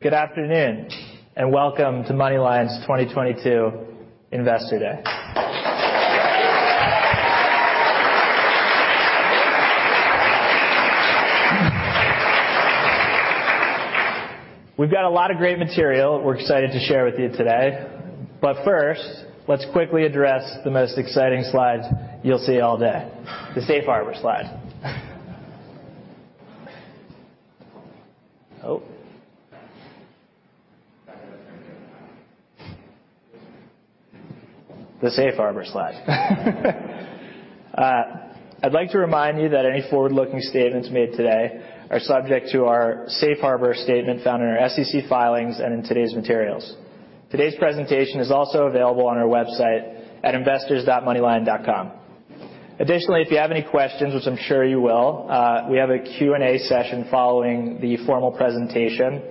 Good afternoon. Welcome to MoneyLion's 2022 Investor Day. We've got a lot of great material we're excited to share with you today. First, let's quickly address the most exciting slides you'll see all day, the safe harbor slide. The safe harbor slide. I'd like to remind you that any forward-looking statements made today are subject to our safe harbor statement found in our SEC filings and in today's materials. Today's presentation is also available on our website at investors.moneylion.com. Additionally, if you have any questions, which I'm sure you will, we have a Q&A session following the formal presentation.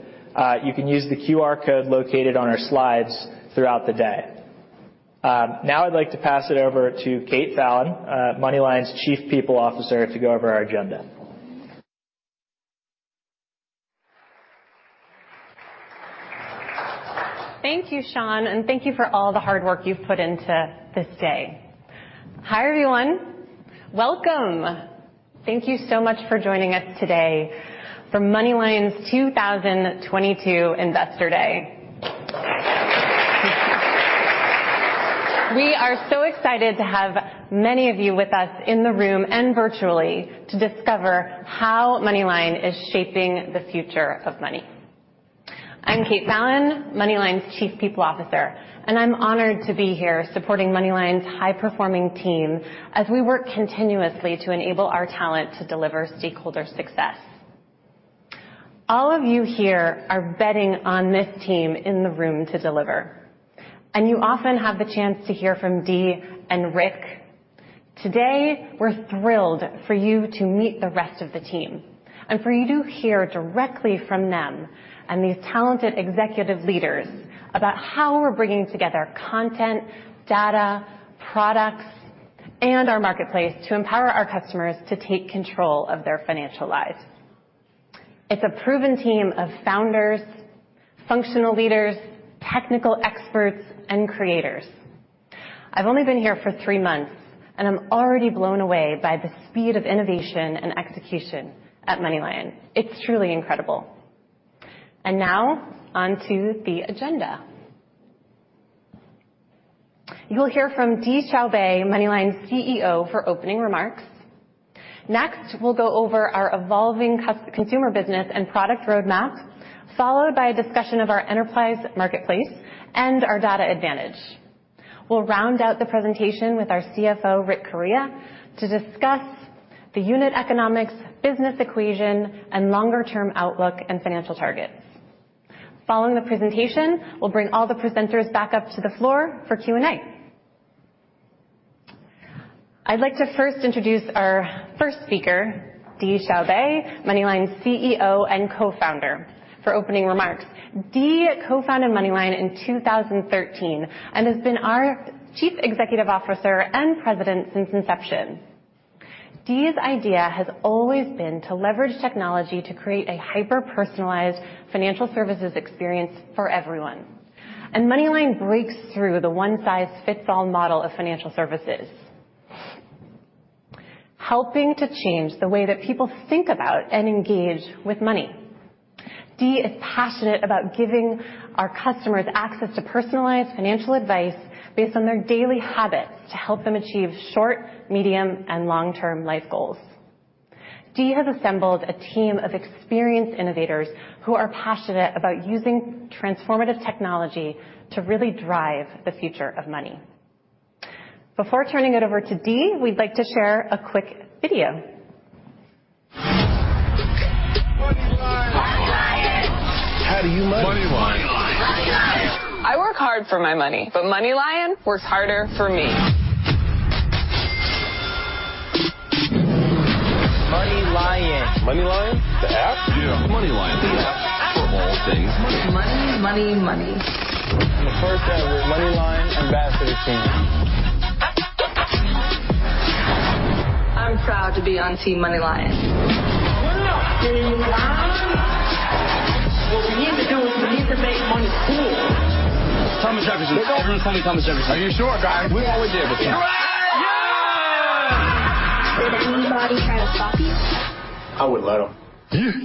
You can use the QR code located on our slides throughout the day. Now I'd like to pass it over to Kate Fallon, MoneyLion's Chief People Officer, to go over our agenda. Thank you, Sean, and thank you for all the hard work you've put into this day. Hi, everyone. Welcome. Thank you so much for joining us today for MoneyLion's 2022 Investor Day. We are so excited to have many of you with us in the room and virtually to discover how MoneyLion is shaping the future of money. I'm Kate Fallon, MoneyLion's Chief People Officer, and I'm honored to be here supporting MoneyLion's high-performing team as we work continuously to enable our talent to deliver stakeholder success. All of you here are betting on this team in the room to deliver, and you often have the chance to hear from Dee and Rick. Today, we're thrilled for you to meet the rest of the team and for you to hear directly from them and these talented executive leaders about how we're bringing together content, data, products, and our marketplace to empower our customers to take control of their financial lives. It's a proven team of founders, functional leaders, technical experts, and creators. I've only been here for three months, and I'm already blown away by the speed of innovation and execution at MoneyLion. It's truly incredible. Now on to the agenda. You'll hear from Dee Choubey, MoneyLion's CEO, for opening remarks. Next, we'll go over our evolving consumer business and product roadmap, followed by a discussion of our enterprise marketplace and our data advantage. We'll round out the presentation with our CFO, Rick Correia, to discuss the unit economics, business equation, and longer-term outlook and financial targets. Following the presentation, we'll bring all the presenters back up to the floor for Q&A. I'd like to first introduce our first speaker, Dee Choubey, MoneyLion's CEO and Co-founder, for opening remarks. Dee co-founded MoneyLion in 2013 and has been our Chief Executive Officer and President since inception. Dee's idea has always been to leverage technology to create a hyper-personalized financial services experience for everyone. MoneyLion breaks through the one-size-fits-all model of financial services, helping to change the way that people think about and engage with money. Dee is passionate about giving our customers access to personalized financial advice based on their daily habits to help them achieve short, medium, and long-term life goals. Dee has assembled a team of experienced innovators who are passionate about using transformative technology to really drive the future of money. Before turning it over to Dee, we'd like to share a quick video. MoneyLion. MoneyLion. How do you money? MoneyLion. MoneyLion. I work hard for my money, but MoneyLion works harder for me. MoneyLion. MoneyLion, the app? Yeah. MoneyLion, the app. For all things money. Money, money. The first-ever MoneyLion Ambassador Team. I'm proud to be on team MoneyLion. Where am I? What we need to do is we need to make money cool. Thomas Jefferson. Everyone call me Thomas Jefferson. Are you sure, guys? We always give it to you. Yes! Would anybody try to stop you? I wouldn't let 'em. Yeah.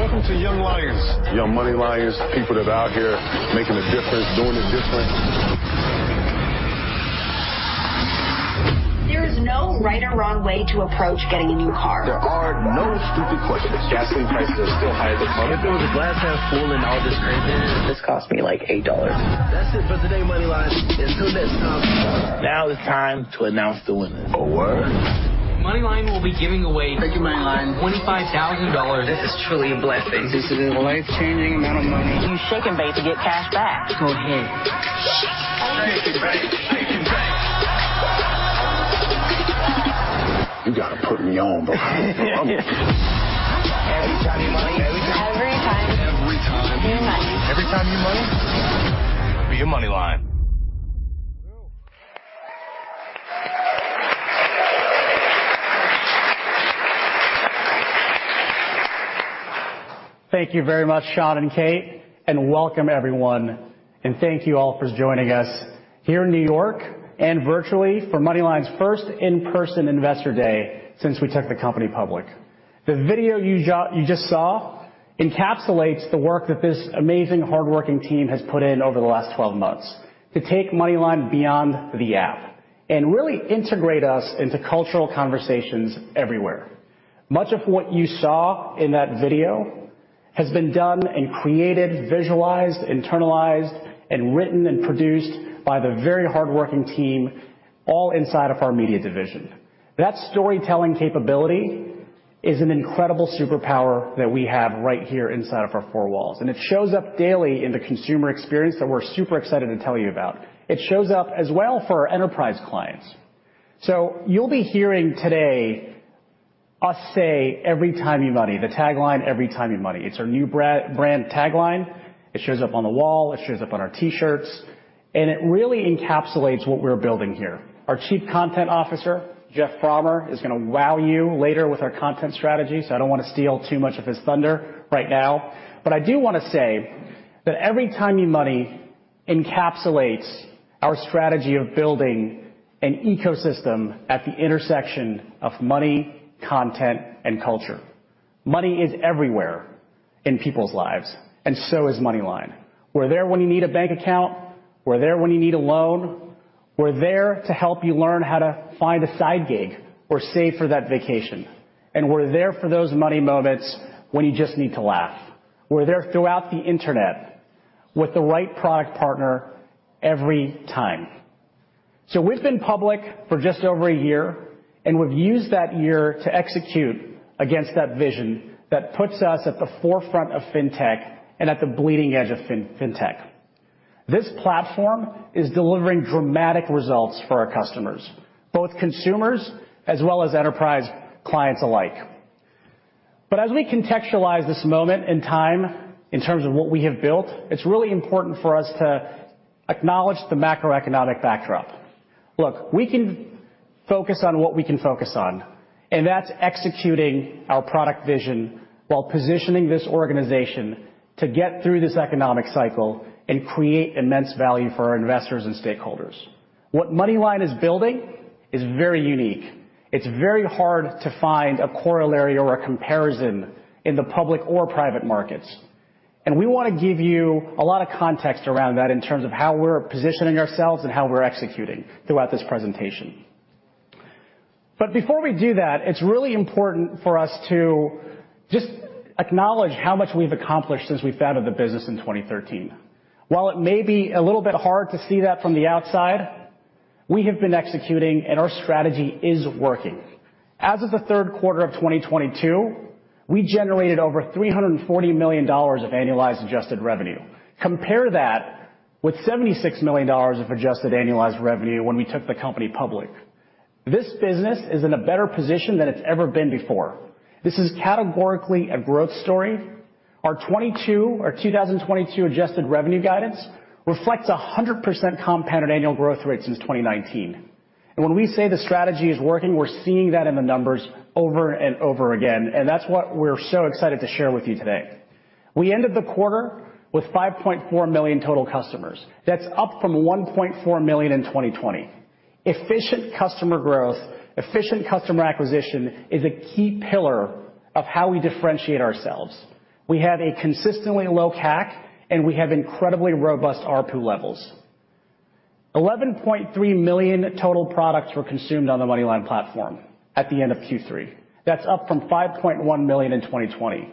Welcome to Young Lions. Young MoneyLion, people that are out here making a difference, doing it different. There is no right or wrong way to approach getting a new car. There are No Stupid Questions. Gasoline prices are still high. If it was a glass half full in all this craziness. This cost me like $8. That's it for today, MoneyLion. Until next time. Now it's time to announce the winners. Oh, word. MoneyLion will be giving away. Thank you, MoneyLion. $25,000. This is truly a blessing. This is a life-changing amount of money. Use Shake and Bake to get cash back. No hate. Shake. Shake and Bake. Shake and Bake. You gotta put me on, bro. I'm. Your MoneyLion. Thank you very much, Sean and Kate, and welcome everyone. Thank you all for joining us here in New York and virtually for MoneyLion's first in-person investor day since we took the company public. The video you just saw encapsulates the work that this amazing hardworking team has put in over the last 12 months to take MoneyLion beyond the app and really integrate us into cultural conversations everywhere. Much of what you saw in that video has been done and created, visualized, internalized, and written and produced by the very hardworking team, all inside of our media division. That storytelling capability is an incredible superpower that we have right here inside of our four walls, and it shows up daily in the consumer experience that we're super excited to tell you about. It shows up as well for our enterprise clients. You'll be hearing today us say Every Time You Money, the tagline Every Time You Money. It's our new brand tagline. It shows up on the wall, it shows up on our T-shirts, and it really encapsulates what we're building here. Our Chief Content Officer, Jeff Frommer, is gonna wow you later with our content strategy, so I don't wanna steal too much of his thunder right now. I do wanna say that Every Time You Money encapsulates our strategy of building an ecosystem at the intersection of money, content, and culture. Money is everywhere in people's lives, and so is MoneyLion. We're there when you need a bank account, we're there when you need a loan, we're there to help you learn how to find a side gig or save for that vacation. We're there for those money moments when you just need to laugh. We're there throughout the Internet with the right product partner every time. We've been public for just over a year, and we've used that year to execute against that vision that puts us at the forefront of fintech and at the bleeding edge of fin-fintech. This platform is delivering dramatic results for our customers, both consumers as well as enterprise clients alike. As we contextualize this moment in time in terms of what we have built, it's really important for us to acknowledge the macroeconomic backdrop. We can focus on what we can focus on, and that's executing our product vision while positioning this organization to get through this economic cycle and create immense value for our investors and stakeholders. What MoneyLion is building is very unique. It's very hard to find a corollary or a comparison in the public or private markets, and we wanna give you a lot of context around that in terms of how we're positioning ourselves and how we're executing throughout this presentation. Before we do that, it's really important for us to just acknowledge how much we've accomplished since we founded the business in 2013. While it may be a little bit hard to see that from the outside, we have been executing, and our strategy is working. As of the 3rd quarter of 2022, we generated over $340 million of annualized adjusted revenue. Compare that with $76 million of adjusted annualized revenue when we took the company public. This business is in a better position than it's ever been before. This is categorically a growth story. Our 2022 adjusted revenue guidance reflects a 100% compounded annual growth rate since 2019. When we say the strategy is working, we're seeing that in the numbers over and over again, and that's what we're so excited to share with you today. We ended the quarter with 5.4 million total customers. That's up from 1.4 million in 2020. Efficient customer growth, efficient customer acquisition is a key pillar of how we differentiate ourselves. We have a consistently low CAC, and we have incredibly robust ARPU levels. 11.3 million total products were consumed on the MoneyLion platform at the end of Q3. That's up from 5.1 million in 2020.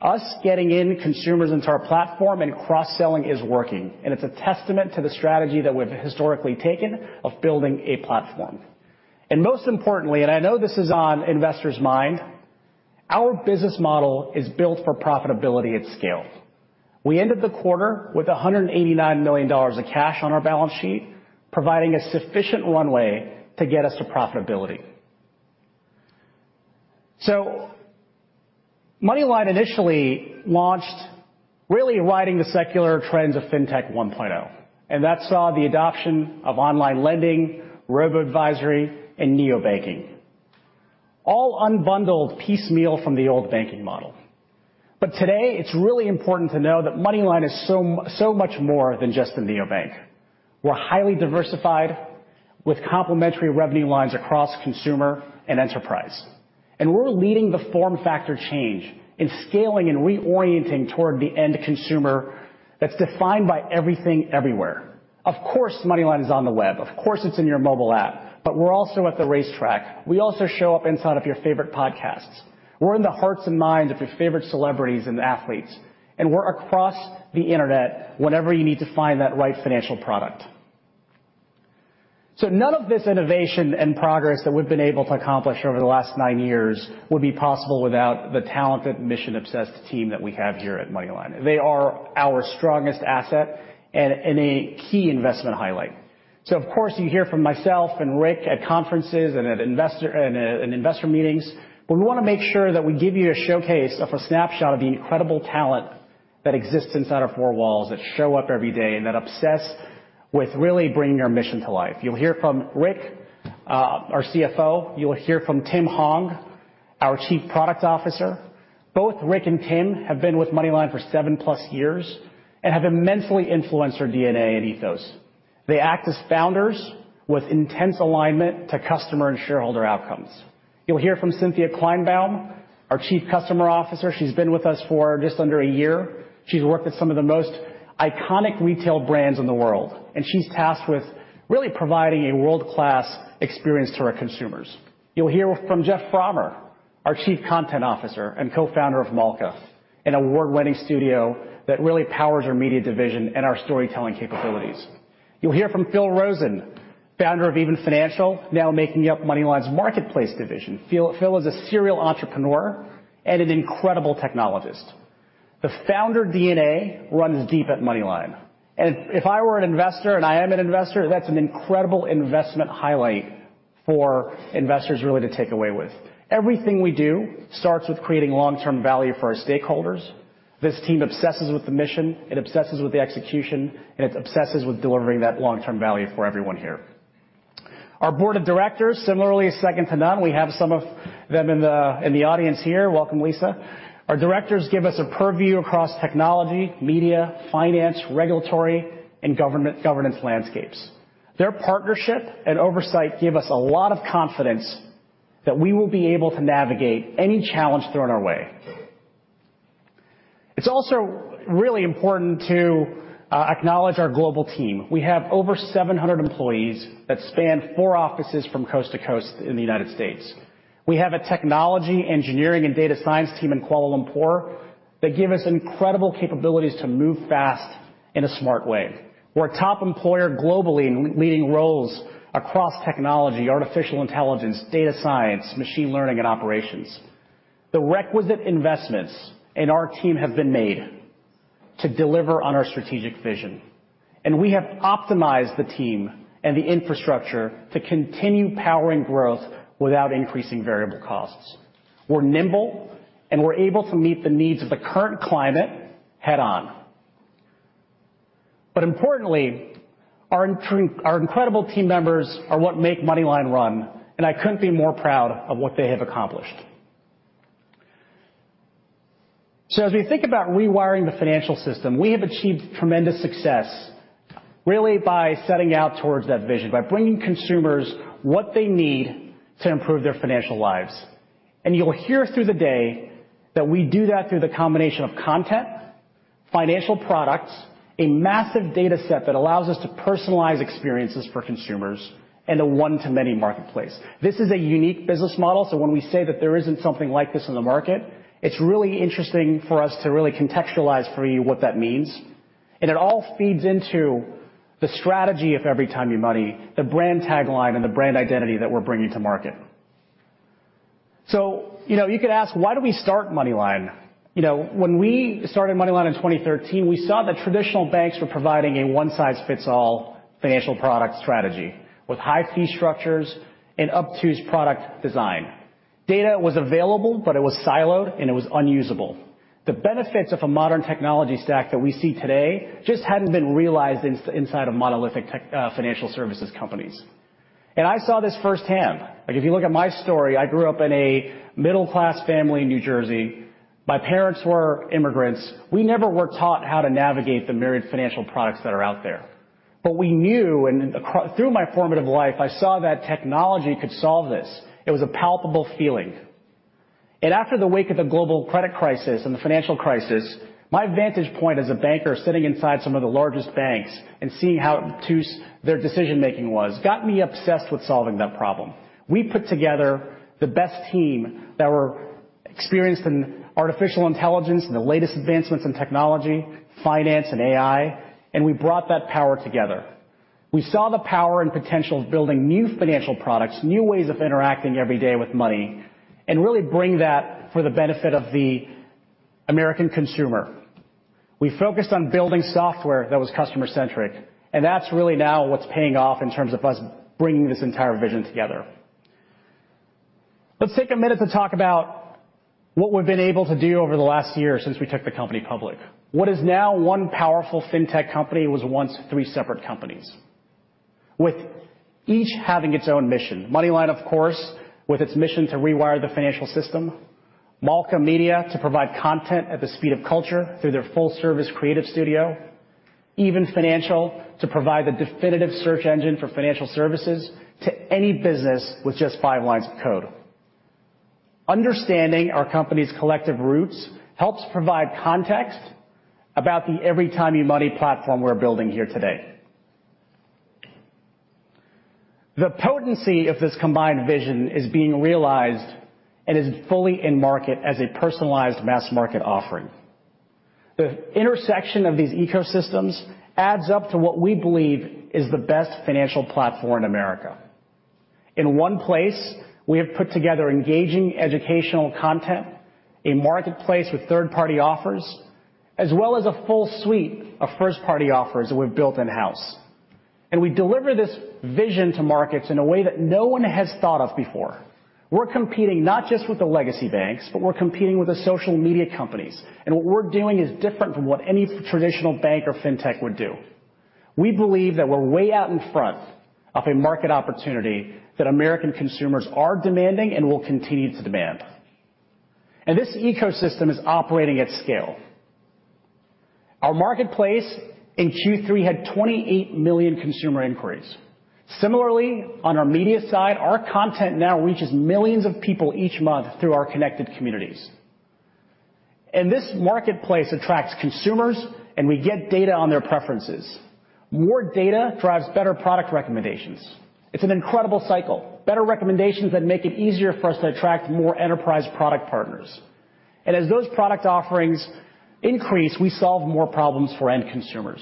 Us getting in consumers into our platform and cross-selling is working, and it's a testament to the strategy that we've historically taken of building a platform. Most importantly, and I know this is on investors' mind, our business model is built for profitability at scale. We ended the quarter with $189 million of cash on our balance sheet, providing a sufficient runway to get us to profitability. MoneyLion initially launched really riding the secular trends of Fintech 1.0, and that saw the adoption of online lending, robo-advisory, and neobanking, all unbundled piecemeal from the old banking model. Today, it's really important to know that MoneyLion is so much more than just a neobank. We're highly diversified with complementary revenue lines across consumer and enterprise. We're leading the form factor change in scaling and reorienting toward the end consumer that's defined by everything everywhere. Of course, MoneyLion is on the web, of course it's in your mobile app, but we're also at the racetrack. We also show up inside of your favorite podcasts. We're in the hearts and minds of your favorite celebrities and athletes, and we're across the Internet whenever you need to find that right financial product. None of this innovation and progress that we've been able to accomplish over the last nine years would be possible without the talented, mission-obsessed team that we have here at MoneyLion. They are our strongest asset and a key investment highlight. Of course, you hear from myself and Rick at conferences and at investor meetings, but we wanna make sure that we give you a showcase of a snapshot of the incredible talent that exists inside our four walls that show up every day and that obsess with really bringing our mission to life. You'll hear from Rick, our CFO. You'll hear from Tim Hong, our Chief Product Officer. Both Rick and Tim have been with MoneyLion for 7+ years and have immensely influenced our DNA and ethos. They act as founders with intense alignment to customer and shareholder outcomes. You'll hear from Cynthia Kleinbaum, our Chief Customer Officer. She's been with us for just under a year. She's worked at some of the most iconic retail brands in the world, and she's tasked with really providing a world-class experience to our consumers. You'll hear from Jeff Frommer, our Chief Content Officer and Co-founder of MALKA, an award-winning studio that really powers our media division and our storytelling capabilities. You'll hear from Phil Rosen, founder of Even Financial, now making up MoneyLion's Marketplace division. Phil is a serial entrepreneur and an incredible technologist. The founder DNA runs deep at MoneyLion, and if I were an investor, and I am an investor, that's an incredible investment highlight for investors really to take away with. Everything we do starts with creating long-term value for our stakeholders. This team obsesses with the mission, it obsesses with the execution, and it obsesses with delivering that long-term value for everyone here. Our board of directors, similarly is second to none. We have some of them in the, in the audience here. Welcome, Lisa. Our directors give us a purview across technology, media, finance, regulatory, and governance landscapes. Their partnership and oversight give us a lot of confidence that we will be able to navigate any challenge thrown our way. It's also really important to acknowledge our global team. We have over 700 employees that span four offices from coast to coast in the United States. We have a technology, engineering, and data science team in Kuala Lumpur that give us incredible capabilities to move fast in a smart way. We're a top employer globally in leading roles across technology, artificial intelligence, data science, machine learning, and operations. The requisite investments in our team have been made to deliver on our strategic vision, and we have optimized the team and the infrastructure to continue powering growth without increasing variable costs. We're nimble, and we're able to meet the needs of the current climate head-on. Importantly, our incredible team members are what make MoneyLion run, and I couldn't be more proud of what they have accomplished. As we think about rewiring the financial system, we have achieved tremendous success really by setting out towards that vision, by bringing consumers what they need to improve their financial lives. You'll hear through the day that we do that through the combination of content, financial products, a massive data set that allows us to personalize experiences for consumers, and a one-to-many marketplace. This is a unique business model, so when we say that there isn't something like this in the market, it's really interesting for us to really contextualize for you what that means. It all feeds into the strategy of Every Time You Money, the brand tagline and the brand identity that we're bringing to market. You know, you could ask, "Why did we start MoneyLion?" You know, when we started MoneyLion in 2013, we saw that traditional banks were providing a one-size-fits-all financial product strategy with high fee structures and obtuse product design. Data was available, but it was siloed, and it was unusable. The benefits of a modern technology stack that we see today just hadn't been realized inside of monolithic tech, financial services companies. I saw this firsthand. Like, if you look at my story, I grew up in a middle-class family in New Jersey. My parents were immigrants. We never were taught how to navigate the myriad financial products that are out there. We knew, through my formative life, I saw that technology could solve this. It was a palpable feeling. After the wake of the global credit crisis and the financial crisis, my vantage point as a banker sitting inside some of the largest banks and seeing how obtuse their decision-making was got me obsessed with solving that problem. We put together the best team that were experienced in artificial intelligence and the latest advancements in technology, finance, and AI. We brought that power together. We saw the power and potential of building new financial products, new ways of interacting every day with money, and really bring that for the benefit of the American consumer. We focused on building software that was customer-centric, and that's really now what's paying off in terms of us bringing this entire vision together. Let's take a minute to talk about what we've been able to do over the last year since we took the company public. What is now 1 powerful fintech company was once 3 separate companies, with each having its own mission. MoneyLion, of course, with its mission to rewire the financial system. MALKA Media, to provide content at the speed of culture through their full-service creative studio. Even Financial, to provide the definitive search engine for financial services to any business with just 5 lines of code. Understanding our company's collective roots helps provide context about the Every Time You Money platform we're building here today. The potency of this combined vision is being realized and is fully in market as a personalized mass market offering. The intersection of these ecosystems adds up to what we believe is the best financial platform in America. In one place, we have put together engaging educational content, a marketplace with third-party offers, as well as a full suite of first-party offers that we've built in-house. We deliver this vision to markets in a way that no one has thought of before. We're competing not just with the legacy banks, but we're competing with the social media companies. What we're doing is different from what any traditional bank or fintech would do. We believe that we're way out in front of a market opportunity that American consumers are demanding and will continue to demand. This ecosystem is operating at scale. Our marketplace in Q3 had 28 million consumer inquiries. Similarly, on our media side, our content now reaches millions of people each month through our connected communities. This marketplace attracts consumers, and we get data on their preferences. More data drives better product recommendations. It's an incredible cycle. Better recommendations that make it easier for us to attract more enterprise product partners. As those product offerings increase, we solve more problems for end consumers.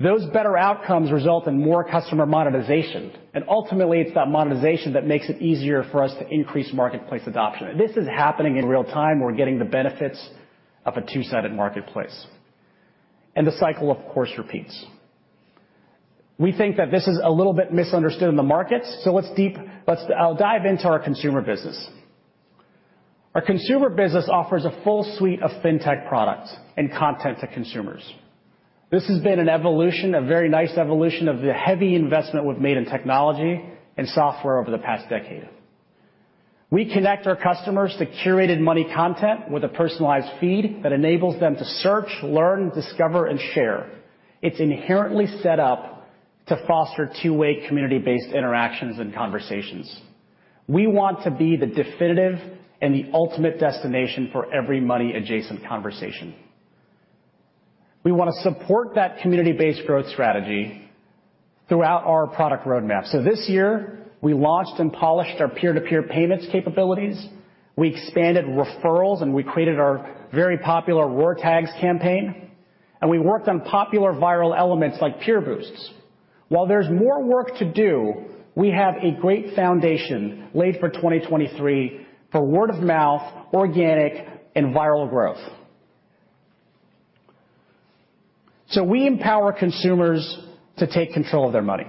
Those better outcomes result in more customer monetization, and ultimately, it's that monetization that makes it easier for us to increase marketplace adoption. This is happening in real time. We're getting the benefits of a two-sided marketplace. The cycle, of course, repeats. We think that this is a little bit misunderstood in the markets, so let's dive into our consumer business. Our consumer business offers a full suite of fintech products and content to consumers. This has been an evolution, a very nice evolution of the heavy investment we've made in technology and software over the past decade. We connect our customers to curated money content with a personalized feed that enables them to search, learn, discover, and share. It's inherently set up to foster two-way community-based interactions and conversations. We want to be the definitive and the ultimate destination for every money-adjacent conversation. We wanna support that community-based growth strategy throughout our product roadmap. This year, we launched and polished our peer-to-peer payments capabilities. We expanded referrals, and we created our very popular Roar Tags campaign, and we worked on popular viral elements like peer boosts. While there's more work to do, we have a great foundation laid for 2023 for word of mouth, organic, and viral growth. We empower consumers to take control of their money.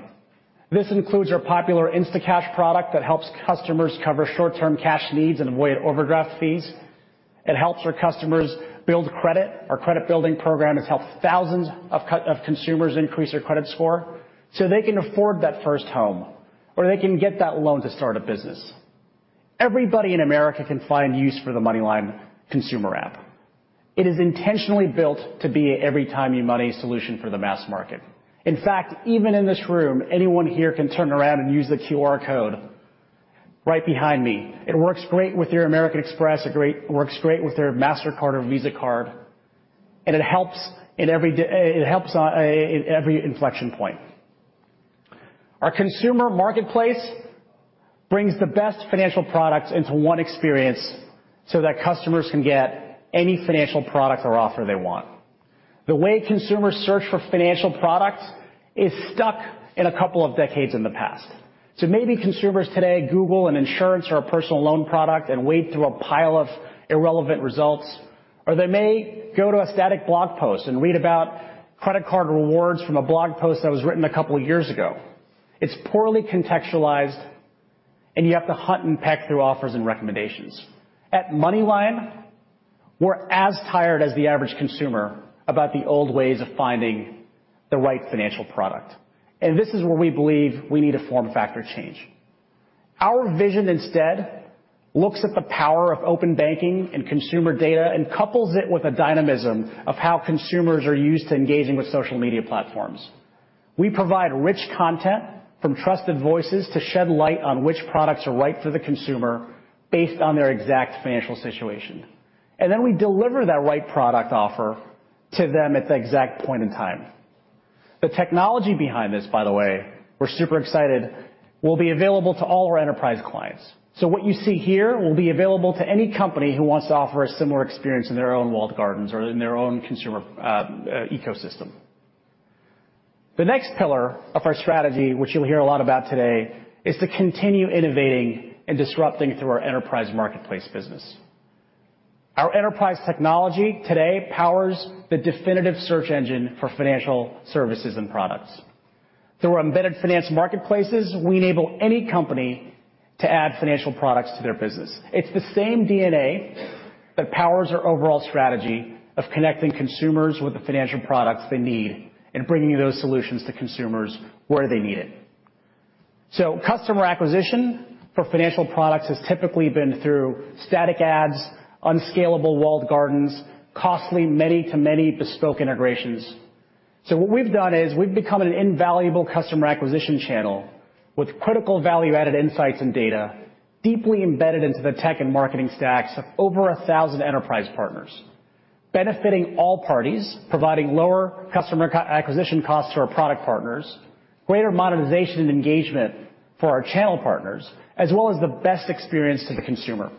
This includes our popular Instacash product that helps customers cover short-term cash needs and avoid overdraft fees. It helps our customers build credit. Our credit-building program has helped thousands of consumers increase their credit score, so they can afford that first home or they can get that loan to start a business. Everybody in America can find use for the MoneyLion consumer app. It is intentionally built to be an Every Time You Money solution for the mass market. In fact, even in this room, anyone here can turn around and use the QR code right behind me. It works great with your American Express, it works great with their Mastercard or Visa card, and it helps in every inflection point. Our consumer marketplace brings the best financial products into one experience so that customers can get any financial product or offer they want. The way consumers search for financial products is stuck in a couple of decades in the past. Maybe consumers today Google an insurance or a personal loan product and wade through a pile of irrelevant results, or they may go to a static blog post and read about credit card rewards from a blog post that was written a couple of years ago. It's poorly contextualized, and you have to hunt and peck through offers and recommendations. At MoneyLion, we're as tired as the average consumer about the old ways of finding the right financial product. This is where we believe we need to form a factor change. Our vision instead looks at the power of open banking and consumer data and couples it with the dynamism of how consumers are used to engaging with social media platforms. We provide rich content from trusted voices to shed light on which products are right for the consumer based on their exact financial situation. Then we deliver that right product offer to them at the exact point in time. The technology behind this, by the way, we're super excited, will be available to all our enterprise clients. What you see here will be available to any company who wants to offer a similar experience in their own walled gardens or in their own consumer ecosystem. The next pillar of our strategy, which you'll hear a lot about today, is to continue innovating and disrupting through our enterprise marketplace business. Our enterprise technology today powers the definitive search engine for financial services and products. Through our embedded finance marketplaces, we enable any company to add financial products to their business. It's the same DNA that powers our overall strategy of connecting consumers with the financial products they need and bringing those solutions to consumers where they need it. Customer acquisition for financial products has typically been through static ads, unscalable walled gardens, costly many to many bespoke integrations. What we've done is we've become an invaluable customer acquisition channel with critical value-added insights and data deeply embedded into the tech and marketing stacks of over 1,000 enterprise partners, benefiting all parties, providing lower customer acquisition costs to our product partners, greater monetization and engagement for our channel partners, as well as the best experience to the consumer.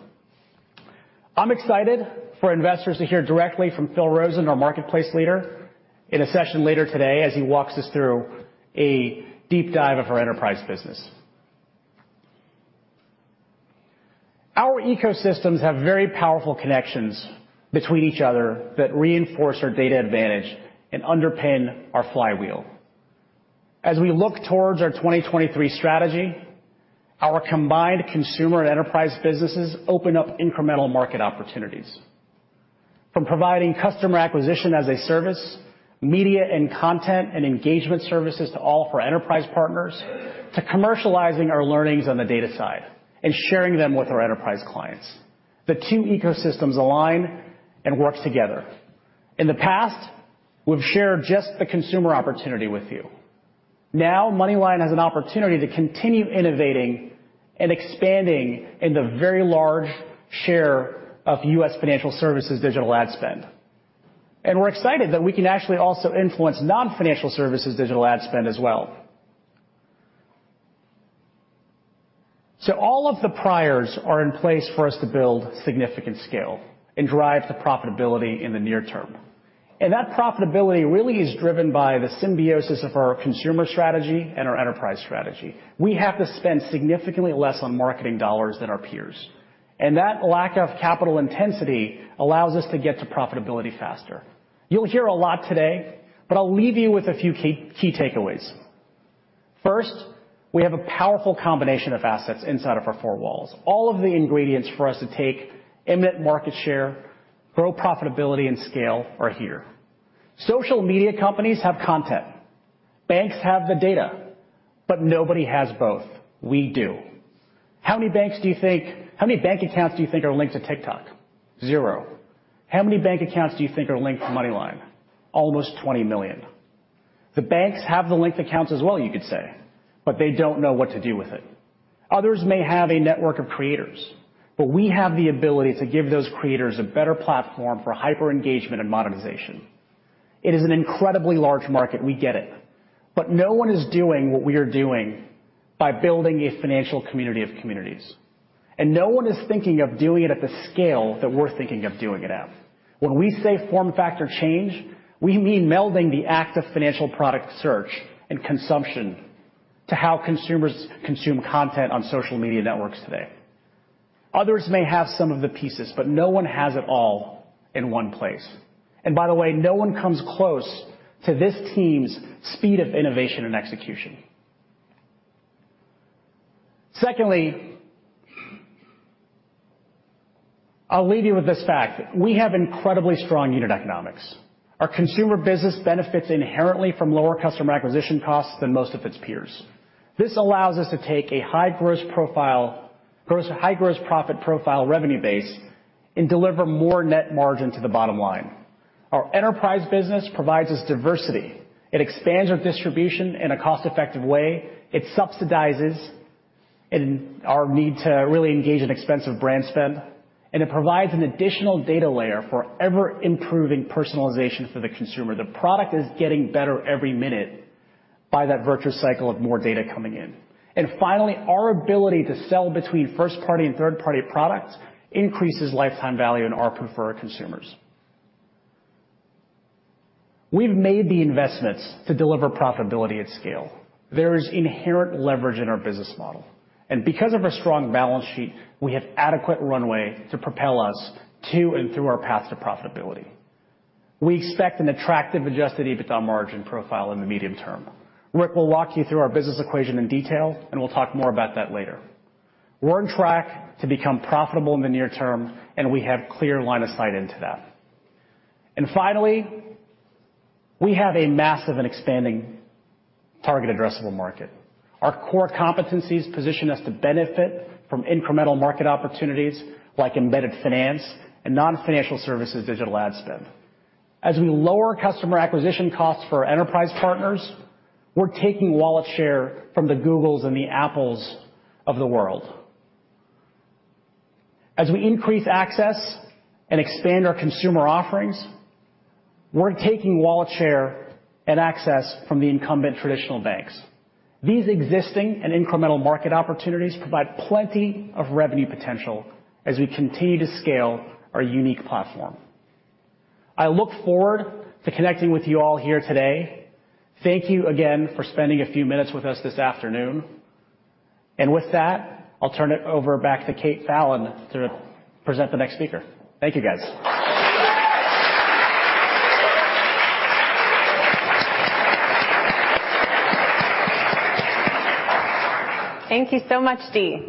I'm excited for investors to hear directly from Phillip Rosen, our marketplace leader, in a session later today as he walks us through a deep dive of our enterprise business. Our ecosystems have very powerful connections between each other that reinforce our data advantage and underpin our flywheel. As we look towards our 2023 strategy, our combined consumer and enterprise businesses open up incremental market opportunities. From providing customer acquisition as a service, media and content and engagement services to all of our enterprise partners, to commercializing our learnings on the data side and sharing them with our enterprise clients. The two ecosystems align and work together. In the past, we've shared just the consumer opportunity with you. Now MoneyLion has an opportunity to continue innovating and expanding in the very large share of U.S. financial services digital ad spend. We're excited that we can actually also influence non-financial services digital ad spend as well. All of the priors are in place for us to build significant scale and drive the profitability in the near term. That profitability really is driven by the symbiosis of our consumer strategy and our enterprise strategy. We have to spend significantly less on marketing dollars than our peers. That lack of capital intensity allows us to get to profitability faster. You'll hear a lot today. I'll leave you with a few key takeaways. First, we have a powerful combination of assets inside of our four walls. All of the ingredients for us to take eminent market share, grow profitability and scale are here. Social media companies have content. Banks have the data. Nobody has both. We do. How many bank accounts do you think are linked to TikTok? Zero. How many bank accounts do you think are linked to MoneyLion? Almost $20 million. The banks have the linked accounts as well, you could say. They don't know what to do with it. Others may have a network of creators, we have the ability to give those creators a better platform for hyper-engagement and monetization. It is an incredibly large market, we get it. No one is doing what we are doing by building a financial community of communities, and no one is thinking of doing it at the scale that we're thinking of doing it at. When we say form factor change, we mean melding the act of financial product search and consumption to how consumers consume content on social media networks today. Others may have some of the pieces, no one has it all in one place. By the way, no one comes close to this team's speed of innovation and execution. Secondly, I'll leave you with this fact. We have incredibly strong unit economics. Our consumer business benefits inherently from lower customer acquisition costs than most of its peers. This allows us to take a high gross profit profile revenue base and deliver more net margin to the bottom line. Our enterprise business provides us diversity. It expands our distribution in a cost-effective way. It subsidizes in our need to really engage in expensive brand spend, and it provides an additional data layer for ever-improving personalization for the consumer. The product is getting better every minute by that virtuous cycle of more data coming in. Finally, our ability to sell between first-party and third-party products increases lifetime value in our preferred consumers. We've made the investments to deliver profitability at scale. There is inherent leverage in our business model. Because of our strong balance sheet, we have adequate runway to propel us to and through our path to profitability. We expect an attractive adjusted EBITDA margin profile in the medium term. Rick will walk you through our business equation in detail. We'll talk more about that later. We're on track to become profitable in the near term. We have clear line of sight into that. Finally, we have a massive and expanding target addressable market. Our core competencies position us to benefit from incremental market opportunities like embedded finance and non-financial services digital ad spend. As we lower customer acquisition costs for our enterprise partners, we're taking wallet share from the Googles and the Apples of the world. As we increase access and expand our consumer offerings, we're taking wallet share and access from the incumbent traditional banks. These existing and incremental market opportunities provide plenty of revenue potential as we continue to scale our unique platform. I look forward to connecting with you all here today. Thank you again for spending a few minutes with us this afternoon. With that, I'll turn it over back to Kate Fallon to present the next speaker. Thank you, guys. Thank you so much, Dee.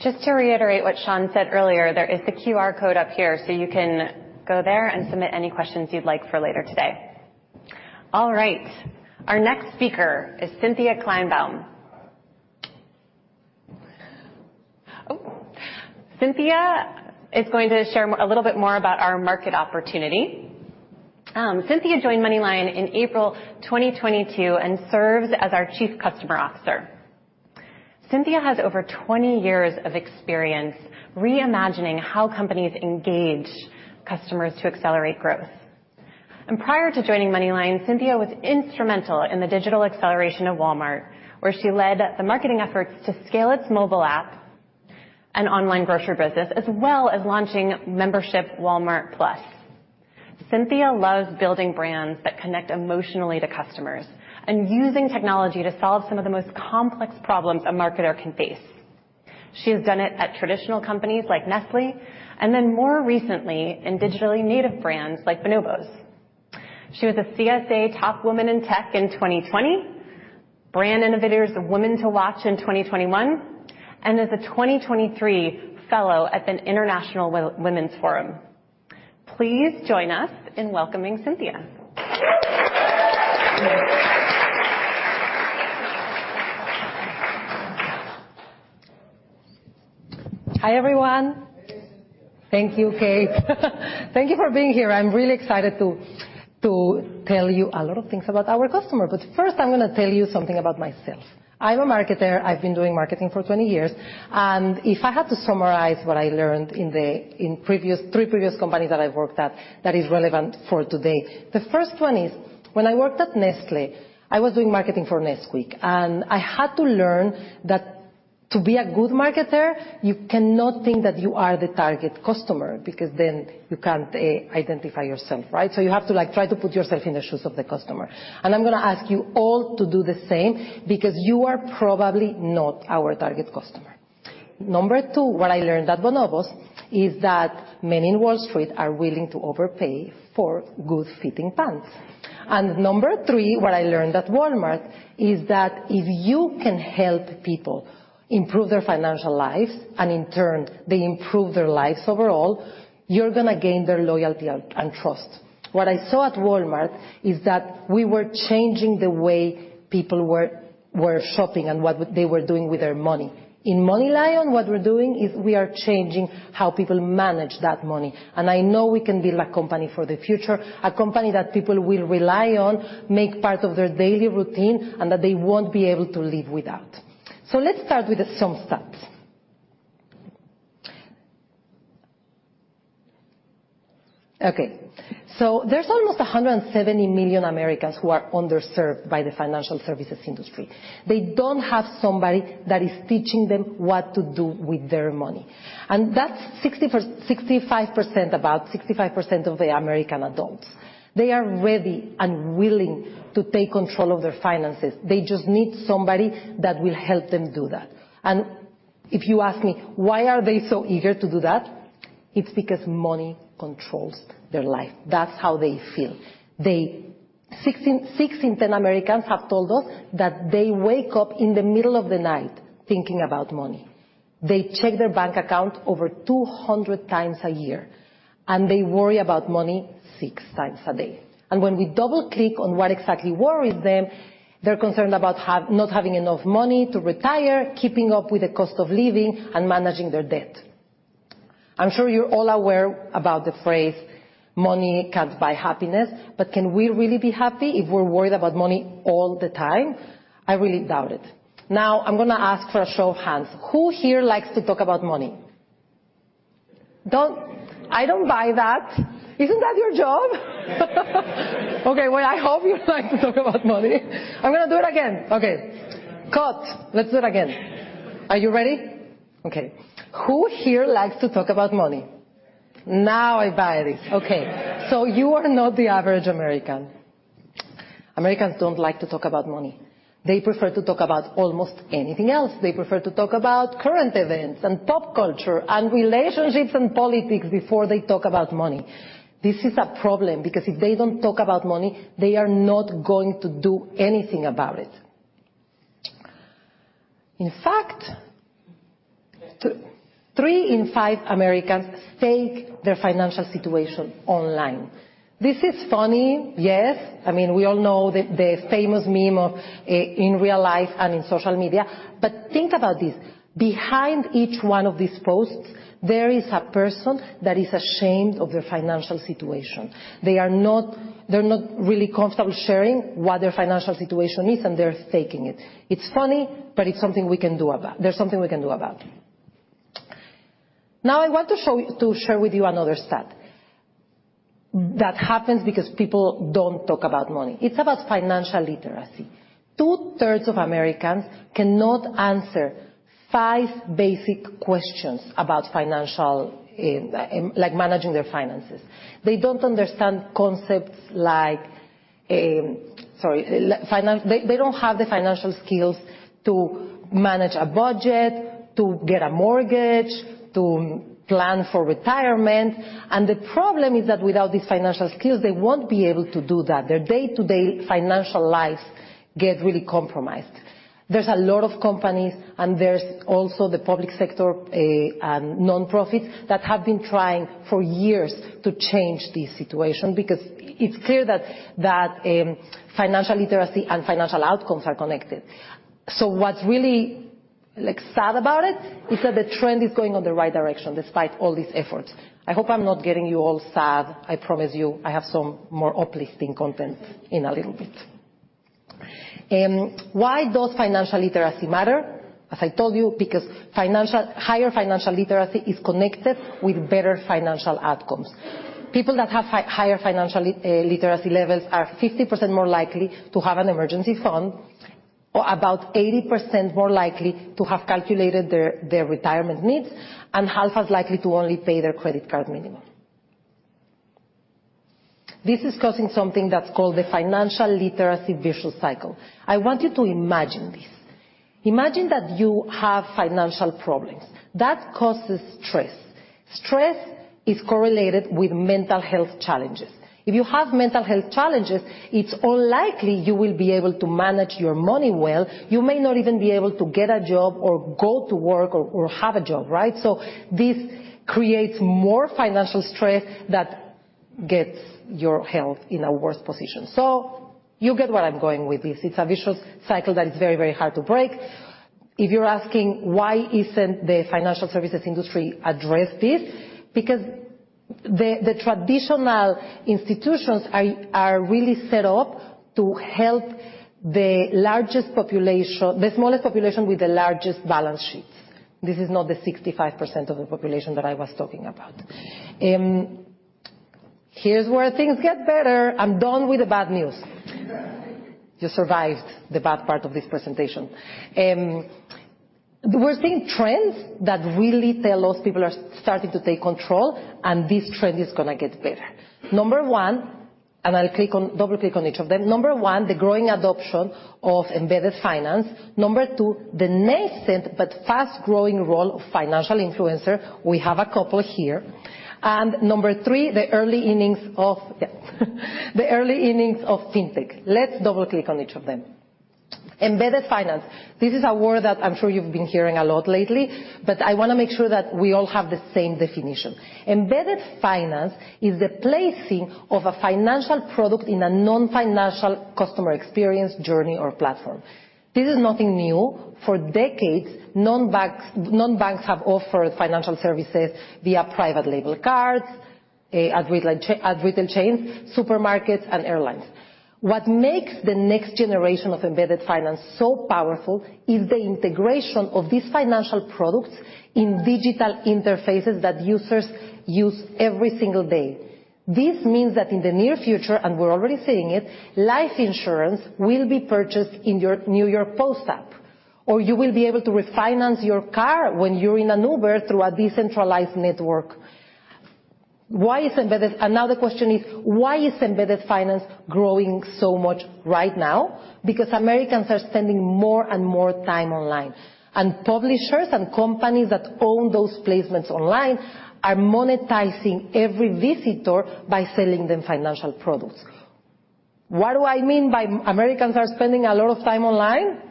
Just to reiterate what Sean said earlier, there is the QR code up here, so you can go there and submit any questions you'd like for later today. All right. Our next speaker is Cynthia Kleinbaum. Cynthia is going to share a little bit more about our market opportunity. Cynthia joined MoneyLion in April 2022 and serves as our Chief Customer Officer. Cynthia has over 20 years of experience reimagining how companies engage customers to accelerate growth. Prior to joining MoneyLion, Cynthia was instrumental in the digital acceleration of Walmart, where she led the marketing efforts to scale its mobile app and online grocery business, as well as launching membership Walmart+. Cynthia loves building brands that connect emotionally to customers and using technology to solve some of the most complex problems a marketer can face. She's done it at traditional companies like Nestlé and then more recently in digitally native brands like Bonobos. She was a CSA Top Woman in Tech in 2020, Brand Innovators Woman to Watch in 2021, and is a 2023 fellow at the International Women's Forum. Please join us in welcoming Cynthia. Hi, everyone. Hey. Thank you, Kate. Thank you for being here. I'm really excited to tell you a lot of things about our customer. First I'm gonna tell you something about myself. I'm a marketer. I've been doing marketing for 20 years. If I had to summarize what I learned in previous, 3 previous companies that I've worked at that is relevant for today, the first one is, when I worked at Nestlé, I was doing marketing for Nesquik, and I had to learn that to be a good marketer, you cannot think that you are the target customer, because then you can't identify yourself, right? You have to, like, try to put yourself in the shoes of the customer, and I'm gonna ask you all to do the same because you are probably not our target customer. Number two, what I learned at Bonobos is that men in Wall Street are willing to overpay for good-fitting pants. Number three, what I learned at Walmart is that if you can help people improve their financial lives, and in turn, they improve their lives overall, you're gonna gain their loyalty and trust. What I saw at Walmart is that we were changing the way people were shopping and what they were doing with their money. In MoneyLion, what we're doing is we are changing how people manage that money, I know we can build a company for the future, a company that people will rely on, make part of their daily routine, and that they won't be able to live without. Let's start with some stats. Okay. There's almost $170 million Americans who are underserved by the financial services industry. They don't have somebody that is teaching them what to do with their money, that's 65%, about 65% of the American adults. They are ready and willing to take control of their finances. They just need somebody that will help them do that. If you ask me, why are they so eager to do that? It's because money controls their life. That's how they feel. 6 in 10 Americans have told us that they wake up in the middle of the night thinking about money. They check their bank account over 200 times a year, they worry about money 6 times a day. When we double-click on what exactly worries them, they're concerned about not having enough money to retire, keeping up with the cost of living, and managing their debt. I'm sure you're all aware about the phrase, "Money can't buy happiness." Can we really be happy if we're worried about money all the time? I really doubt it. I'm gonna ask for a show of hands. Who here likes to talk about money? I don't buy that. Isn't that your job? Well, I hope you like to talk about money. I'm gonna do it again. Okay. Cut. Let's do it again. Are you ready? Okay. Who here likes to talk about money? I buy this. Okay. You are not the average American. Americans don't like to talk about money. They prefer to talk about almost anything else. They prefer to talk about current events and pop culture and relationships and politics before they talk about money. This is a problem because if they don't talk about money, they are not going to do anything about it. In fact, 3 in 5 Americans fake their financial situation online. This is funny, yes. I mean, we all know the famous meme of in real life and in social media. Think about this, behind each one of these posts, there is a person that is ashamed of their financial situation. They're not really comfortable sharing what their financial situation is, and they're faking it. It's funny, but there's something we can do about it. I want to share with you another stat that happens because people don't talk about money. It's about financial literacy. Two-thirds of Americans cannot answer 5 basic questions about financial, like managing their finances. They don't understand concepts like, sorry. They don't have the financial skills to manage a budget, to get a mortgage, to plan for retirement. The problem is that without these financial skills, they won't be able to do that. Their day-to-day financial lives get really compromised. There's a lot of companies, and there's also the public sector, and nonprofits that have been trying for years to change this situation because it's clear that financial literacy and financial outcomes are connected. What's really, like, sad about it is that the trend is going on the right direction despite all these efforts. I hope I'm not getting you all sad. I promise you, I have some more uplifting content in a little bit. Why does financial literacy matter? As I told you, because higher financial literacy is connected with better financial outcomes. People that have higher financial literacy levels are 50% more likely to have an emergency fund, or about 80% more likely to have calculated their retirement needs, and half as likely to only pay their credit card minimum. This is causing something that's called the financial literacy vicious cycle. I want you to imagine this. Imagine that you have financial problems. That causes stress. Stress is correlated with mental health challenges. If you have mental health challenges, it's unlikely you will be able to manage your money well. You may not even be able to get a job or go to work or have a job, right? This creates more financial stress that gets your health in a worse position. You get where I'm going with this. It's a vicious cycle that is very, very hard to break. If you're asking why isn't the financial services industry address this? The traditional institutions are really set up to help the smallest population with the largest balance sheets. This is not the 65% of the population that I was talking about. Here's where things get better. I'm done with the bad news. You survived the bad part of this presentation. We're seeing trends that really tell us people are starting to take control, and this trend is gonna get better. Number one, I'll double-click on each of them. Number one, the growing adoption of embedded finance. Number two, the nascent but fast-growing role of financial influencer. We have a couple here. Number three, the early innings of fintech. Let's double-click on each of them. Embedded finance. This is a word that I'm sure you've been hearing a lot lately, but I want to make sure that we all have the same definition. Embedded finance is the placing of a financial product in a non-financial customer experience, journey, or platform. This is nothing new. For decades, non-banks have offered financial services via private label cards at retail chains, supermarkets, and airlines. What makes the next generation of embedded finance so powerful is the integration of these financial products in digital interfaces that users use every single day. This means that in the near future, and we're already seeing it, life insurance will be purchased in your New York Post app, or you will be able to refinance your car when you're in an Uber through a decentralized network. Another question is, why is embedded finance growing so much right now? Americans are spending more and more time online, and publishers and companies that own those placements online are monetizing every visitor by selling them financial products. What do I mean by Americans are spending a lot of time online?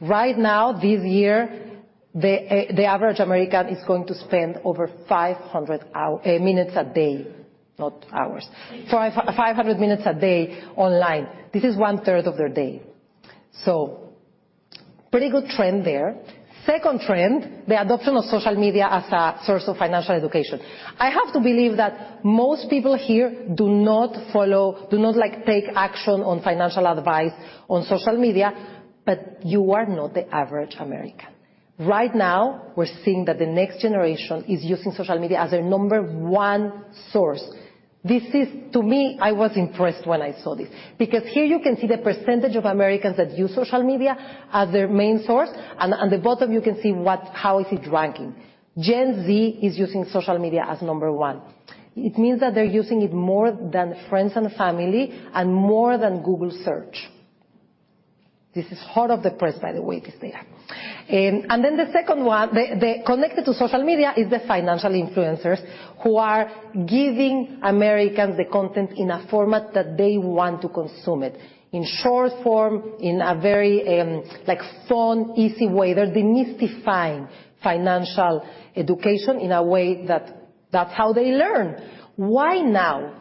Right now, this year, the average American is going to spend over 500 minutes a day. Not hours. 500 minutes a day online. This is one-third of their day. Pretty good trend there. Second trend, the adoption of social media as a source of financial education. I have to believe that most people here do not follow, do not, like, take action on financial advice on social media, but you are not the average American. Right now, we're seeing that the next generation is using social media as their number one source. This is, to me, I was impressed when I saw this because here you can see the percentage of Americans that use social media as their main source, and on the bottom, you can see how is it ranking. Gen Z is using social media as number one. It means that they're using it more than friends and family and more than Google search. This is hot off the press, by the way, this data. connected to social media is the financial influencers who are giving Americans the content in a format that they want to consume it, in short form, in a very, like, fun, easy way. They're demystifying financial education in a way that how they learn. Why now?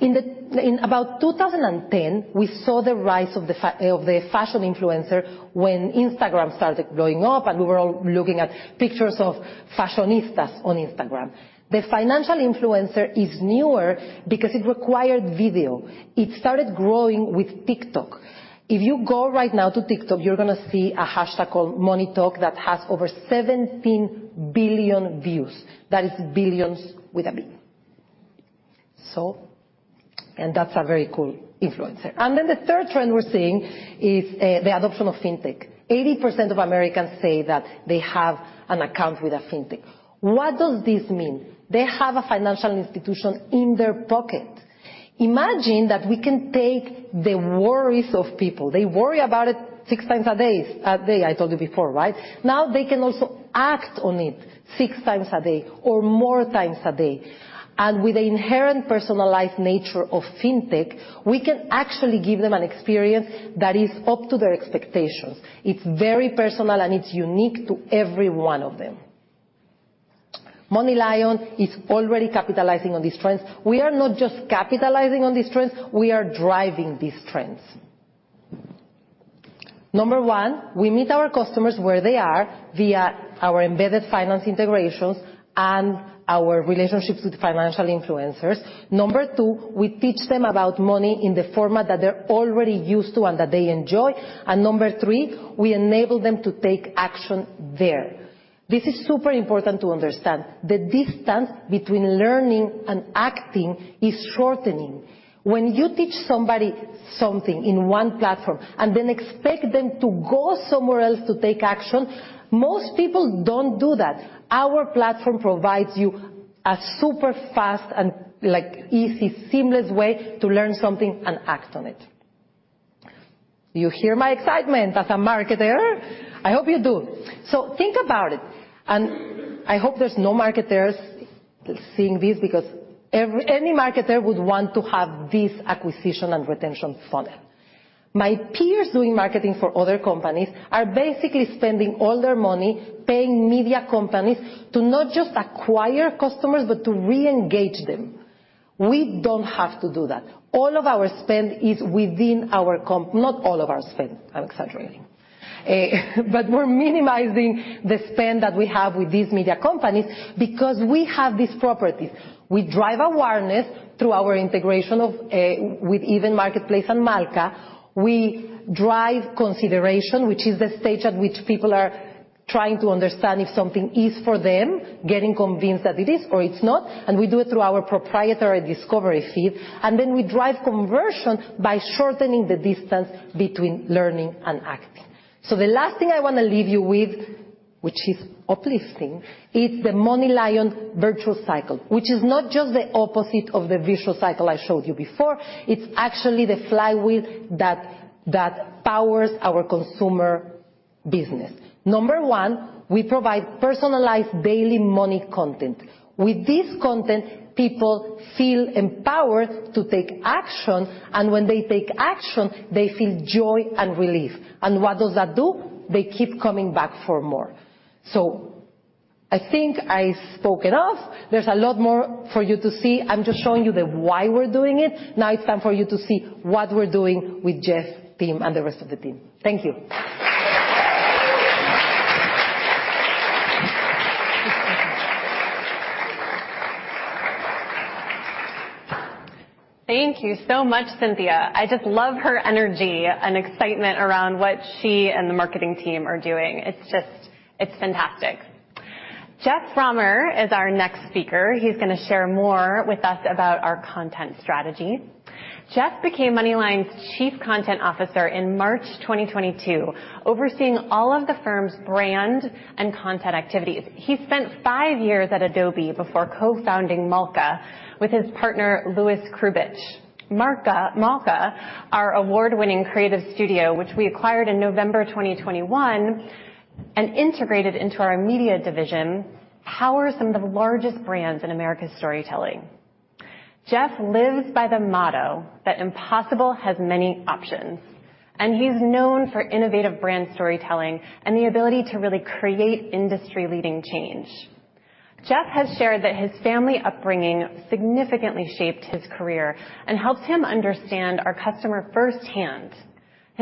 In about 2010, we saw the rise of the fashion influencer when Instagram started blowing up, we were all looking at pictures of fashionistas on Instagram. The financial influencer is newer because it required video. It started growing with TikTok. If you go right now to TikTok, you're gonna see a hashtag called MoneyTok that has over 17 billion views. That is billions with a B. That's a very cool influencer. The third trend we're seeing is the adoption of fintech. 80% of Americans say that they have an account with a fintech. What does this mean? They have a financial institution in their pocket. Imagine that we can take the worries of people. They worry about it 6 times a day, I told you before, right? Now they can also act on it 6 times a day or more times a day. With the inherent personalized nature of fintech, we can actually give them an experience that is up to their expectations. It's very personal, and it's unique to every one of them. MoneyLion is already capitalizing on these trends. We are not just capitalizing on these trends. We are driving these trends. Number one, we meet our customers where they are via our embedded finance integrations and our relationships with financial influencers. Number two, we teach them about money in the format that they're already used to and that they enjoy. Number three, we enable them to take action there. This is super important to understand. The distance between learning and acting is shortening. When you teach somebody something in one platform and then expect them to go somewhere else to take action, most people don't do that. Our platform provides you a super fast and, like, easy, seamless way to learn something and act on it. You hear my excitement as a marketer? I hope you do. Think about it, I hope there's no marketers seeing this because any marketer would want to have this acquisition and retention funnel. My peers doing marketing for other companies are basically spending all their money paying media companies to not just acquire customers but to reengage them. We don't have to do that. All of our spend is within our Not all of our spend. I'm exaggerating. but we're minimizing the spend that we have with these media companies because we have these properties. We drive awareness through our integration with Even Marketplace and MALKA. We drive consideration, which is the stage at which people are trying to understand if something is for them, getting convinced that it is or it's not. We do it through our proprietary discovery feed. We drive conversion by shortening the distance between learning and acting. The last thing I wanna leave you with, which is uplifting, is the MoneyLion virtual cycle, which is not just the opposite of the visual cycle I showed you before. It's actually the flywheel that powers our consumer business. Number one, we provide personalized daily money content. With this content, people feel empowered to take action, and when they take action, they feel joy and relief. What does that do? They keep coming back for more. I think I spoke enough. There's a lot more for you to see. I'm just showing you the why we're doing it. Now it's time for you to see what we're doing with Jeff, Tim, and the rest of the team. Thank you. Thank you so much, Cynthia. I just love her energy and excitement around what she and the marketing team are doing. It's just, it's fantastic. Jeff Frommer is our next speaker. He's gonna share more with us about our content strategy. Jeff became MoneyLion's chief content officer in March 2022, overseeing all of the firm's brand and content activities. He spent five years at Adobe before co-founding MALKA with his partner, Louis Krubich. MALKA, our award-winning creative studio, which we acquired in November 2021 and integrated into our media division, powers some of the largest brands in America's storytelling. Jeff lives by the motto that impossible has many options, and he's known for innovative brand storytelling and the ability to really create industry-leading change. Jeff has shared that his family upbringing significantly shaped his career and helped him understand our customer firsthand.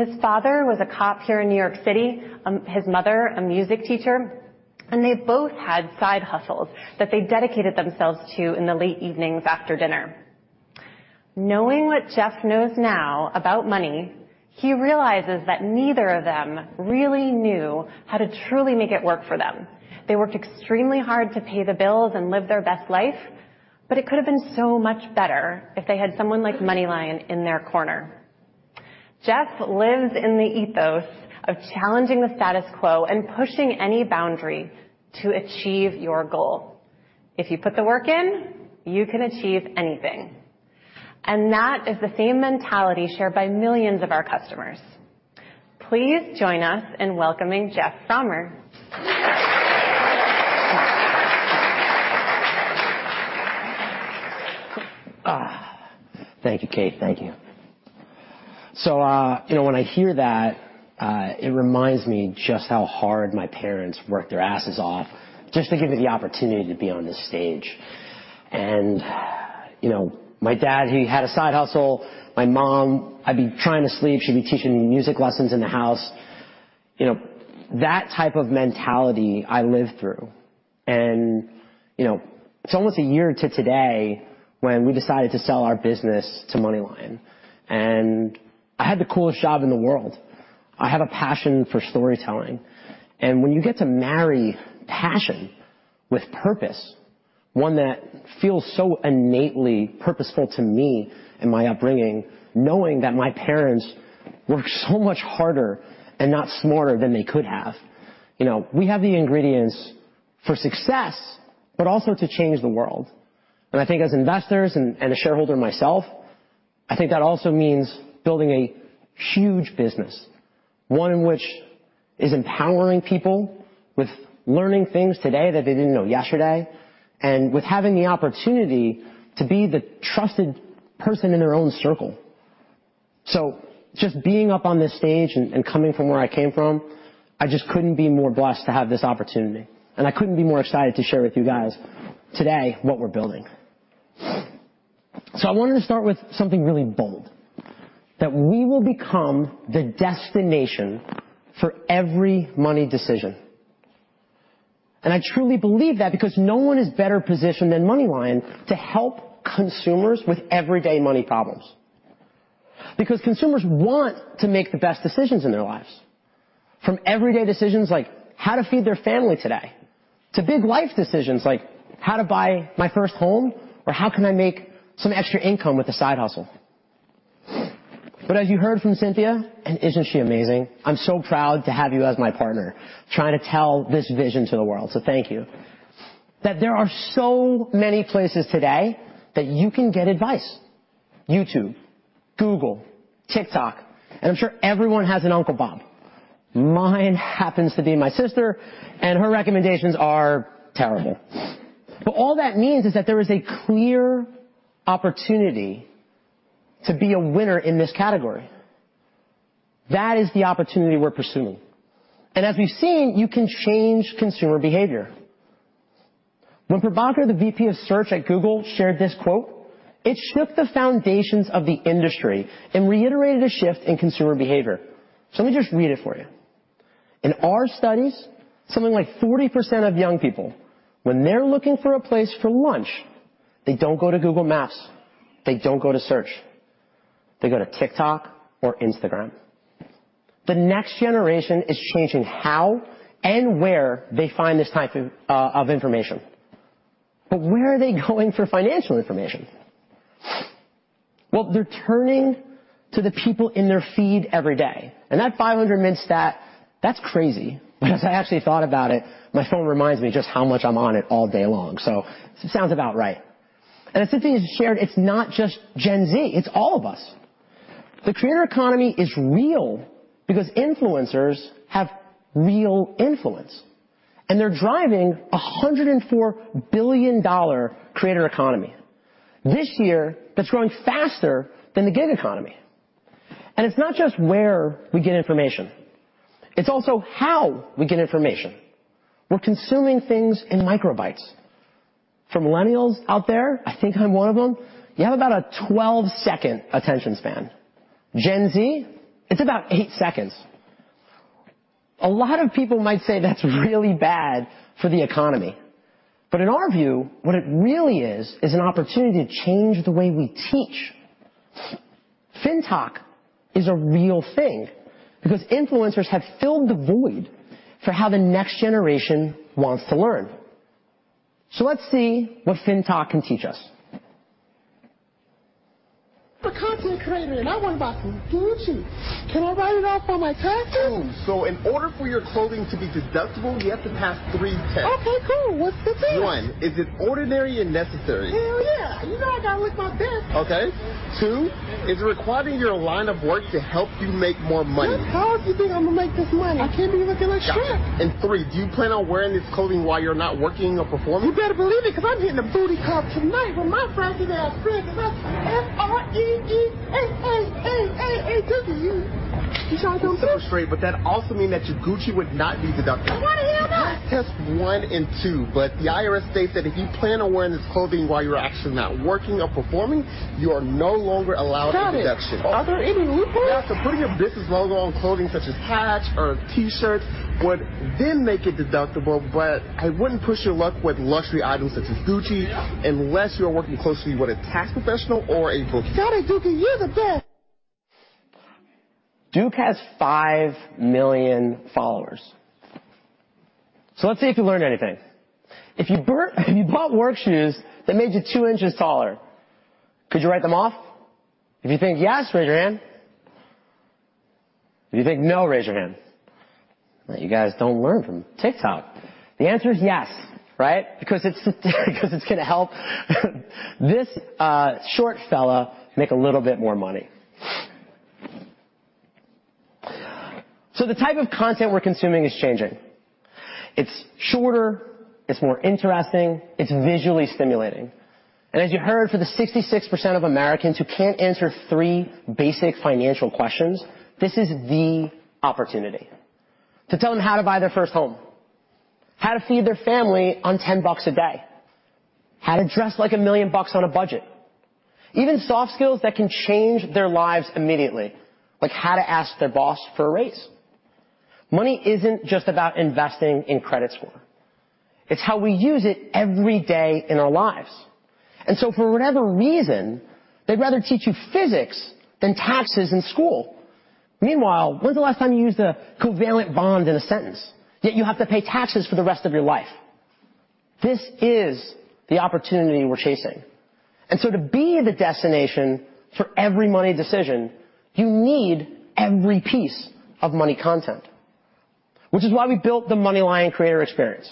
His father was a cop here in New York City, his mother, a music teacher, and they both had side hustles that they dedicated themselves to in the late evenings after dinner. Knowing what Jeff knows now about money, he realizes that neither of them really knew how to truly make it work for them. They worked extremely hard to pay the bills and live their best life, but it could have been so much better if they had someone like MoneyLion in their corner. Jeff lives in the ethos of challenging the status quo and pushing any boundary to achieve your goal. If you put the work in, you can achieve anything. That is the same mentality shared by millions of our customers. Please join us in welcoming Jeff Frommer. Thank you, Kate. Thank you. You know, when I hear that, it reminds me just how hard my parents worked their asses off just to give me the opportunity to be on this stage. You know, my dad, he had a side hustle. My mom, I'd be trying to sleep, she'd be teaching music lessons in the house. You know, that type of mentality I lived through. You know, it's almost a year to today when we decided to sell our business to MoneyLion, and I had the coolest job in the world. I have a passion for storytelling. When you get to marry passion with purpose, one that feels so innately purposeful to me and my upbringing, knowing that my parents worked so much harder and not smarter than they could have. You know, we have the ingredients for success, but also to change the world. I think as investors and a shareholder myself, I think that also means building a huge business, one in which is empowering people with learning things today that they didn't know yesterday, and with having the opportunity to be the trusted person in their own circle. Just being up on this stage and coming from where I came from, I just couldn't be more blessed to have this opportunity, and I couldn't be more excited to share with you guys today what we're building. I wanted to start with something really bold, that we will become the destination for every money decision. I truly believe that because no one is better positioned than MoneyLion to help consumers with everyday money problems. Consumers want to make the best decisions in their lives, from everyday decisions like how to feed their family today, to big life decisions like how to buy my first home or how can I make some extra income with a side hustle. As you heard from Cynthia, and isn't she amazing? I'm so proud to have you as my partner trying to tell this vision to the world, so thank you. That there are so many places today that you can get advice, YouTube, Google, TikTok, and I'm sure everyone has an Uncle Bob. Mine happens to be my sister, and her recommendations are terrible. All that means is that there is a clear opportunity to be a winner in this category. That is the opportunity we're pursuing. As we've seen, you can change consumer behavior. When Prabhakar, the VP of search at Google, shared this quote, it shook the foundations of the industry and reiterated a shift in consumer behavior. Let me just read it for you. In our studies, something like 40% of young people, when they're looking for a place for lunch, they don't go to Google Maps, they don't go to Search. They go to TikTok or Instagram. The next generation is changing how and where they find this type of information. Where are they going for financial information? Well, they're turning to the people in their feed every day. That 500 million stat, that's crazy. But as I actually thought about it, my phone reminds me just how much I'm on it all day long. Sounds about right. As Cynthia's shared, it's not just Gen Z, it's all of us. The creator economy is real because influencers have real influence, and they're driving a $104 billion creator economy this year that's growing faster than the gig economy. It's not just where we get information, it's also how we get information. We're consuming things in microbytes. For millennials out there, I think I'm one of them, you have about a 12-second attention span. Gen Z, it's about eight seconds. A lot of people might say that's really bad for the economy, but in our view, what it really is an opportunity to change the way we teach. FinTok is a real thing because influencers have filled the void for how the next generation wants to learn. Let's see what FinTok can teach us. I'm a content creator, and I wanna buy some Gucci. Can I write it off on my taxes? In order for your clothing to be deductible, you have to pass 3 tests. Okay, cool. What's the test? One, is it ordinary and necessary? Hell, yeah. You know I gotta look my best. Okay. Two, is it required in your line of work to help you make more money? Gotcha. 3, do you plan on wearing this clothing while you're not working or performing? You better believe it, 'cause I'm hitting a booty club tonight with my freaky-ass friends, 'cause I'm F-R-E-E-K-K-K-K dookie, you. Did y'all dookie? Let me set you straight. That also mean that your Gucci would not be deductible. Why the hell not? You passed test 1 and 2, but the IRS states that if you plan on wearing this clothing while you're actually not working or performing, you are no longer allowed a deduction. Got it. Are there any loopholes? Yeah. Putting a business logo on clothing such as hats or T-shirts would then make it deductible, but I wouldn't push your luck with luxury items such as Gucci unless you're working closely with a tax professional or a bookkeeper. Got it, Duke. You're the best. Duke has 5 million followers. Let's see if you learned anything. If you bought work shoes that made you 2 inches taller, could you write them off? If you think yes, raise your hand. If you think no, raise your hand. You guys don't learn from TikTok. The answer is yes, right? Because it's gonna help this short fella make a little bit more money. The type of content we're consuming is changing. It's shorter, it's more interesting, it's visually stimulating. As you heard, for the 66% of Americans who can't answer three basic financial questions, this is the opportunity to tell them how to buy their first home, how to feed their family on $10 bucks a day, how to dress like $1 million bucks on a budget. Even soft skills that can change their lives immediately, like how to ask their boss for a raise. Money isn't just about investing in credit score. It's how we use it every day in our lives. For whatever reason, they'd rather teach you physics than taxes in school. Meanwhile, when's the last time you used a covalent bond in a sentence? Yet you have to pay taxes for the rest of your life. This is the opportunity we're chasing. To be the destination for every money decision, you need every piece of money content. We built the MoneyLion Creator Experience,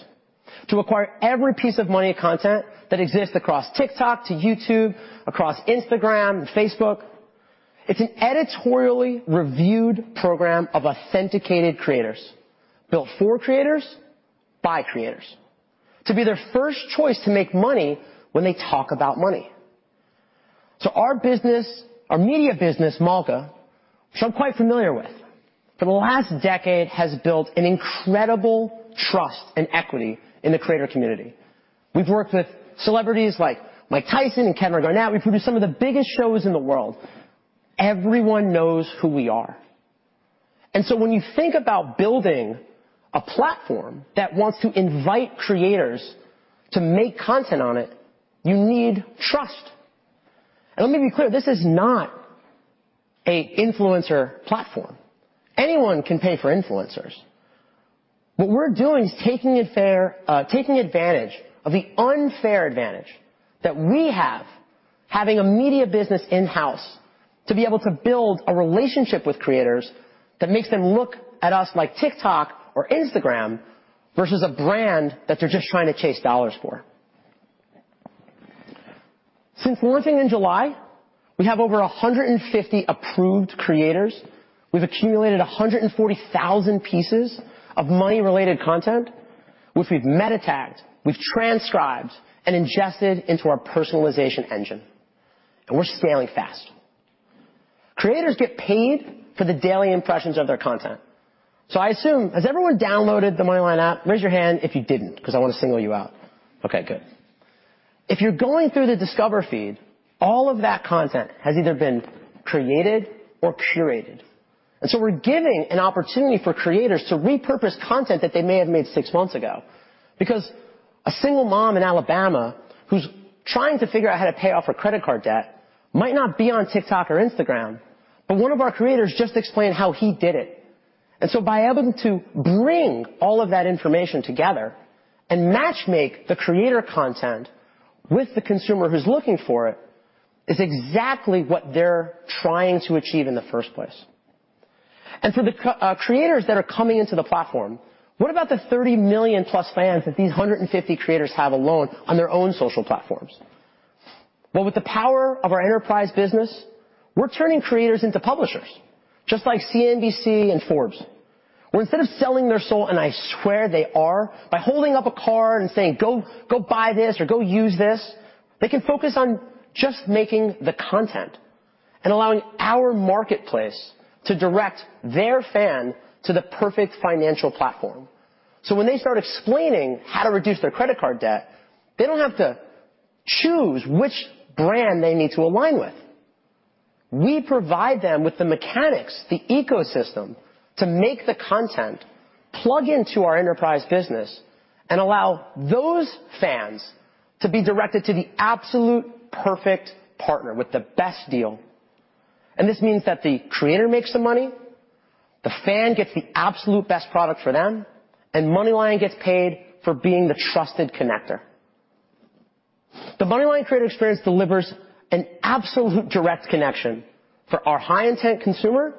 to acquire every piece of money content that exists across TikTok to YouTube, across Instagram to Facebook. It's an editorially reviewed program of authenticated creators, built for creators by creators, to be their first choice to make money when they talk about money. Our business, our media business, MALKA, which I'm quite familiar with, for the last decade has built an incredible trust and equity in the creator community. We've worked with celebrities like Mike Tyson and Kevin Garnett. We've produced some of the biggest shows in the world. Everyone knows who we are. When you think about building a platform that wants to invite creators to make content on it, you need trust. Let me be clear, this is not a influencer platform. Anyone can pay for influencers. What we're doing is taking advantage of the unfair advantage that we have, having a media business in-house to be able to build a relationship with creators that makes them look at us like TikTok or Instagram versus a brand that they're just trying to chase dollars for. Since launching in July, we have over 150 approved creators. We've accumulated 140,000 pieces of money-related content, which we've meta tagged, we've transcribed, and ingested into our personalization engine. We're scaling fast. Creators get paid for the daily impressions of their content. I assume has everyone downloaded the MoneyLion app? Raise your hand if you didn't, 'cause I wanna single you out. Okay, good. If you're going through the discover feed, all of that content has either been created or curated. We're giving an opportunity for creators to repurpose content that they may have made six months ago. A single mom in Alabama who's trying to figure out how to pay off her credit card debt might not be on TikTok or Instagram, but one of our creators just explained how he did it. By able to bring all of that information together and matchmake the creator content with the consumer who's looking for it, is exactly what they're trying to achieve in the first place. For the creators that are coming into the platform, what about the 30 million+ fans that these 150 creators have alone on their own social platforms? With the power of our enterprise business, we're turning creators into publishers, just like CNBC and Forbes, where instead of selling their soul, and I swear they are, by holding up a card and saying, "Go, go buy this or go use this," they can focus on just making the content and allowing our marketplace to direct their fan to the perfect financial platform. When they start explaining how to reduce their credit card debt, they don't have to choose which brand they need to align with. We provide them with the mechanics, the ecosystem, to make the content plug into our enterprise business and allow those fans to be directed to the absolute perfect partner with the best deal. This means that the creator makes the money, the fan gets the absolute best product for them, and MoneyLion gets paid for being the trusted connector. The MoneyLion Creator Experience delivers an absolute direct connection for our high-intent consumer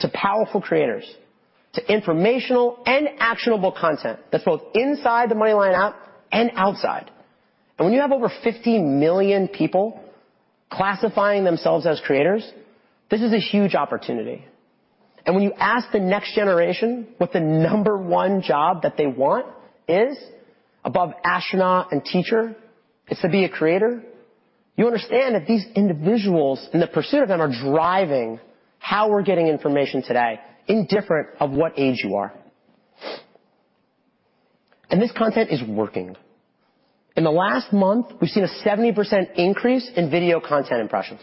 to powerful creators, to informational and actionable content that's both inside the MoneyLion app and outside. When you have over 50 million people classifying themselves as creators, this is a huge opportunity. When you ask the next generation what the number one job that they want is above astronaut and teacher, it's to be a creator, you understand that these individuals in the pursuit of them are driving how we're getting information today, indifferent of what age you are. This content is working. In the last month, we've seen a 70% increase in video content impressions.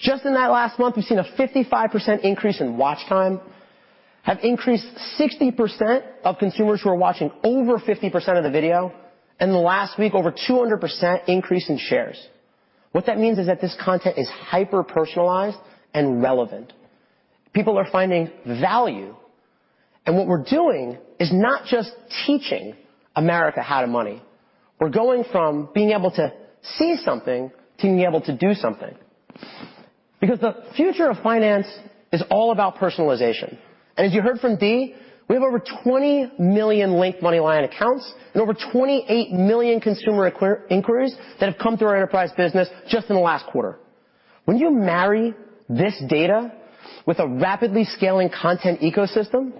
Just in that last month, we've seen a 55% increase in watch time, have increased 60% of consumers who are watching over 50% of the video, and in the last week over 200% increase in shares. What that means is that this content is hyper-personalized and relevant. People are finding value, and what we're doing is not just teaching America how to Money. We're going from being able to see something to being able to do something. The future of finance is all about personalization. As you heard from Dee, we have over $20 million linked MoneyLion accounts and over $28 million consumer inquiries that have come through our enterprise business just in the last quarter. When you marry this data with a rapidly scaling content ecosystem,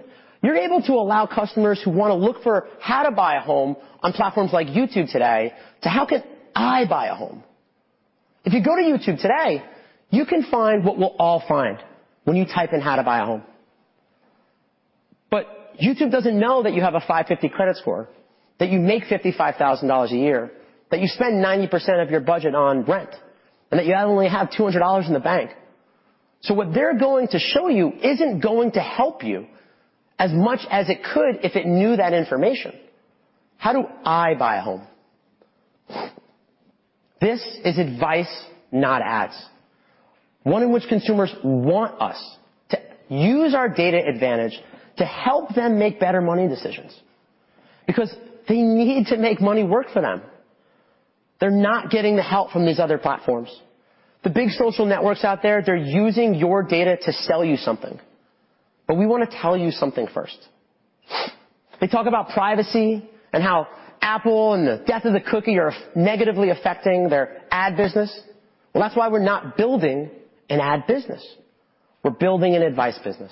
you're able to allow customers who wanna look for how to buy a home on platforms like YouTube today to how can I buy a home? If you go to YouTube today, you can find what we'll all find when you type in how to buy a home. YouTube doesn't know that you have a 550 credit score, that you make $55,000 a year, that you spend 90% of your budget on rent, and that you only have $200 in the bank. What they're going to show you isn't going to help you as much as it could if it knew that information. How do I buy a home? This is advice, not ads. One in which consumers want us to use our data advantage to help them make better money decisions because they need to make money work for them. They're not getting the help from these other platforms. The big social networks out there, they're using your data to sell you something. We wanna tell you something first. They talk about privacy and how Apple and the death of the cookie are negatively affecting their ad business. That's why we're not building an ad business. We're building an advice business.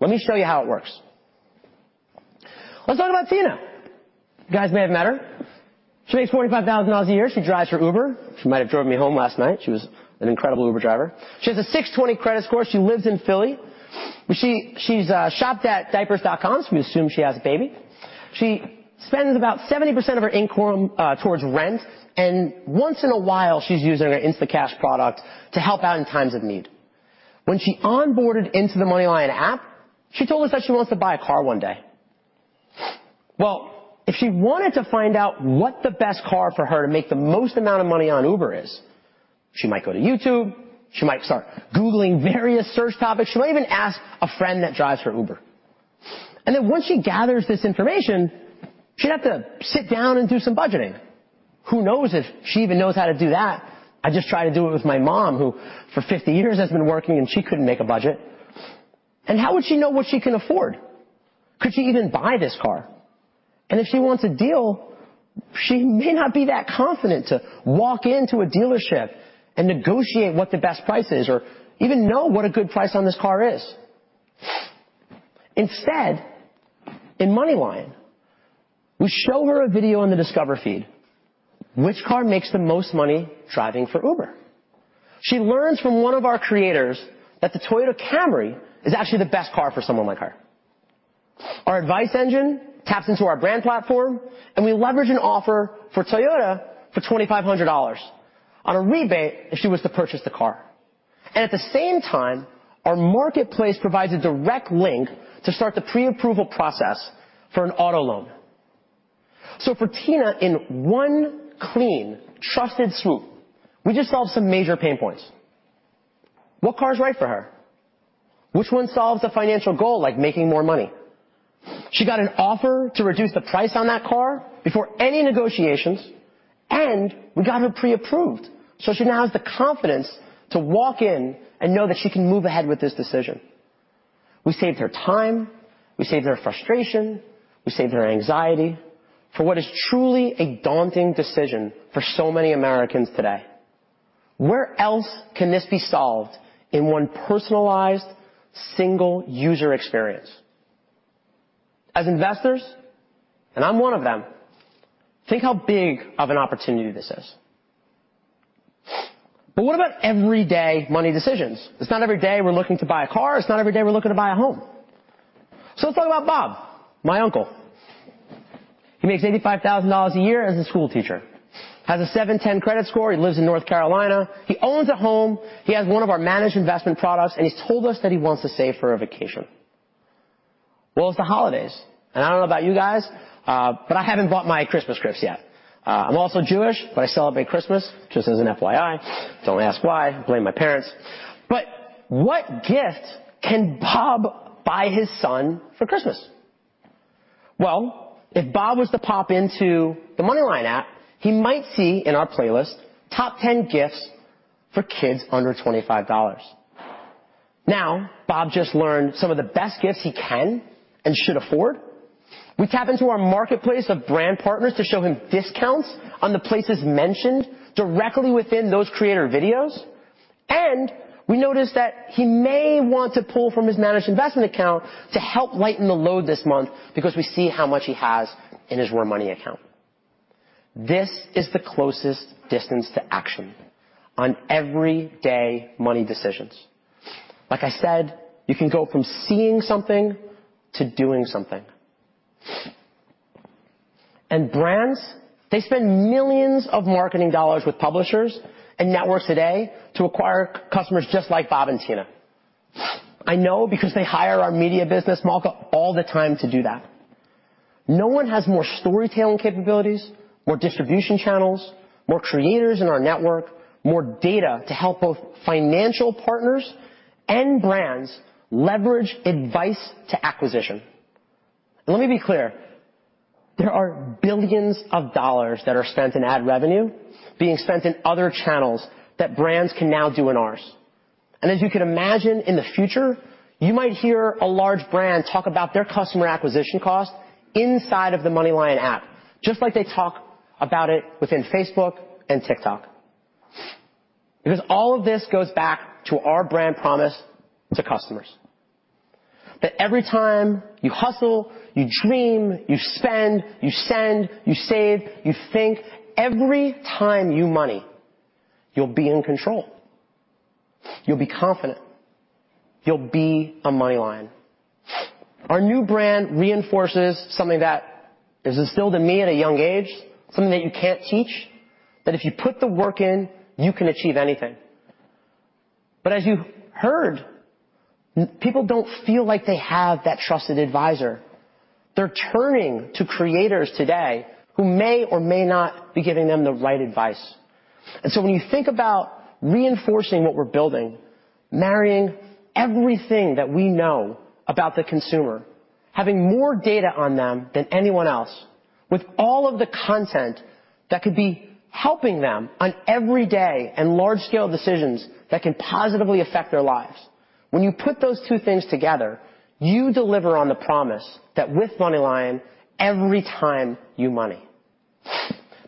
Let me show you how it works. Let's talk about Tina. You guys may have met her. She makes $45,000 a year. She drives for Uber. She might have drove me home last night. She was an incredible Uber driver. She has a 620 credit score. She lives in Philly. She, she's shopped at Diapers.com, so we assume she has a baby. She spends about 70% of her income towards rent, and once in a while, she's using an Instacash product to help out in times of need. When she onboarded into the MoneyLion app, she told us that she wants to buy a car one day. If she wanted to find out what the best car for her to make the most amount of money on Uber is, she might go to YouTube, she might start googling various search topics. She might even ask a friend that drives for Uber. Once she gathers this information, she'd have to sit down and do some budgeting. Who knows if she even knows how to do that? I just tried to do it with my mom, who for 50 years has been working, and she couldn't make a budget. How would she know what she can afford? Could she even buy this car? If she wants a deal, she may not be that confident to walk into a dealership and negotiate what the best price is or even know what a good price on this car is. Instead, in MoneyLion, we show her a video in the discover feed. Which car makes the most money driving for Uber? She learns from one of our creators that the Toyota Camry is actually the best car for someone like her. Our advice engine taps into our brand platform. We leverage an offer for Toyota for $2,500 on a rebate if she was to purchase the car. At the same time, our marketplace provides a direct link to start the pre-approval process for an auto loan. For Tina, in one clean, trusted swoop, we just solved some major pain points. What car is right for her? Which one solves a financial goal like making more money? She got an offer to reduce the price on that car before any negotiations, and we got her pre-approved, so she now has the confidence to walk in and know that she can move ahead with this decision. We saved her time, we saved her frustration, we saved her anxiety for what is truly a daunting decision for so many Americans today. Where else can this be solved in one personalized, single user experience? As investors, I'm one of them, think how big of an opportunity this is. What about everyday money decisions? It's not every day we're looking to buy a car. It's not every day we're looking to buy a home. Let's talk about Bob, my uncle. He makes $85,000 a year as a schoolteacher, has a 710 credit score. He lives in North Carolina. He owns a home. He has one of our managed investment products, and he's told us that he wants to save for a vacation. Well, it's the holidays. I don't know about you guys, but I haven't bought my Christmas gifts yet. I'm also Jewish, but I celebrate Christmas, just as an FYI. Don't ask why. Blame my parents. What gift can Bob buy his son for Christmas? Well, if Bob was to pop into the MoneyLion app, he might see in our Playlists top 10 gifts for kids under $25. Now, Bob just learned some of the best gifts he can and should afford. We tap into our marketplace of brand partners to show him discounts on the places mentioned directly within those creator videos. We notice that he may want to pull from his managed investment account to help lighten the load this month because we see how much he has in his money account. This is the closest distance to action on everyday money decisions. Like I said, you can go from seeing something to doing something. Brands, they spend $millions of marketing dollars with publishers and networks today to acquire customers just like Bob and Tina. I know because they hire our media business, MALKA, all the time to do that. No one has more storytelling capabilities, more distribution channels, more creators in our network, more data to help both financial partners and brands leverage advice to acquisition. Let me be clear. There are billions of dollars that are spent in ad revenue being spent in other channels that brands can now do in ours. As you can imagine, in the future, you might hear a large brand talk about their customer acquisition cost inside of the MoneyLion app, just like they talk about it within Facebook and TikTok. All of this goes back to our brand promise to customers, that Every Time You Money, you'll be in control, you'll be confident, you'll be a MoneyLion. Our new brand reinforces something that is instilled in me at a young age, something that you can't teach, that if you put the work in, you can achieve anything. As you heard, people don't feel like they have that trusted advisor. They're turning to creators today who may or may not be giving them the right advice. When you think about reinforcing what we're building, marrying everything that we know about the consumer, having more data on them than anyone else, with all of the content that could be helping them on every day and large scale decisions that can positively affect their lives. When you put those two things together, you deliver on the promise that with MoneyLion, Every Time You Money.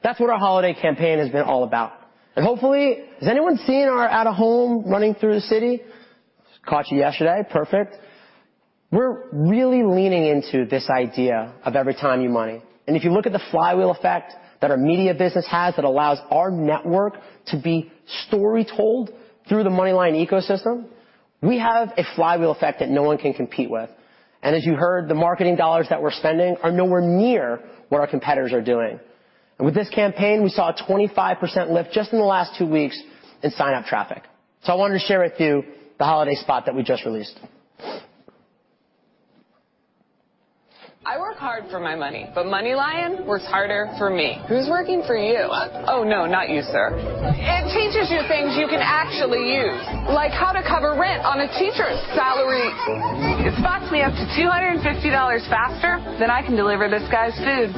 That's what our holiday campaign has been all about. Hopefully, has anyone seen our out of home running through the city? Caught you yesterday. Perfect. We're really leaning into this idea of Every Time You Money. If you look at the flywheel effect that our media business has, that allows our network to be story told through the MoneyLion ecosystem, we have a flywheel effect that no one can compete with. As you heard, the marketing dollars that we're spending are nowhere near what our competitors are doing. With this campaign, we saw a 25% lift just in the last two weeks in sign-up traffic. I wanted to share with you the holiday spot that we just released. I work hard for my money, but MoneyLion works harder for me. Who's working for you? Oh, no, not you, sir. It teaches you things you can actually use, like how to cover rent on a teacher's salary. It spots me up to $250 faster than I can deliver this guy's food.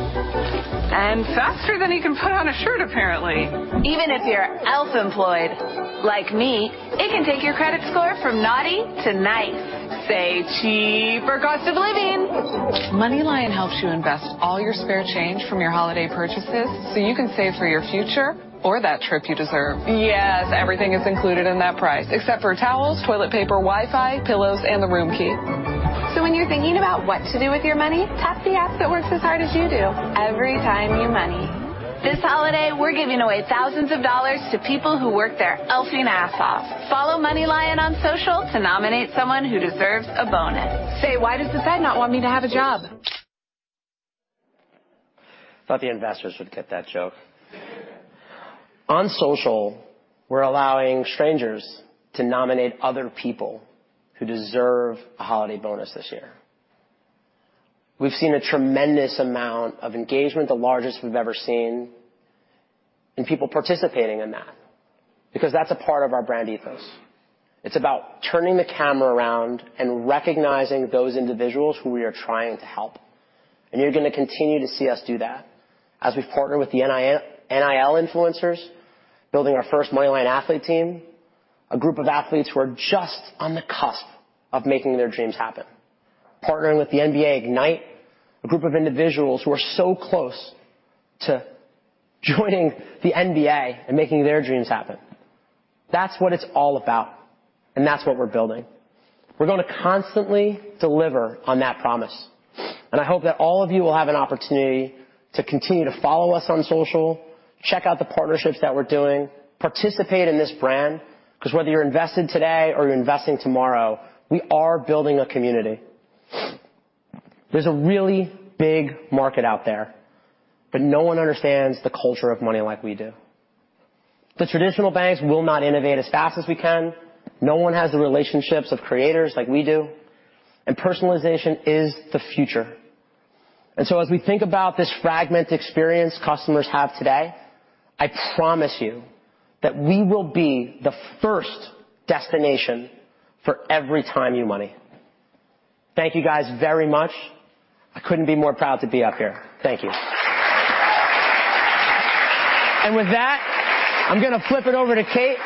Faster than he can put on a shirt, apparently. Even if you're elf-employed like me, it can take your credit score from naughty to nice. Say cheaper cost of living. MoneyLion helps you invest all your spare change from your holiday purchases so you can save for your future or that trip you deserve. Yes, everything is included in that price except for towels, toilet paper, Wi-Fi, pillows and the room key. When you're thinking about what to do with your money, tap the app that works as hard as you do Every Time You Money. This holiday, we're giving away thousands of dollars to people who work their elfing ass off. Follow MoneyLion on social to nominate someone who deserves a bonus. Say, why does the Fed not want me to have a job? Thought the investors would get that joke. On social, we're allowing strangers to nominate other people who deserve a holiday bonus this year. We've seen a tremendous amount of engagement, the largest we've ever seen in people participating in that, because that's a part of our brand ethos. It's about turning the camera around and recognizing those individuals who we are trying to help. You're gonna continue to see us do that as we partner with the NIL influencers, building our first MoneyLion athlete team, a group of athletes who are just on the cusp of making their dreams happen. Partnering with the NBA Ignite, a group of individuals who are so close to joining the NBA and making their dreams happen. That's what it's all about, and that's what we're building. We're gonna constantly deliver on that promise, and I hope that all of you will have an opportunity to continue to follow us on social, check out the partnerships that we're doing, participate in this brand, because whether you're invested today or you're investing tomorrow, we are building a community. There's a really big market out there, but no one understands the culture of money like we do. The traditional banks will not innovate as fast as we can. No one has the relationships of creators like we do. Personalization is the future. As we think about this fragment experience customers have today, I promise you that we will be the first destination for Every Time You Money. Thank you guys very much. I couldn't be more proud to be up here. Thank you. With that, I'm gonna flip it over to Kate.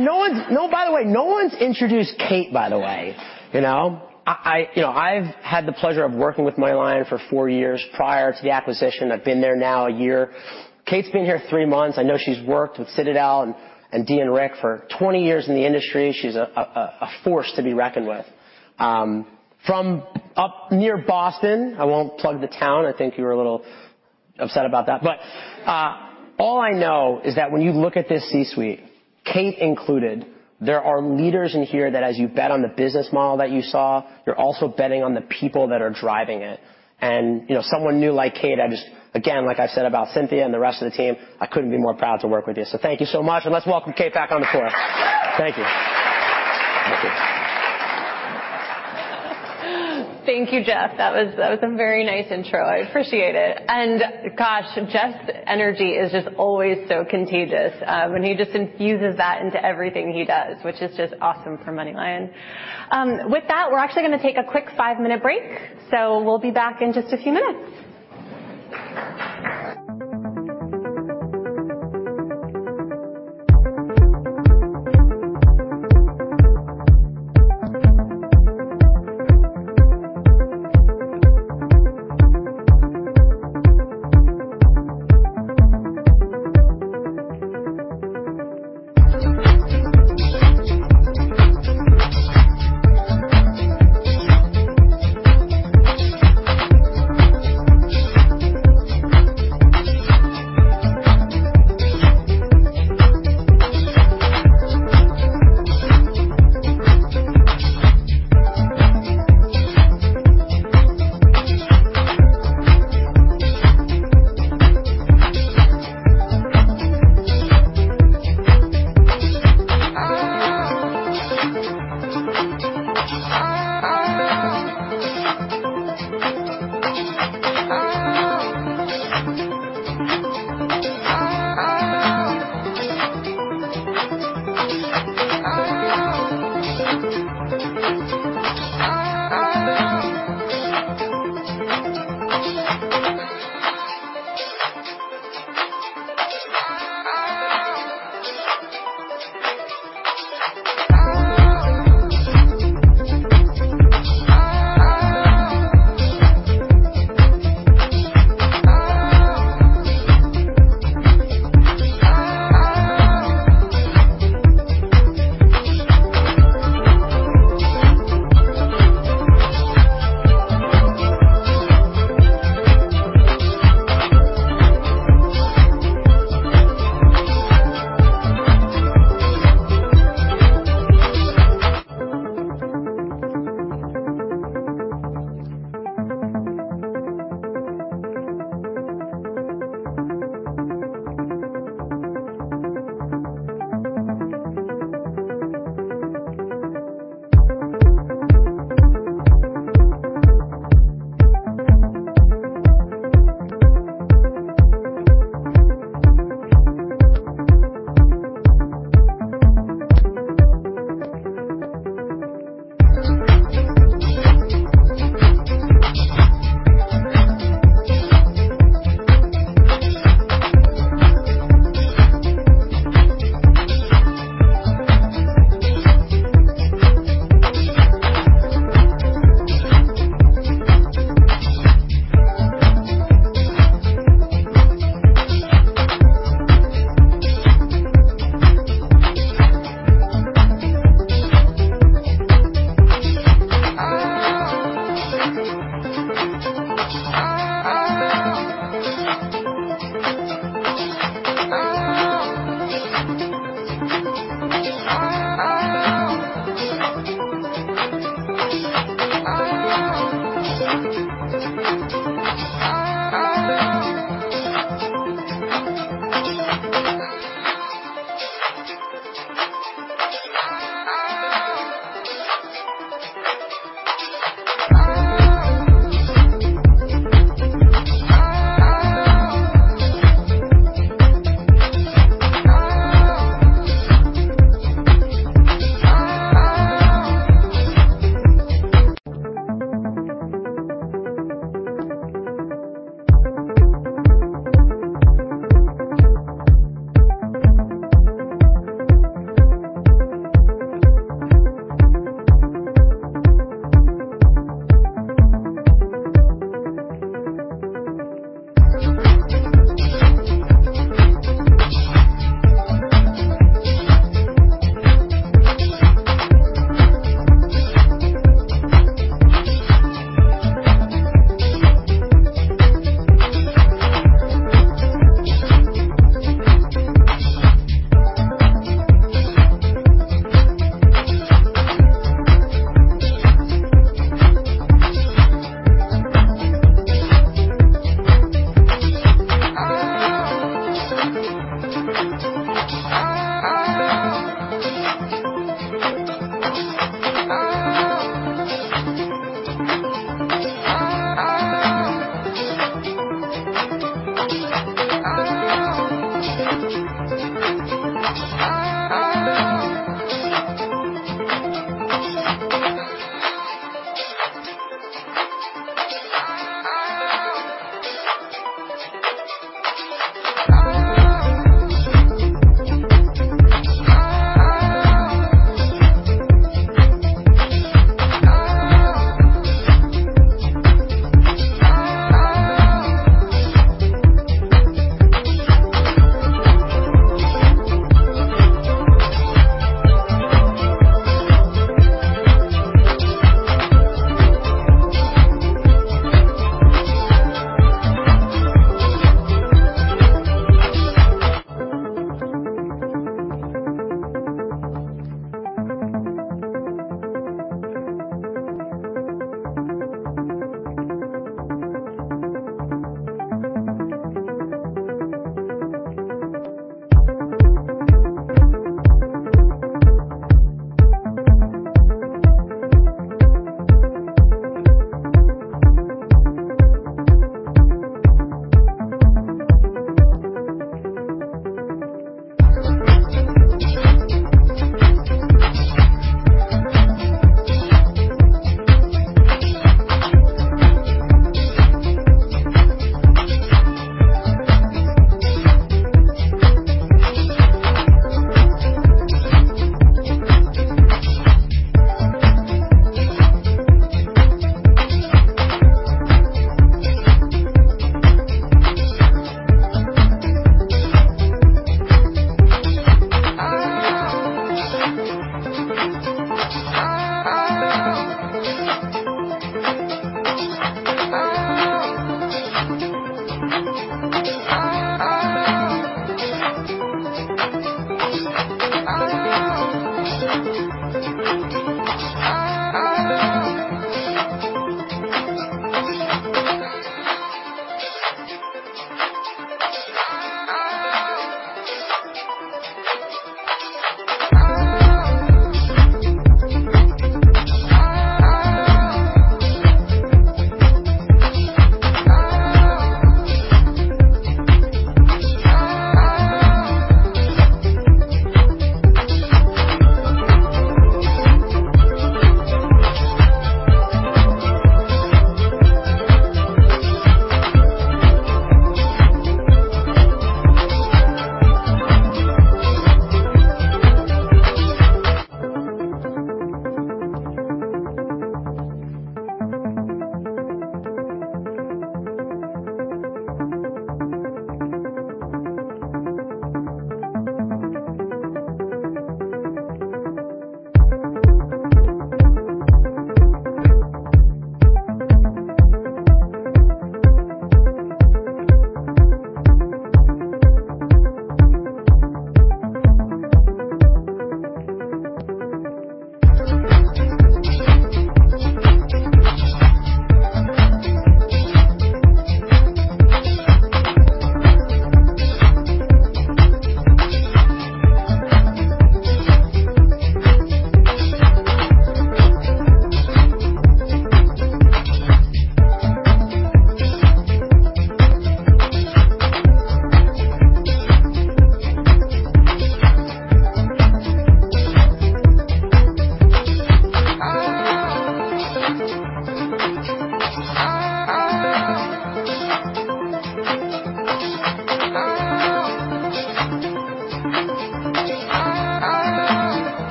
No one's introduced Kate, by the way. You know, I've had the pleasure of working with MoneyLion for 4 years prior to the acquisition. I've been there now 1 year. Kate's been here 3 months. I know she's worked with Citadel and Dee and Rick for 20 years in the industry. She's a force to be reckoned with. From up near Boston. I won't plug the town. I think you were a little upset about that. All I know is that when you look at this C-suite, Kate included, there are leaders in here that as you bet on the business model that you saw, you're also betting on the people that are driving it. You know, someone new like Kate, I just again, like I said about Cynthia and the rest of the team, I couldn't be more proud to work with you. Thank you so much. Let's welcome Kate back on the floor. Thank you. Thank you. Thank you Jeff. That was a very nice intro. I appreciate it. Gosh, Jeff's energy is just always so contagious, when he just infuses that into everything he does, which is just awesome for MoneyLion. With that, we're actually gonna take a quick five-minute break, so we'll be back in just a few minutes. Welcome back. All right. Well, our next speaker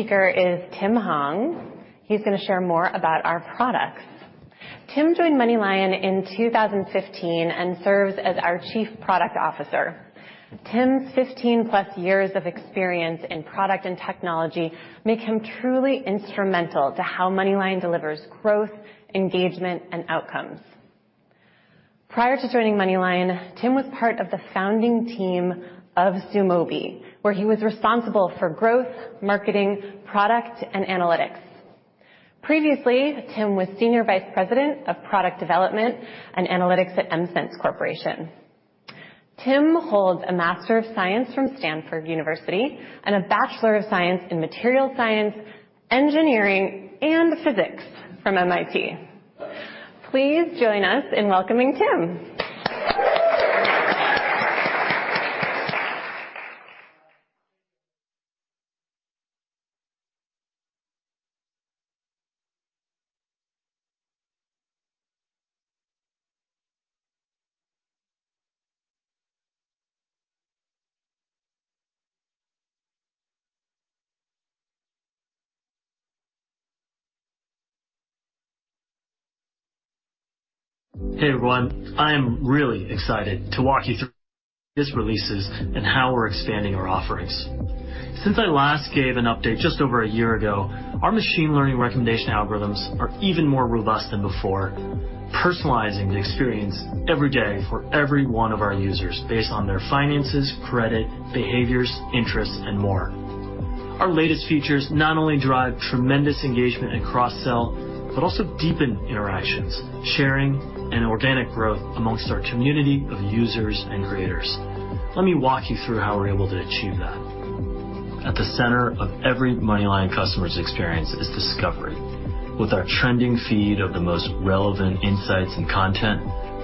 is Tim Hong. He's gonna share more about our products. Tim joined MoneyLion in 2015, and serves as our Chief Product Officer. Tim's 15-plus years of experience in product and technology make him truly instrumental to how MoneyLion delivers growth, engagement, and outcomes. Prior to joining MoneyLion, Tim was part of the founding team of Tsumobi, where he was responsible for growth, marketing, product, and analytics. Previously, Tim was Senior Vice President of Product Development and Analytics at EmSense Corporation. Tim holds a Master of Science from Stanford University and a Bachelor of Science in Material Science, Engineering, and Physics from MIT. Please join us in welcoming Tim. Hey, everyone. I am really excited to walk you through this releases and how we're expanding our offerings. Since I last gave an update just over a year ago, our machine learning recommendation algorithms are even more robust than before, personalizing the experience every day for every one of our users based on their finances, credit, behaviors, interests, and more. Our latest features not only drive tremendous engagement and cross-sell, but also deepen interactions, sharing, and organic growth amongst our community of users and creators. Let me walk you through how we're able to achieve that. At the center of every MoneyLion customer's experience is discovery. With our trending feed of the most relevant insights and content,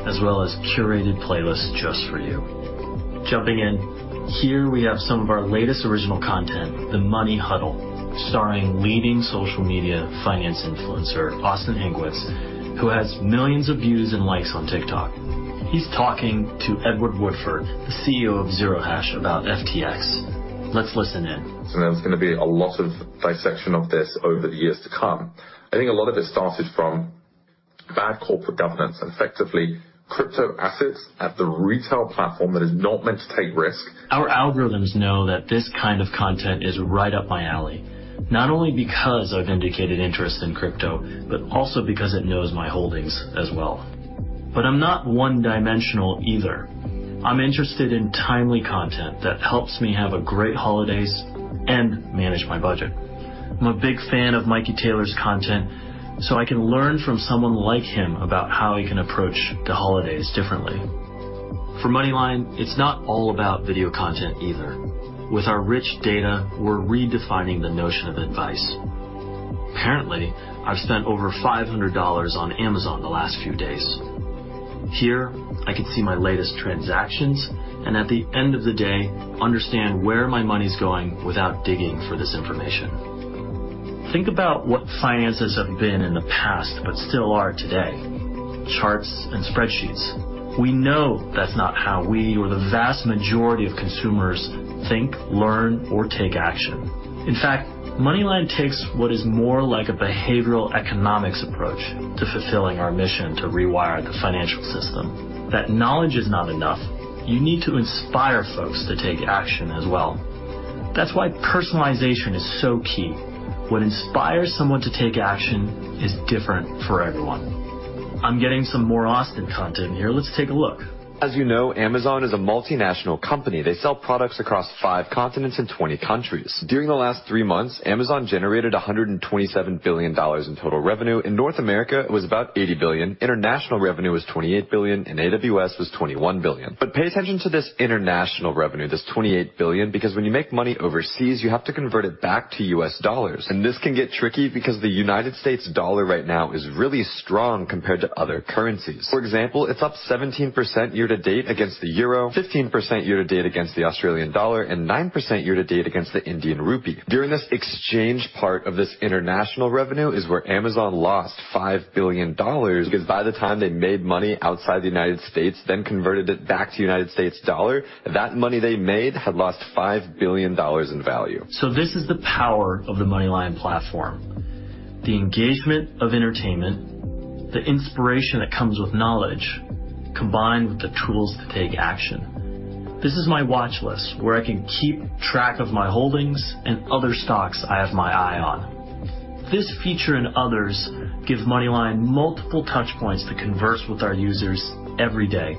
as well as curated Playlists just for you. Jumping in. Here we have some of our latest original content, The Money Huddle, starring leading social media finance influencer Austin Engwicht, who has millions of views and likes on TikTok. He's talking to Edward Woodford, the CEO of Zero Hash, about FTX. Let's listen in. There's gonna be a lot of dissection of this over the years to come. I think a lot of it started from bad corporate governance and effectively crypto assets at the retail platform that is not meant to take risk. Our algorithms know that this kind of content is right up my alley, not only because I've indicated interest in crypto, but also because it knows my holdings as well. I'm not one-dimensional either. I'm interested in timely content that helps me have a great holidays and manage my budget. I'm a big fan of Mikey Taylor's content, so I can learn from someone like him about how he can approach the holidays differently. For MoneyLion, it's not all about video content either. With our rich data, we're redefining the notion of advice. Apparently, I've spent over $500 on Amazon the last few days. Here I can see my latest transactions and at the end of the day, understand where my money's going without digging for this information. Think about what finances have been in the past, but still are today. Charts and spreadsheets. We know that's not how we or the vast majority of consumers think, learn, or take action. In fact, MoneyLion takes what is more like a behavioral economics approach to fulfilling our mission to rewire the financial system. That knowledge is not enough. You need to inspire folks to take action as well. That's why personalization is so key. What inspires someone to take action is different for everyone. I'm getting some more Austin content here. Let's take a look. As you know, Amazon is a multinational company. They sell products across five continents in 20 countries. During the last three months, Amazon generated $127 billion in total revenue. In North America, it was about $80 billion, international revenue was $28 billion, and AWS was $21 billion. Pay attention to this international revenue, this $28 billion, because when you make money overseas, you have to convert it back to US dollars. This can get tricky because the United States dollar right now is really strong compared to other currencies. For example, it's up 17% year-to-date against the euro, 15% year-to-date against the Australian dollar, and 9% year-to-date against the Indian rupee. During this exchange part of this international revenue is where Amazon lost $5 billion because by the time they made money outside the U.S., then converted it back to U.S. dollar, that money they made had lost $5 billion in value. This is the power of the MoneyLion platform. The engagement of entertainment, the inspiration that comes with knowledge, combined with the tools to take action. This is my watchlist, where I can keep track of my holdings and other stocks I have my eye on. This feature and others give MoneyLion multiple touch points to converse with our users every day,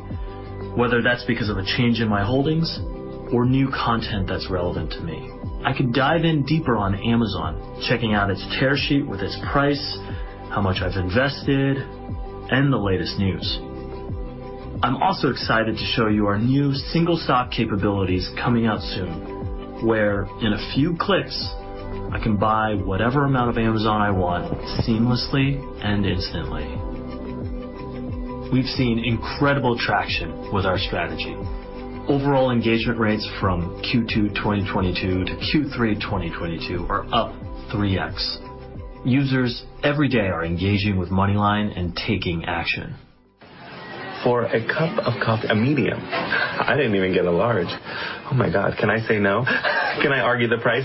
whether that's because of a change in my holdings or new content that's relevant to me. I can dive in deeper on Amazon, checking out its tear sheet with its price, how much I've invested, and the latest news. I'm also excited to show you our new single stock capabilities coming out soon, where in a few clicks, I can buy whatever amount of Amazon I want seamlessly and instantly. We've seen incredible traction with our strategy. Overall engagement rates from Q2 2022 to Q3 2022 are up 3x. Users every day are engaging with MoneyLion and taking action. For a cup of coffee, a medium, I didn't even get a large. Oh my God, can I say no? Can I argue the price?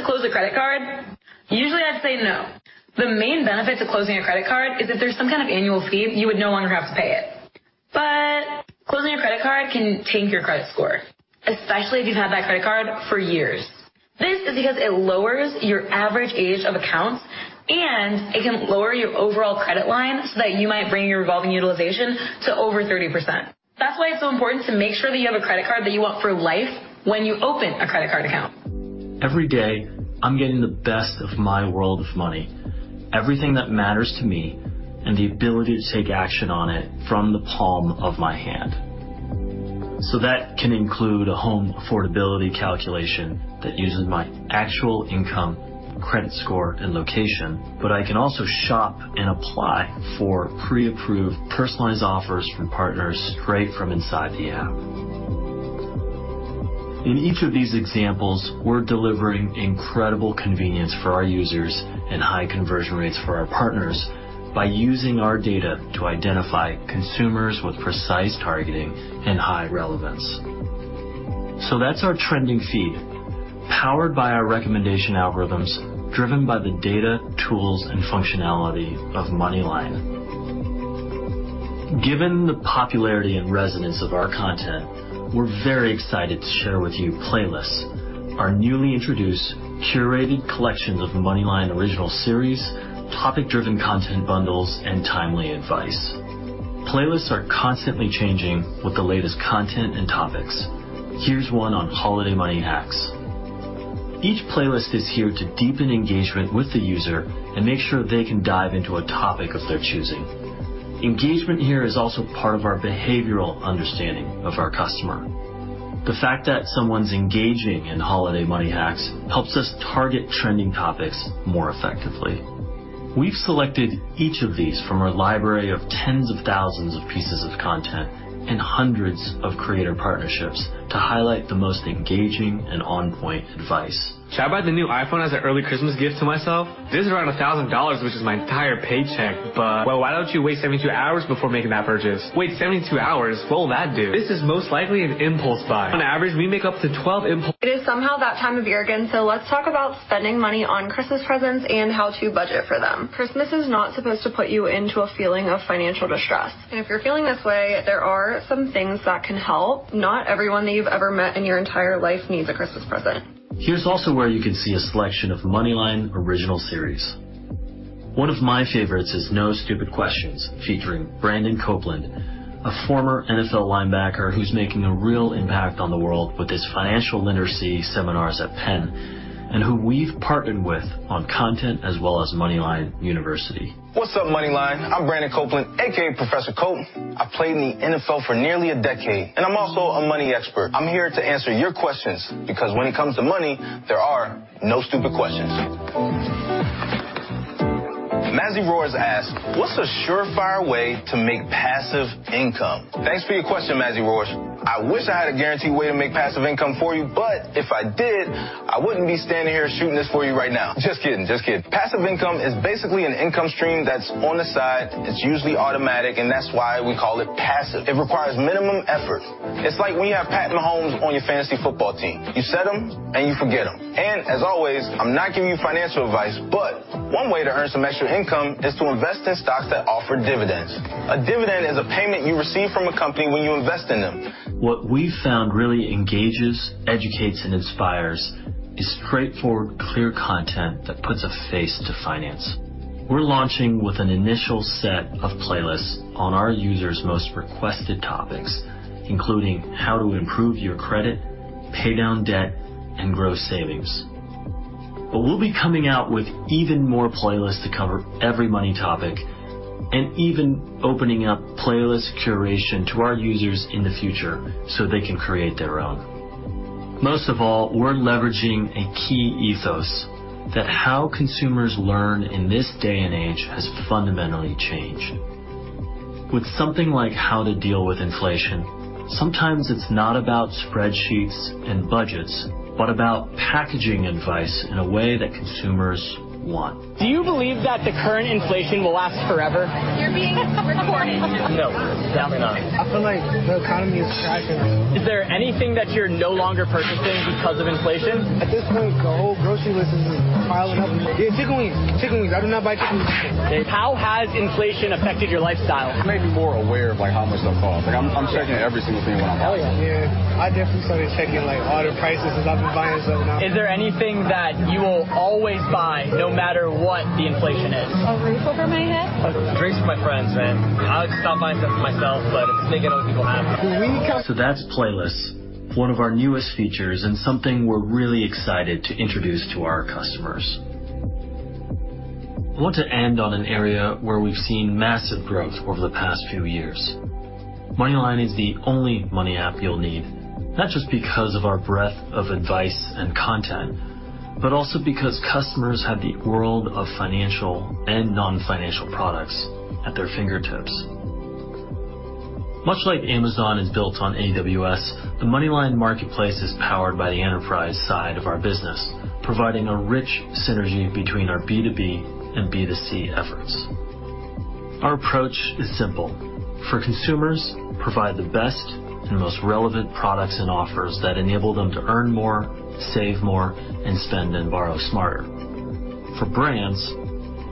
Tell me. Is it worth it to close a credit card? Usually, I'd say no. The main benefit to closing a credit card is if there's some kind of annual fee, you would no longer have to pay it. Closing your credit card can tank your credit score, especially if you've had that credit card for years. This is because it lowers your average age of accounts, and it can lower your overall credit line, so that you might bring your revolving utilization to over 30%. That's why it's so important to make sure that you have a credit card that you want for life when you open a credit card account. Every day, I'm getting the best of my world of money, everything that matters to me, and the ability to take action on it from the palm of my hand. That can include a home affordability calculation that uses my actual income, credit score, and location, but I can also shop and apply for pre-approved, personalized offers from partners straight from inside the app. In each of these examples, we're delivering incredible convenience for our users and high conversion rates for our partners by using our data to identify consumers with precise targeting and high relevance. That's our trending feed, powered by our recommendation algorithms, driven by the data, tools, and functionality of MoneyLion. Given the popularity and resonance of our content. We're very excited to share with you Playlists, our newly introduced curated collections of MoneyLion original series, topic-driven content bundles, and timely advice. Playlists are constantly changing with the latest content and topics. Here's one on holiday money hacks. Each playlist is here to deepen engagement with the user and make sure they can dive into a topic of their choosing. Engagement here is also part of our behavioral understanding of our customer. The fact that someone's engaging in holiday money hacks helps us target trending topics more effectively. We've selected each of these from our library of tens of thousands of pieces of content and hundreds of creator partnerships to highlight the most engaging and on-point advice. Should I buy the new iPhone as an early Christmas gift to myself? This is around $1,000, which is my entire paycheck. Well, why don't you wait 72 hours before making that purchase? Wait 72 hours? What will that do? This is most likely an impulse buy. On average, we make up to 12 impulse- It is somehow that time of year again, so let's talk about spending money on Christmas presents and how to budget for them. Christmas is not supposed to put you into a feeling of financial distress, and if you're feeling this way, there are some things that can help. Not everyone that you've ever met in your entire life needs a Christmas present. Here's also where you can see a selection of MoneyLion original series. One of my favorites is No Stupid Questions, featuring Brandon Copeland, a former NFL linebacker who's making a real impact on the world with his financial literacy seminars at Penn and who we've partnered with on content as well as MoneyLion University. What's up, MoneyLion? I'm Brandon Copeland, AKA Professor Cop. I played in the NFL for nearly a decade, and I'm also a money expert. I'm here to answer your questions because when it comes to money, there are no stupid questions. Mazzy Roars asked, "What's a surefire way to make passive income?" Thanks for your question, Mazzy Roars. I wish I had a guaranteed way to make passive income for you, but if I did, I wouldn't be standing here shooting this for you right now. Just kidding. Passive income is basically an income stream that's on the side. It's usually automatic, and that's why we call it passive. It requires minimum effort. It's like when you have Pat Mahomes on your fantasy football team, you set him and you forget him. As always, I'm not giving you financial advice, but one way to earn some extra income is to invest in stocks that offer dividends. A dividend is a payment you receive from a company when you invest in them. What we found really engages, educates, and inspires is straightforward, clear content that puts a face to finance. We're launching with an initial set of Playlists on our users' most requested topics, including how to improve your credit, pay down debt, and grow savings. We'll be coming out with even more Playlists to cover every money topic and even opening up Playlist curation to our users in the future, so they can create their own. Most of all, we're leveraging a key ethos that how consumers learn in this day and age has fundamentally changed. With something like how to deal with inflation, sometimes it's not about spreadsheets and budgets, but about packaging advice in a way that consumers want. Do you believe that the current inflation will last forever? You're being recorded. No, definitely not. I feel like the economy is crashing. Is there anything that you're no longer purchasing because of inflation? At this point, the whole grocery list is just piling up. Yeah, chicken wings. chicken wings. I do not buy chicken wings anymore. How has inflation affected your lifestyle? It's made me more aware of, like, how much stuff costs. Like I'm checking every single thing when I'm out. Oh, yeah. I definitely started checking like all the prices as I've been buying stuff now. Is there anything that you will always buy no matter what the inflation is? A roof over my head. Drinks with my friends, man. I like to stop buying stuff for myself, but just making other people happy. That's Playlists, one of our newest features and something we're really excited to introduce to our customers. I want to end on an area where we've seen massive growth over the past few years. MoneyLion is the only money app you'll need, not just because of our breadth of advice and content, but also because customers have the world of financial and non-financial products at their fingertips. Much like Amazon is built on AWS, the MoneyLion Marketplace is powered by the enterprise side of our business, providing a rich synergy between our B2B and B2C efforts. Our approach is simple. For consumers, provide the best and most relevant products and offers that enable them to earn more, save more, and spend and borrow smarter. For brands,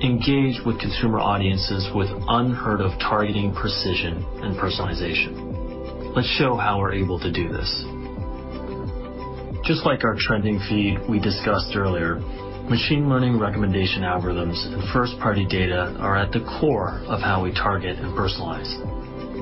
engage with consumer audiences with unheard-of targeting precision and personalization. Let's show how we're able to do this. Just like our trending feed we discussed earlier, machine learning recommendation algorithms and first-party data are at the core of how we target and personalize.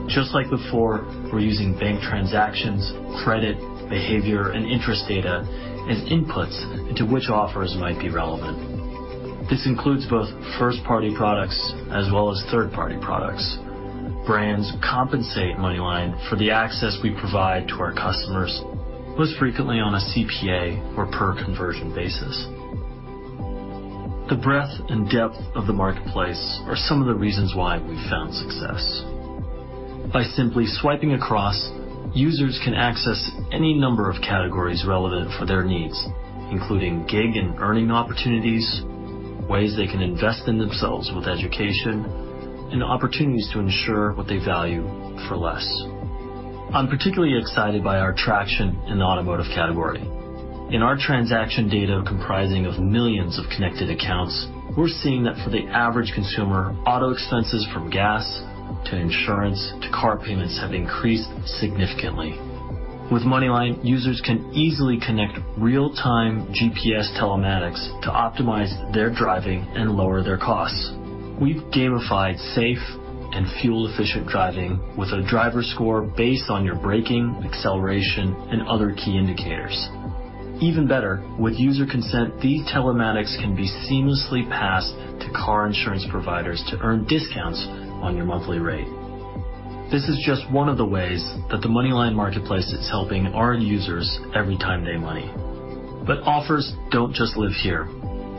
Just like before, we're using bank transactions, credit, behavior, and interest data as inputs into which offers might be relevant. This includes both first-party products as well as third-party products. Brands compensate MoneyLion for the access we provide to our customers, most frequently on a CPA or per conversion basis. The breadth and depth of the marketplace are some of the reasons why we found success. By simply swiping across, users can access any number of categories relevant for their needs, including gig and earning opportunities, ways they can invest in themselves with education, and opportunities to ensure what they value for less. I'm particularly excited by our traction in the automotive category. In our transaction data comprising of millions of connected accounts, we're seeing that for the average consumer, auto expenses from gas to insurance to car payments have increased significantly. With MoneyLion, users can easily connect real-time GPS telematics to optimize their driving and lower their costs. We've gamified safe and fuel-efficient driving with a driver score based on your braking, acceleration, and other key indicators. Even better, with user consent, these telematics can be seamlessly passed to car insurance providers to earn discounts on your monthly rate. This is just one of the ways that the MoneyLion marketplace is helping our users every time they money. Offers don't just live here.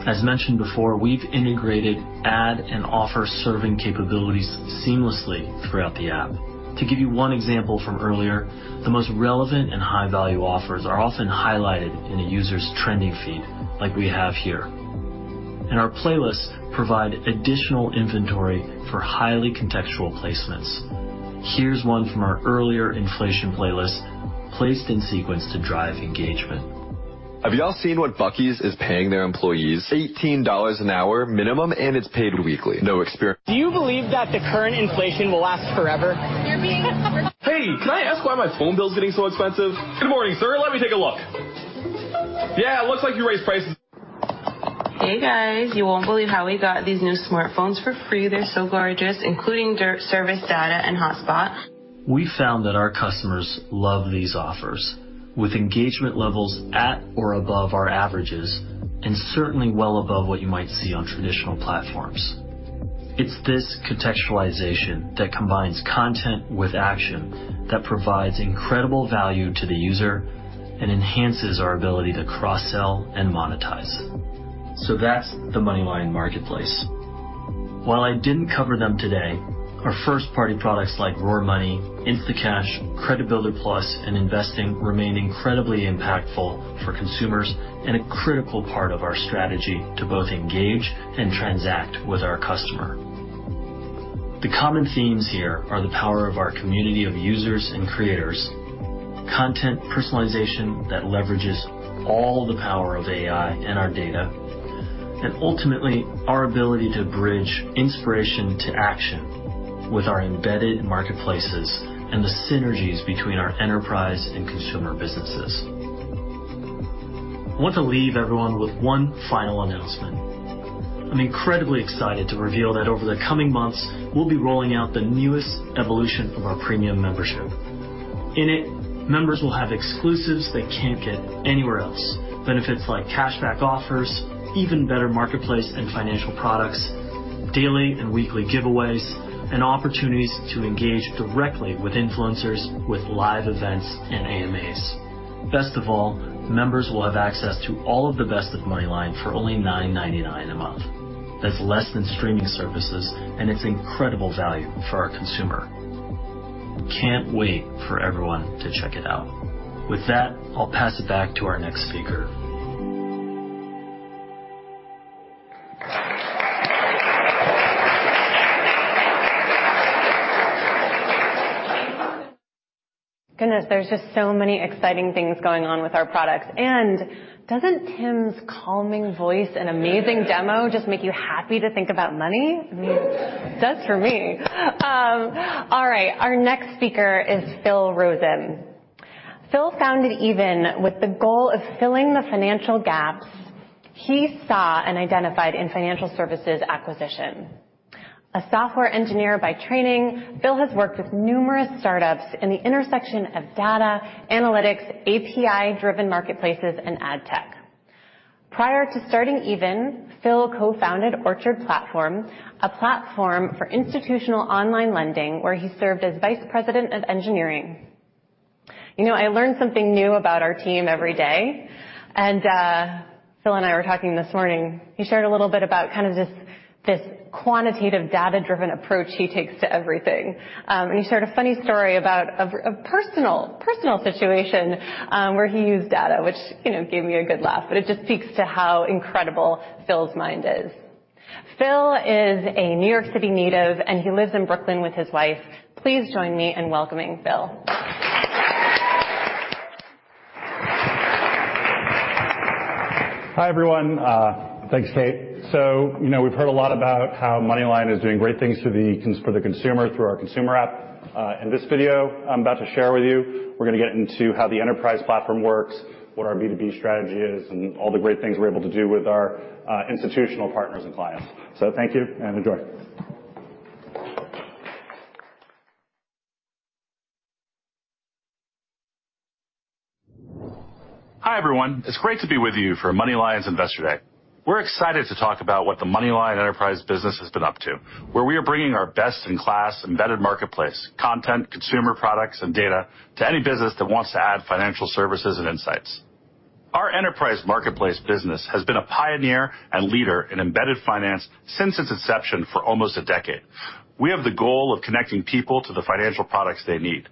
As mentioned before, we've integrated ad and offer serving capabilities seamlessly throughout the app. To give you one example from earlier, the most relevant and high-value offers are often highlighted in a user's trending feed, like we have here. Our Playlists provide additional inventory for highly contextual placements. Here's one from our earlier inflation Playlist, placed in sequence to drive engagement. Have y'all seen what Buc-ee's is paying their employees? $18 an hour minimum. It's paid weekly. Do you believe that the current inflation will last forever? Hey, can I ask why my phone bill's getting so expensive? Good morning, sir. Let me take a look. Yeah, it looks like you raised prices. Hey, guys. You won't believe how we got these new smartphones for free. They're so gorgeous, including service, data, and hotspot. We found that our customers love these offers. With engagement levels at or above our averages, and certainly well above what you might see on traditional platforms. It's this contextualization that combines content with action that provides incredible value to the user and enhances our ability to cross-sell and monetize. That's the MoneyLion marketplace. While I didn't cover them today, our first-party products like RoarMoney, Instacash, Credit Builder Plus, and Investing remain incredibly impactful for consumers and a critical part of our strategy to both engage and transact with our customer. The common themes here are the power of our community of users and creators, content personalization that leverages all the power of AI and our data, and ultimately, our ability to bridge inspiration to action with our embedded marketplaces and the synergies between our enterprise and consumer businesses. I want to leave everyone with 1 final announcement. I'm incredibly excited to reveal that over the coming months, we'll be rolling out the newest evolution of our premium membership. In it, members will have exclusives they can't get anywhere else. Benefits like cashback offers, even better marketplace and financial products, daily and weekly giveaways, and opportunities to engage directly with influencers with live events and AMAs. Best of all, members will have access to all of the best of MoneyLion for only $9.99 a month. That's less than streaming services, and it's incredible value for our consumer. Can't wait for everyone to check it out. With that, I'll pass it back to our next speaker. Goodness, there's just so many exciting things going on with our products. Doesn't Tim's calming voice and amazing demo just make you happy to think about money? I mean, it does for me. All right, our next speaker is Phillip Rosen. Phil founded Even with the goal of filling the financial gaps he saw and identified in financial services acquisition. A software engineer by training, Phil worked with numerous startups in the intersection of data, analytics, API-driven marketplaces, and ad tech. Prior to starting Even, Phil co-founded Orchard Platform, a platform for institutional online lending, where he served as Vice President of Engineering. You know, I learn something new about our team every day. Phil and I were talking this morning. He shared a little about kinda this quantitative data-driven approach he takes to everything. He shared a funny story about a personal situation, where he used data, which, you know, gave me a good laugh, but it just speaks to how incredible Phil's mind is. Phil is a New York City native, and he lives in Brooklyn with his wife. Please join me in welcoming Phil. Hi, everyone. Thanks, Kate. You know, we've heard a lot about how MoneyLion is doing great things for the consumer through our consumer app. In this video I'm about to share with you, we're gonna get into how the enterprise platform works, what our B2B strategy is, and all the great things we're able to do with our institutional partners and clients. Thank you, and enjoy. Hi, everyone. It's great to be with you for MoneyLion's Investor Day. We're excited to talk about what the MoneyLion enterprise business has been up to, where we are bringing our best-in-class embedded marketplace, content, consumer products, and data to any business that wants to add financial services and insights. Our enterprise marketplace business has been a pioneer and leader in embedded finance since its inception for almost a decade. We have the goal of connecting people to the financial products they need.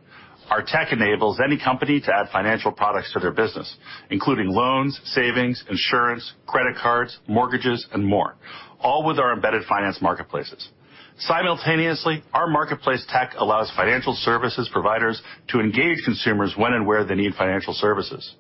Our tech enables any company to add financial products to their business, including loans, savings, insurance, credit cards, mortgages, and more, all with our embedded finance marketplaces. Simultaneously, our marketplace tech allows financial services providers to engage consumers when and where they need financial services.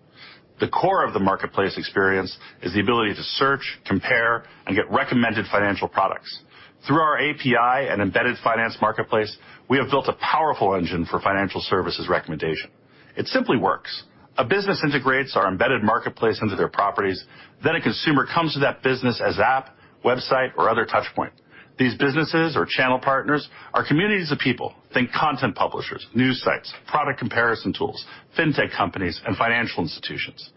The core of the marketplace experience is the ability to search, compare, and get recommended financial products. Through our API and embedded finance marketplace, we have built a powerful engine for financial services recommendation. It simply works. A business integrates our embedded marketplace into their properties, then a consumer comes to that business as app, website, or other touch point. These businesses or channel partners are communities of people. Think content publishers, news sites, product comparison tools, fintech companies, and financial institutions.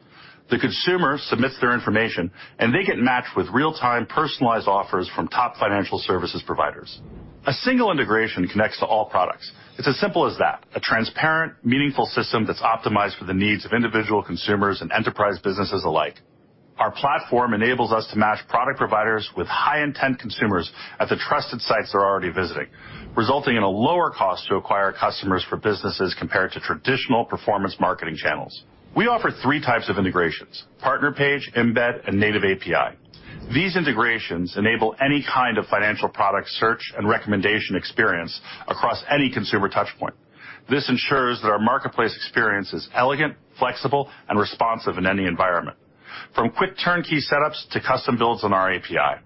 The consumer submits their information. They get matched with real-time personalized offers from top financial services providers. A single integration connects to all products. It's as simple as that. A transparent, meaningful system that's optimized for the needs of individual consumers and enterprise businesses alike. Our platform enables us to match product providers with high-intent consumers at the trusted sites they're already visiting, resulting in a lower cost to acquire customers for businesses compared to traditional performance marketing channels. We offer 3 types of integrations: partner page, embed, and native API. These integrations enable any kind of financial product search and recommendation experience across any consumer touch point. This ensures that our marketplace experience is elegant, flexible, and responsive in any environment, from quick turnkey setups to custom builds on our API.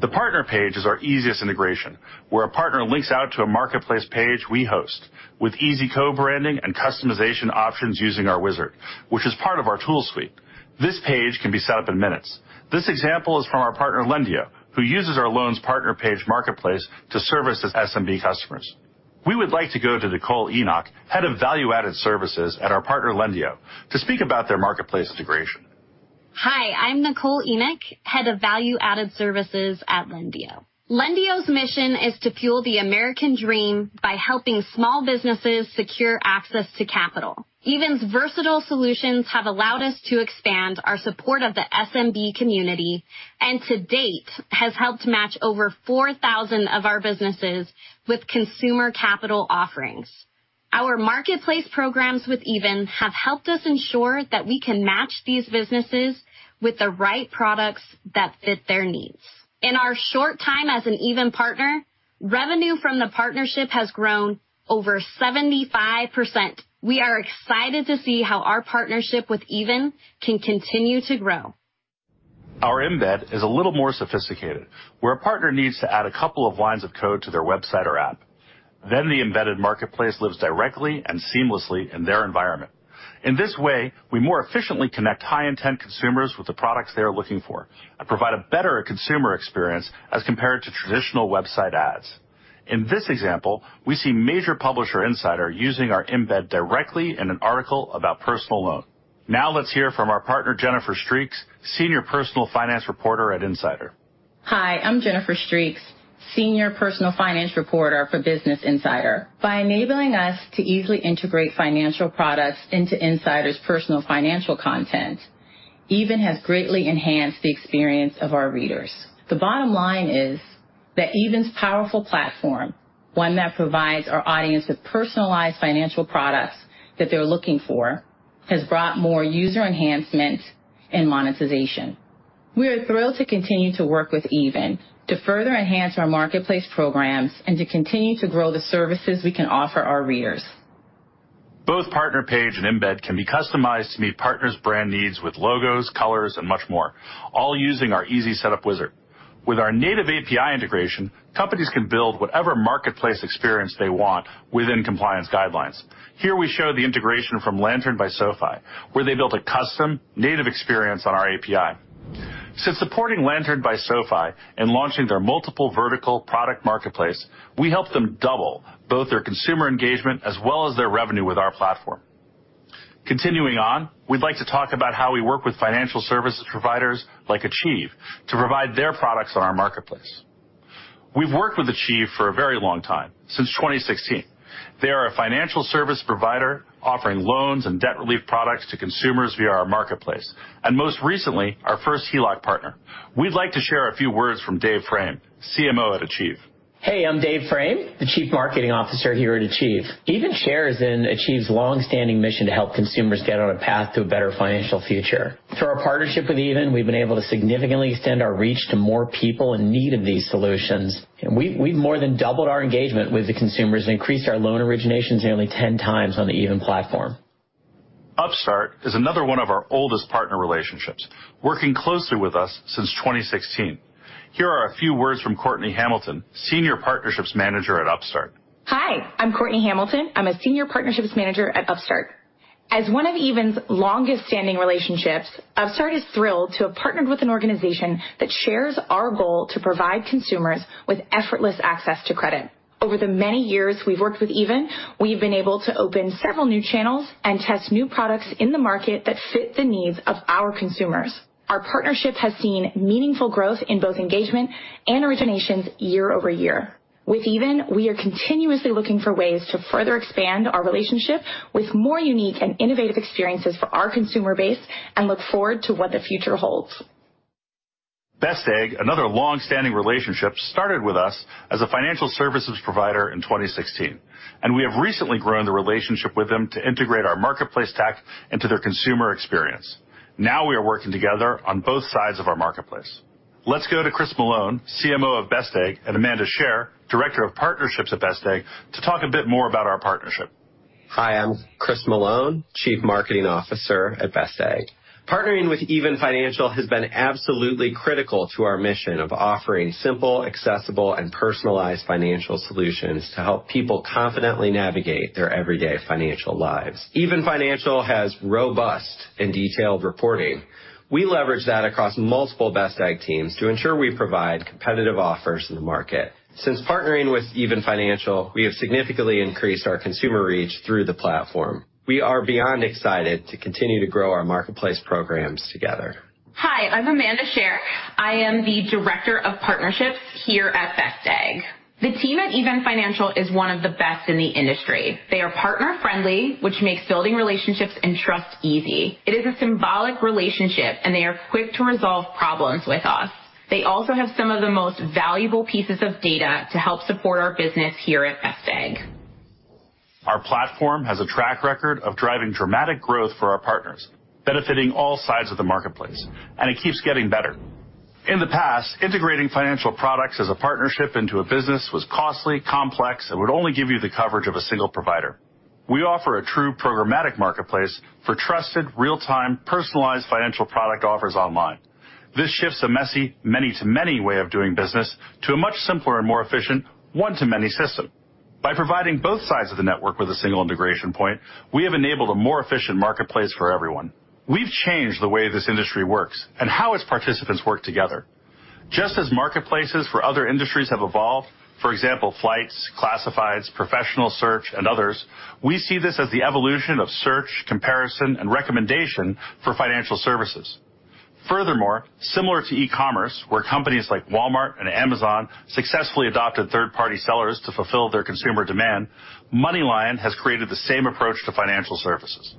The partner page is our easiest integration, where a partner links out to a marketplace page we host with easy co-branding and customization options using our wizard, which is part of our tool suite. This page can be set up in minutes. This example is from our partner Lendio, who uses our loans partner page marketplace to service its SMB customers. We would like to go to Nichole Enoch, Head of Value-Added Services at our partner Lendio, to speak about their marketplace integration. Hi, I'm Nichole Enoch, Head of Value Added Services at Lendio. Lendio's mission is to fuel the American dream by helping small businesses secure access to capital. Even's versatile solutions have allowed us to expand our support of the SMB community, and to date, has helped match over 4,000 of our businesses with consumer capital offerings. Our marketplace programs with Even have helped us ensure that we can match these businesses with the right products that fit their needs. In our short time as an Even partner, revenue from the partnership has grown over 75%. We are excited to see how our partnership with Even can continue to grow. Our embed is a little more sophisticated, where a partner needs to add a couple of lines of code to their website or app. The embedded marketplace lives directly and seamlessly in their environment. In this way, we more efficiently connect high-intent consumers with the products they are looking for and provide a better consumer experience as compared to traditional website ads. In this example, we see major publisher Insider using our embed directly in an article about personal loan. Let's hear from our partner, Jennifer Streaks, Senior Personal Finance Reporter at Insider. Hi, I'm Jennifer Streaks, Senior Personal Finance Reporter for Business Insider. By enabling us to easily integrate financial products into Insider's personal financial content, Even has greatly enhanced the experience of our readers. The bottom line is that Even's powerful platform, one that provides our audience with personalized financial products that they're looking for, has brought more user enhancement and monetization. We are thrilled to continue to work with Even to further enhance our marketplace programs and to continue to grow the services we can offer our readers. Both partner page and embed can be customized to meet partners' brand needs with logos, colors, and much more, all using our easy setup wizard. With our native API integration, companies can build whatever marketplace experience they want within compliance guidelines. Here we show the integration from Lantern by SoFi, where they built a custom native experience on our API. Since supporting Lantern by SoFi in launching their multiple vertical product marketplace, we helped them double both their consumer engagement as well as their revenue with our platform. We'd like to talk about how we work with financial services providers like Achieve to provide their products on our marketplace. We've worked with Achieve for a very long time, since 2016. They are a financial service provider offering loans and debt relief products to consumers via our marketplace and, most recently, our first HELOC partner. We'd like to share a few words from Dave Frame, CMO at Achieve. Hey, I'm Dave Frame, the chief marketing officer here at Achieve. Even shares in Achieve's long-standing mission to help consumers get on a path to a better financial future. Through our partnership with Even, we've been able to significantly extend our reach to more people in need of these solutions, and we've more than doubled our engagement with the consumers and increased our loan originations nearly 10 times on the Even platform. Upstart is another one of our oldest partner relationships, working closely with us since 2016. Here are a few words from Cortney Hamilton, Senior Partnerships Manager at Upstart. Hi, I'm Cortney Hamilton. I'm a Senior Partnerships Manager at Upstart. As one of Even's longest-standing relationships, Upstart is thrilled to have partnered with an organization that shares our goal to provide consumers with effortless access to credit. Over the many years we've worked with Even, we've been able to open several new channels and test new products in the market that fit the needs of our consumers. Our partnership has seen meaningful growth in both engagement and originations year-over-year. With Even, we are continuously looking for ways to further expand our relationship with more unique and innovative experiences for our consumer base and look forward to what the future holds. Best Egg, another long-standing relationship, started with us as a financial services provider in 2016. We have recently grown the relationship with them to integrate our marketplace tech into their consumer experience. Now we are working together on both sides of our marketplace. Let's go to Chris Malone, CMO of Best Egg, and Amanda Serritella, Director of Partnerships at Best Egg, to talk a bit more about our partnership. Hi, I'm Chris Malone, Chief Marketing Officer at Best Egg. Partnering with Even Financial has been absolutely critical to our mission of offering simple, accessible, and personalized financial solutions to help people confidently navigate their everyday financial lives. Even Financial has robust and detailed reporting. We leverage that across multiple Best Egg teams to ensure we provide competitive offers in the market. Since partnering with Even Financial, we have significantly increased our consumer reach through the platform. We are beyond excited to continue to grow our marketplace programs together. Hi, I'm Amanda Serritella. I am the Director of Partnerships here at Best Egg. The team at Even Financial is one of the best in the industry. They are partner-friendly, which makes building relationships and trust easy. It is a symbolic relationship, and they are quick to resolve problems with us. They also have some of the most valuable pieces of data to help support our business here at Best Egg. Our platform has a track record of driving dramatic growth for our partners, benefiting all sides of the marketplace. It keeps getting better. In the past, integrating financial products as a partnership into a business was costly, complex, and would only give you the coverage of a single provider. We offer a true programmatic marketplace for trusted, real-time, personalized financial product offers online. This shifts a messy many-to-many way of doing business to a much simpler and more efficient one-to-many system. By providing both sides of the network with a single integration point, we have enabled a more efficient marketplace for everyone. We've changed the way this industry works and how its participants work together. Just as marketplaces for other industries have evolved, for example, flights, classifieds, professional search, and others, we see this as the evolution of search, comparison, and recommendation for financial services. Furthermore, similar to e-commerce, where companies like Walmart and Amazon successfully adopted third-party sellers to fulfill their consumer demand, MoneyLion has created the same approach to financial services.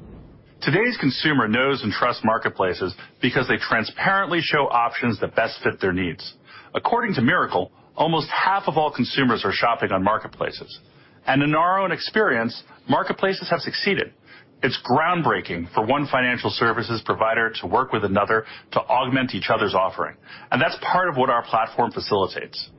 Today's consumer knows and trusts marketplaces because they transparently show options that best fit their needs. According to Mirakl, almost half of all consumers are shopping on marketplaces, and in our own experience, marketplaces have succeeded. It's groundbreaking for one financial services provider to work with another to augment each other's offering, and that's part of what our platform facilitates.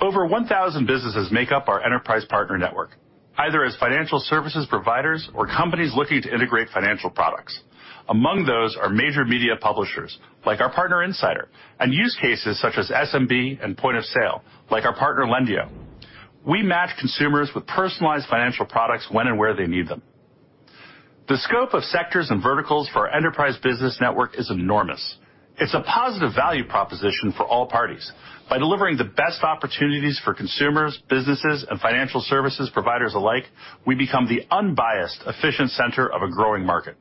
Over 1,000 businesses make up our enterprise partner network, either as financial services providers or companies looking to integrate financial products. Among those are major media publishers like our partner Insider and use cases such as SMB and point of sale, like our partner Lendio. We match consumers with personalized financial products when and where they need them. The scope of sectors and verticals for our enterprise business network is enormous. It's a positive value proposition for all parties. By delivering the best opportunities for consumers, businesses, and financial services providers alike, we become the unbiased, efficient center of a growing market.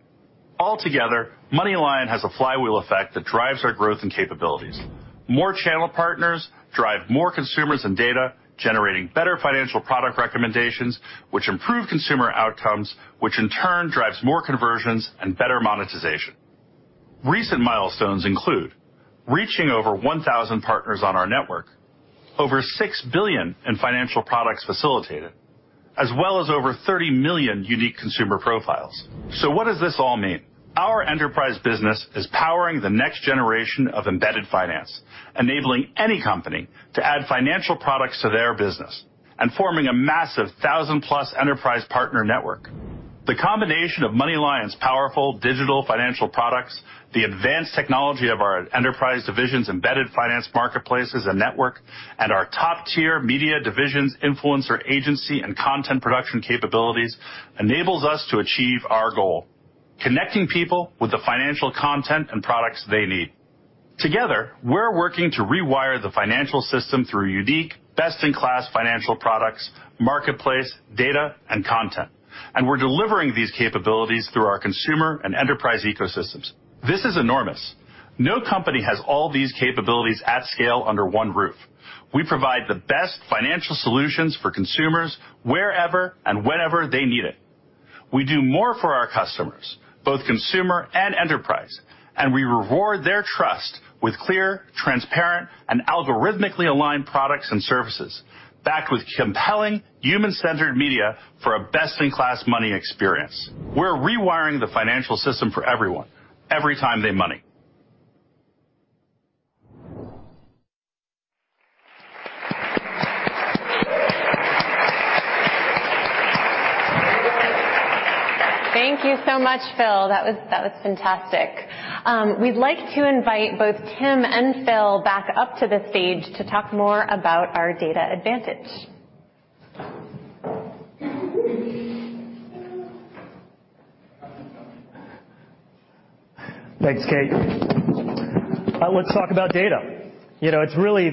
Altogether, MoneyLion has a flywheel effect that drives our growth and capabilities. More channel partners drive more consumers and data generating better financial product recommendations which improve consumer outcomes, which in turn drives more conversions and better monetization. Recent milestones include reaching over 1,000 partners on our network, over $6 billion in financial products facilitated, as well as over 30 million unique consumer profiles. What does this all mean? Our enterprise business is powering the next generation of embedded finance, enabling any company to add financial products to their business and forming a massive 1,000-plus enterprise partner network. The combination of MoneyLion's powerful digital financial products, the advanced technology of our enterprise division's embedded finance marketplaces and network, our top-tier media division's influencer agency and content production capabilities enables us to achieve our goal, connecting people with the financial content and products they need. Together, we're working to rewire the financial system through unique, best-in-class financial products, marketplace, data, and content. We're delivering these capabilities through our consumer and enterprise ecosystems. This is enormous. No company has all these capabilities at scale under one roof. We provide the best financial solutions for consumers wherever and whenever they need it. We do more for our customers, both consumer and enterprise. We reward their trust with clear, transparent, and algorithmically aligned products and services backed with compelling human-centered media for a best-in-class money experience. We're rewiring the financial system for everyone Every Time They Money. Thank you so much, Phil. That was fantastic. We'd like to invite both Tim and Phil back up to the stage to talk more about our data advantage. Thanks, Kate. Let's talk about data. You know, it's really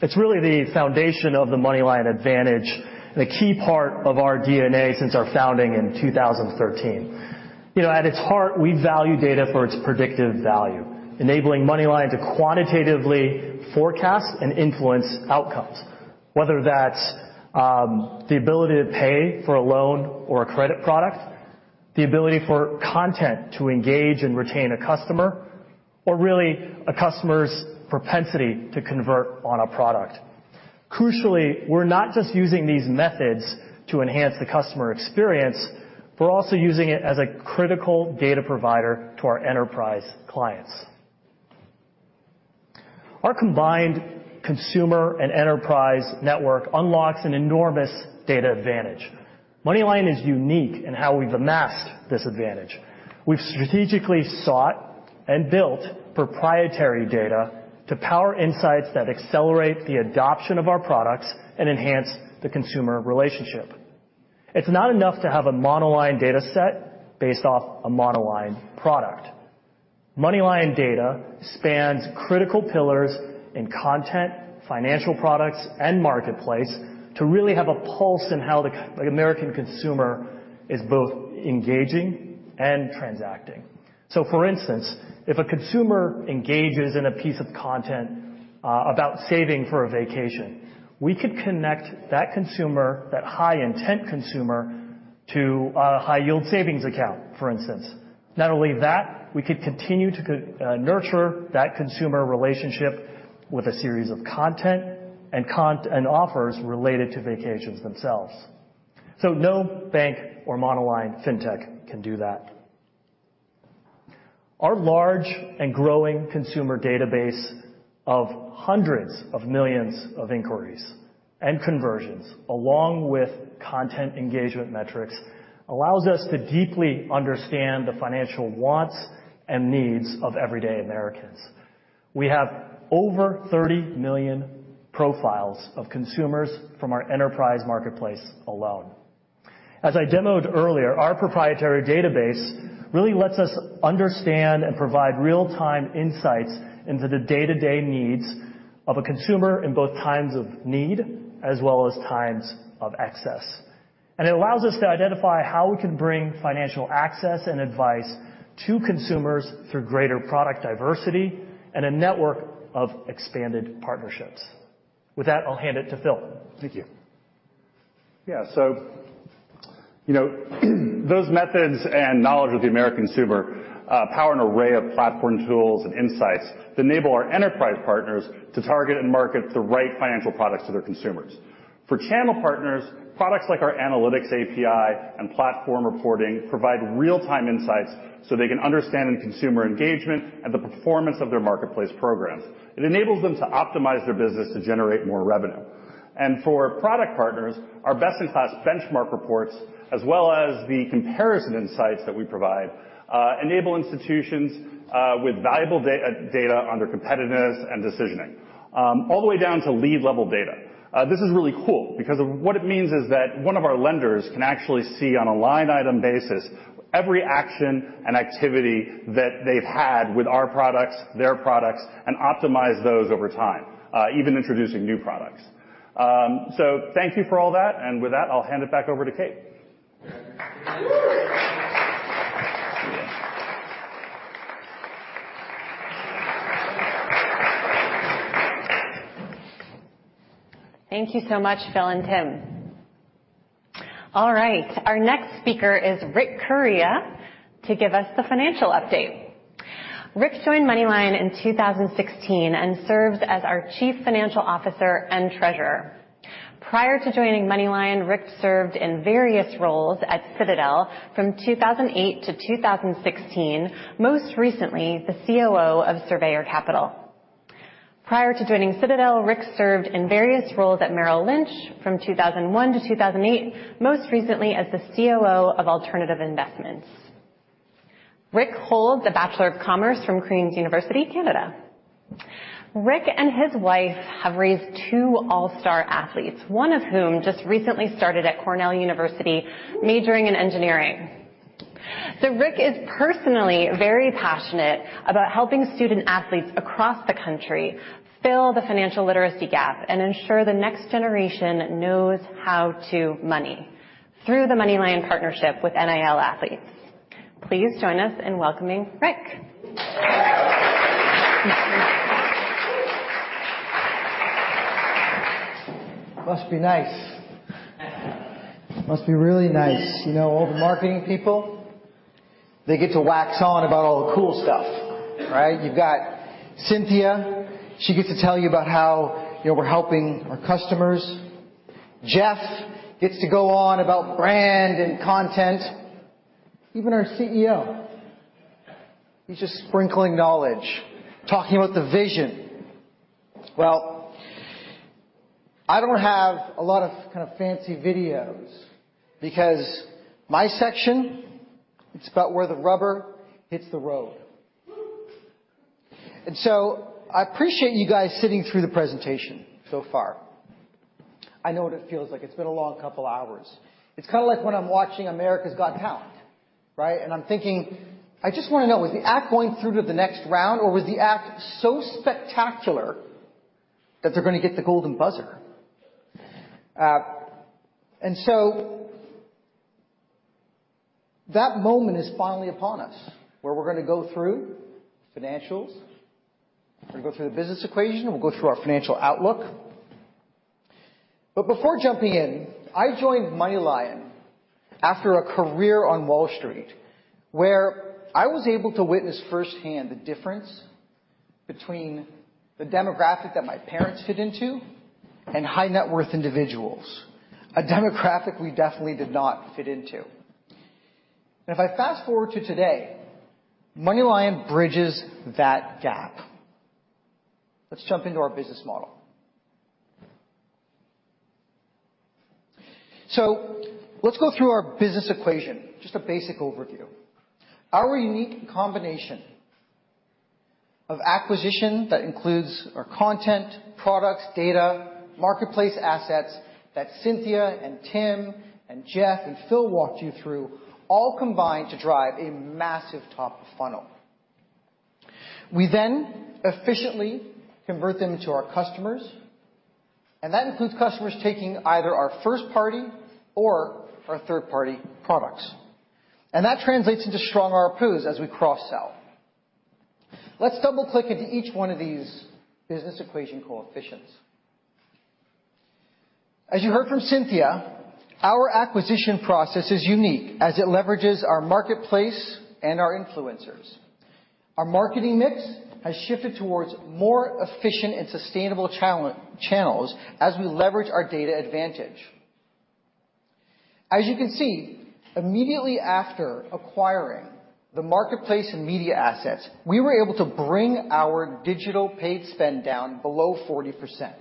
the foundation of the MoneyLion advantage and a key part of our DNA since our founding in 2013. You know, at its heart, we value data for its predictive value, enabling MoneyLion to quantitatively forecast and influence outcomes, whether that's the ability to pay for a loan or a credit product, the ability for content to engage and retain a customer or really a customer's propensity to convert on a product. Crucially, we're not just using these methods to enhance the customer experience. We're also using it as a critical data provider to our enterprise clients. Our combined consumer and enterprise network unlocks an enormous data advantage. MoneyLion is unique in how we've amassed this advantage. We've strategically sought and built proprietary data to power insights that accelerate the adoption of our products and enhance the consumer relationship. It's not enough to have a monoline data set based off a monoline product. MoneyLion data spans critical pillars in content, financial products, and marketplace to really have a pulse in how the American consumer is both engaging and transacting. For instance, if a consumer engages in a piece of content about saving for a vacation, we could connect that consumer, that high intent consumer, to a high yield savings account, for instance. Not only that, we could continue to nurture that consumer relationship with a series of content and offers related to vacations themselves. No bank or monoline fintech can do that. Our large and growing consumer database of hundreds of millions of inquiries and conversions, along with content engagement metrics, allows us to deeply understand the financial wants and needs of everyday Americans. We have over 30 million profiles of consumers from our enterprise marketplace alone. As I demoed earlier, our proprietary database really lets us understand and provide real-time insights into the day-to-day needs of a consumer in both times of need as well as times of excess. It allows us to identify how we can bring financial access and advice to consumers through greater product diversity and a network of expanded partnerships. With that, I'll hand it to Phil. Thank you. Yeah. you know, those methods and knowledge of the American consumer power an array of platform tools and insights that enable our enterprise partners to target and market the right financial products to their consumers. For channel partners, products like our analytics API and platform reporting provide real-time insights so they can understand the consumer engagement and the performance of their marketplace programs. It enables them to optimize their business to generate more revenue. For product partners, our best-in-class benchmark reports, as well as the comparison insights that we provide, enable institutions with valuable data on their competitiveness and decisioning, all the way down to lead level data. This is really cool because of what it means is that one of our lenders can actually see on a line item basis every action and activity that they've had with our products, their products, and optimize those over time, even introducing new products. Thank you for all that, and with that, I'll hand it back over to Kate. Thank you so much, Phillip and Tim. Our next speaker is Rick Correia to give us the financial update. Rick joined MoneyLion in 2016 and serves as our chief financial officer and treasurer. Prior to joining MoneyLion, Rick served in various roles at Citadel from 2008 to 2016, most recently the COO of Surveyor Capital. Prior to joining Citadel, Rick served in various roles at Merrill Lynch from 2001 to 2008, most recently as the COO of alternative investments. Rick holds a Bachelor of Commerce from Queen's University, Canada. Rick and his wife have raised two all-star athletes, one of whom just recently started at Cornell University, majoring in engineering. Rick is personally very passionate about helping student athletes across the country fill the financial literacy gap and ensure the next generation knows how to money through the MoneyLion partnership with NIL Athletes. Please join us in welcoming Rick. Must be nice. Must be really nice. You know, all the marketing people, they get to wax on about all the cool stuff, right? You've got Cynthia, she gets to tell you about how, you know, we're helping our customers. Jeff gets to go on about brand and content. Even our CEO, he's just sprinkling knowledge, talking about the vision. Well, I don't have a lot of kind of fancy videos because my section, it's about where the rubber hits the road. I appreciate you guys sitting through the presentation so far. I know what it feels like. It's been a long couple of hours. It's kinda like when I'm watching America's Got Talent, right? I'm thinking, "I just wanna know, was the act going through to the next round, or was the act so spectacular that they're gonna get the golden buzzer?" That moment is finally upon us, where we're gonna go through financials, we're gonna go through the business equation, and we'll go through our financial outlook. Before jumping in, I joined MoneyLion after a career on Wall Street, where I was able to witness firsthand the difference between the demographic that my parents fit into and high net worth individuals, a demographic we definitely did not fit into. If I fast-forward to today, MoneyLion bridges that gap. Let's jump into our business model. Let's go through our business equation, just a basic overview. Our unique combination of acquisition that includes our content, products, data, marketplace assets that Cynthia and Tim and Jeff and Phil walked you through all combine to drive a massive top of funnel. We efficiently convert them into our customers, and that includes customers taking either our first-party or our third-party products. That translates into strong ARPUs as we cross-sell. Let's double-click into each one of these business equation coefficients. As you heard from Cynthia, our acquisition process is unique as it leverages our marketplace and our influencers. Our marketing mix has shifted towards more efficient and sustainable channels as we leverage our data advantage. As you can see, immediately after acquiring the marketplace and media assets, we were able to bring our digital paid spend down below 40%.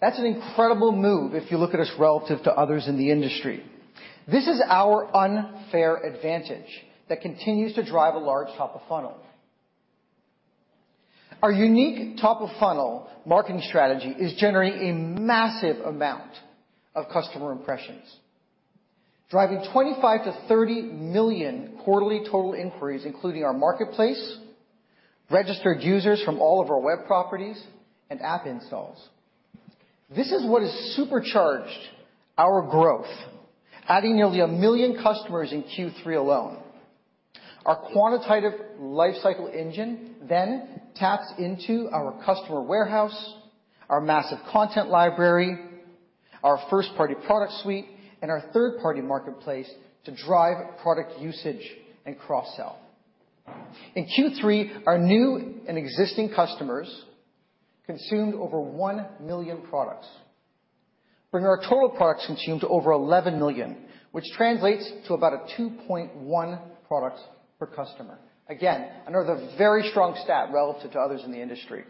That's an incredible move if you look at us relative to others in the industry. This is our unfair advantage that continues to drive a large top of funnel. Our unique top of funnel marketing strategy is generating a massive amount of customer impressions, driving 25 million-30 million quarterly total inquiries, including our marketplace, registered users from all of our web properties and app installs. This is what has supercharged our growth, adding nearly 1 million customers in Q3 alone. Our quantitative life cycle engine taps into our customer warehouse, our massive content library, our first-party product suite, and our third-party marketplace to drive product usage and cross-sell. In Q3, our new and existing customers consumed over 1 million products. Bringing our total products consumed to over 11 million, which translates to about a 2.1 products per customer. Again, another very strong stat relative to others in the industry.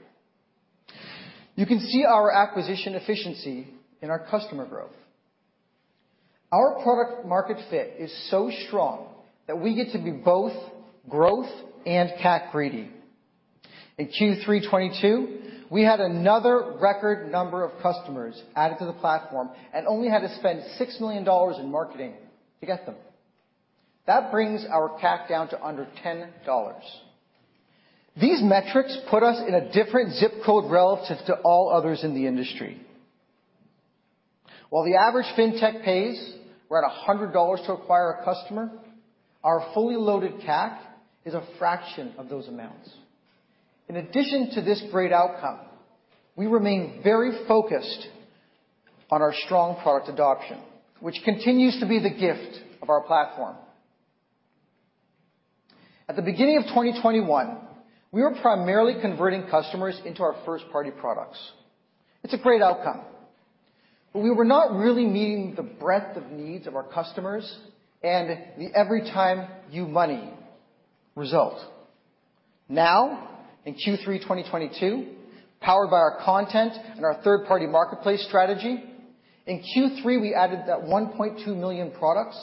You can see our acquisition efficiency in our customer growth. Our product market fit is so strong that we get to be both growth and CAC greedy. In Q3 '22, we had another record number of customers added to the platform and only had to spend $6 million in marketing to get them. That brings our CAC down to under $10. These metrics put us in a different zip code relative to all others in the industry. While the average fintech pays, we're at $100 to acquire a customer, our fully loaded CAC is a fraction of those amounts. In addition to this great outcome, we remain very focused on our strong product adoption, which continues to be the gift of our platform. At the beginning of 2021, we were primarily converting customers into our first-party products. It's a great outcome. We were not really meeting the breadth of needs of our customers and the Every Time You Money result. In Q3 2022, powered by our content and our third-party marketplace strategy, in Q3 we added that 1.2 million products.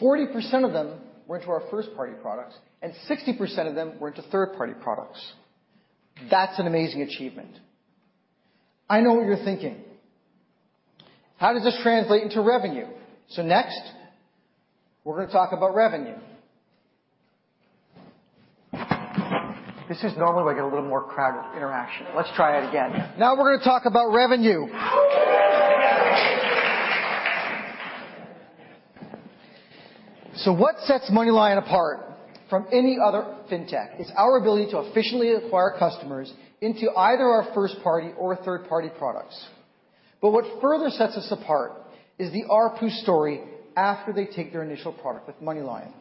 40% of them went to our first-party products and 60% of them went to third-party products. That's an amazing achievement. I know what you're thinking. How does this translate into revenue? Next, we're going to talk about revenue. This is normally where I get a little more crowd interaction. Let's try that again. We're going to talk about revenue. What sets MoneyLion apart from any other fintech is our ability to efficiently acquire customers into either our first-party or third-party products. What further sets us apart is the ARPU story after they take their initial product with MoneyLion.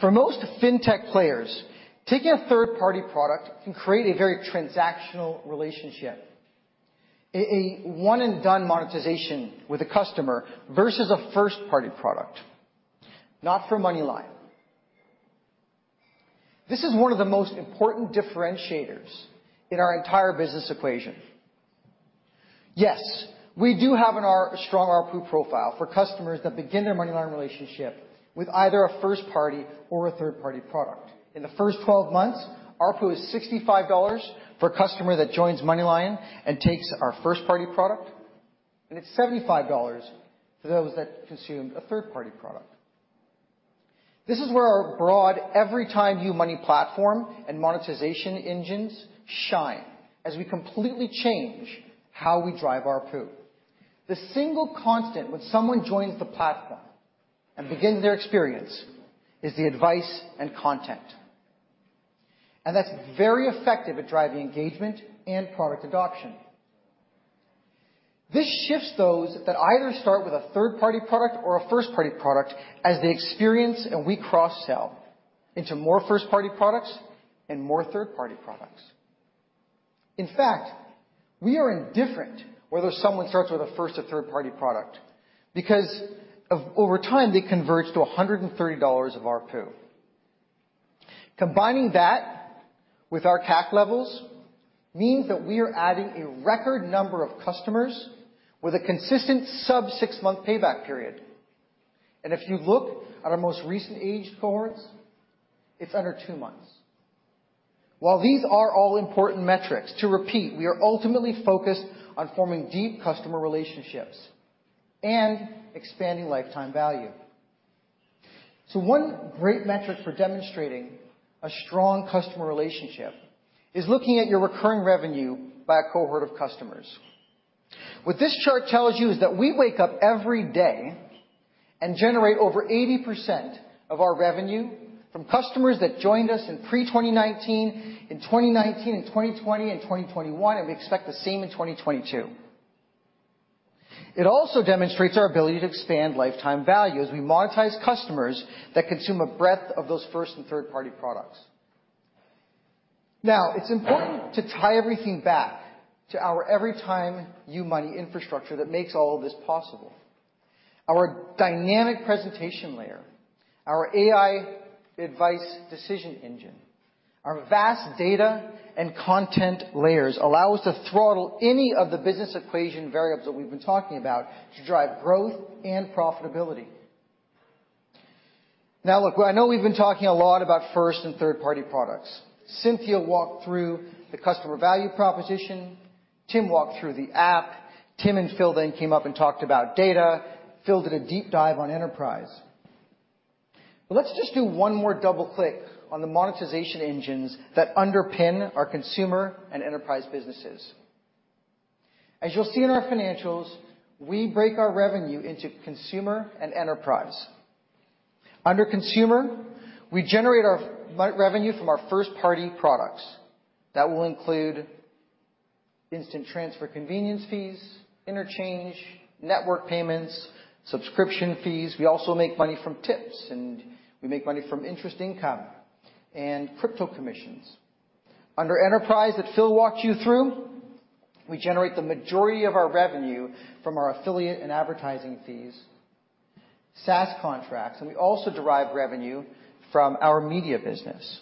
For most fintech players, taking a third-party product can create a very transactional relationship. A one and done monetization with a customer versus a first-party product, not for MoneyLion. This is one of the most important differentiators in our entire business equation. Yes, we do have in our strong ARPU profile for customers that begin their MoneyLion relationship with either a first-party or a third-party product. In the first 12 months, ARPU is $65 for a customer that joins MoneyLion and takes our first-party product, and it's $75 for those that consume a third-party product. This is where our broad Every Time You Money platform and monetization engines shine as we completely change how we drive ARPU. The single constant when someone joins the platform and begins their experience is the advice and content. That's very effective at driving engagement and product adoption. This shifts those that either start with a third-party product or a first-party product as they experience and we cross-sell into more first-party products and more third-party products. In fact, we are indifferent whether someone starts with a first or third-party product over time, they converge to $130 of ARPU. Combining that with our CAC levels means that we are adding a record number of customers with a consistent sub-6-month payback period. If you look at our most recent aged cohorts, it's under 2 months. While these are all important metrics, to repeat, we are ultimately focused on forming deep customer relationships and expanding lifetime value. One great metric for demonstrating a strong customer relationship is looking at your recurring revenue by a cohort of customers. What this chart tells you is that we wake up every day and generate over 80% of our revenue from customers that joined us in pre-2019, in 2019, in 2020 and 2021, and we expect the same in 2022. It also demonstrates our ability to expand lifetime value as we monetize customers that consume a breadth of those first and third-party products. It's important to tie everything back to our Every Time You Money infrastructure that makes all of this possible. Our dynamic presentation layer, our AI advice decision engine, our vast data and content layers allow us to throttle any of the business equation variables that we've been talking about to drive growth and profitability. I know we've been talking a lot about first and third-party products. Cynthia walked through the customer value proposition. Tim walked through the app. Tim and Phil came up and talked about data. Phil did a deep dive on enterprise. Let's just do one more double click on the monetization engines that underpin our consumer and enterprise businesses. As you'll see in our financials, we break our revenue into consumer and enterprise. Under consumer, we generate our revenue from our first party products. That will include instant transfer convenience fees, interchange, network payments, subscription fees. We also make money from tips, and we make money from interest income and crypto commissions. Under enterprise that Phil walked you through, we generate the majority of our revenue from our affiliate and advertising fees, SaaS contracts, and we also derive revenue from our media business.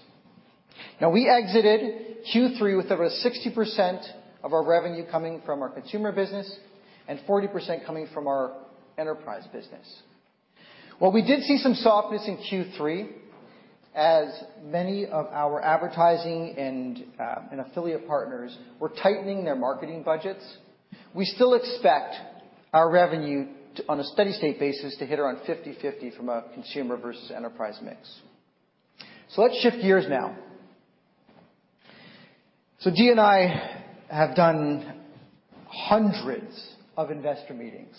We exited Q3 with over 60% of our revenue coming from our consumer business and 40% coming from our enterprise business. While we did see some softness in Q3, as many of our advertising and affiliate partners were tightening their marketing budgets, we still expect our revenue on a steady-state basis to hit around 50/50 from a consumer versus enterprise mix. Let's shift gears now. G and I have done hundreds of investor meetings,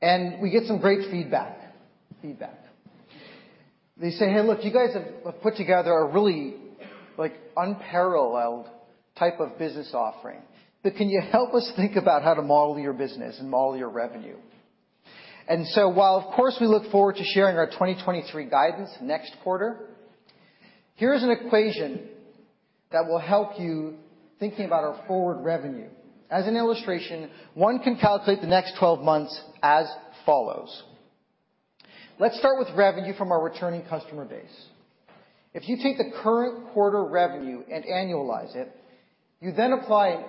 and we get some great feedback. They say, "Hey, look, you guys have put together a really, like, unparalleled type of business offering, can you help us think about how to model your business and model your revenue?" While, of course, we look forward to sharing our 2023 guidance next quarter, here's an equation that will help you thinking about our forward revenue. As an illustration, one can calculate the next 12 months as follows. Let's start with revenue from our returning customer base. If you take the current quarter revenue and annualize it, you then apply an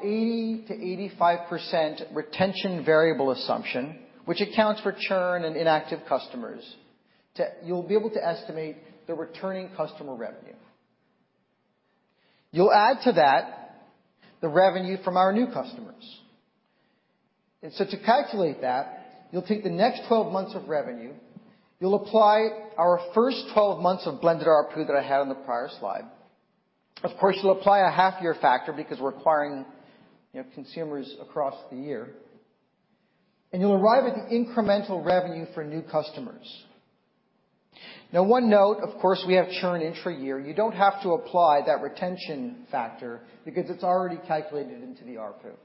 80%-85% retention variable assumption, which accounts for churn and inactive customers, you'll be able to estimate the returning customer revenue. You'll add to that the revenue from our new customers. To calculate that, you'll take the next 12 months of revenue, you'll apply our first 12 months of blended ARPU that I had on the prior slide. Of course, you'll apply a half year factor because we're acquiring, you know, consumers across the year, and you'll arrive at the incremental revenue for new customers. One note, of course, we have churn intra-year. You don't have to apply that retention factor because it's already calculated into the ARPU.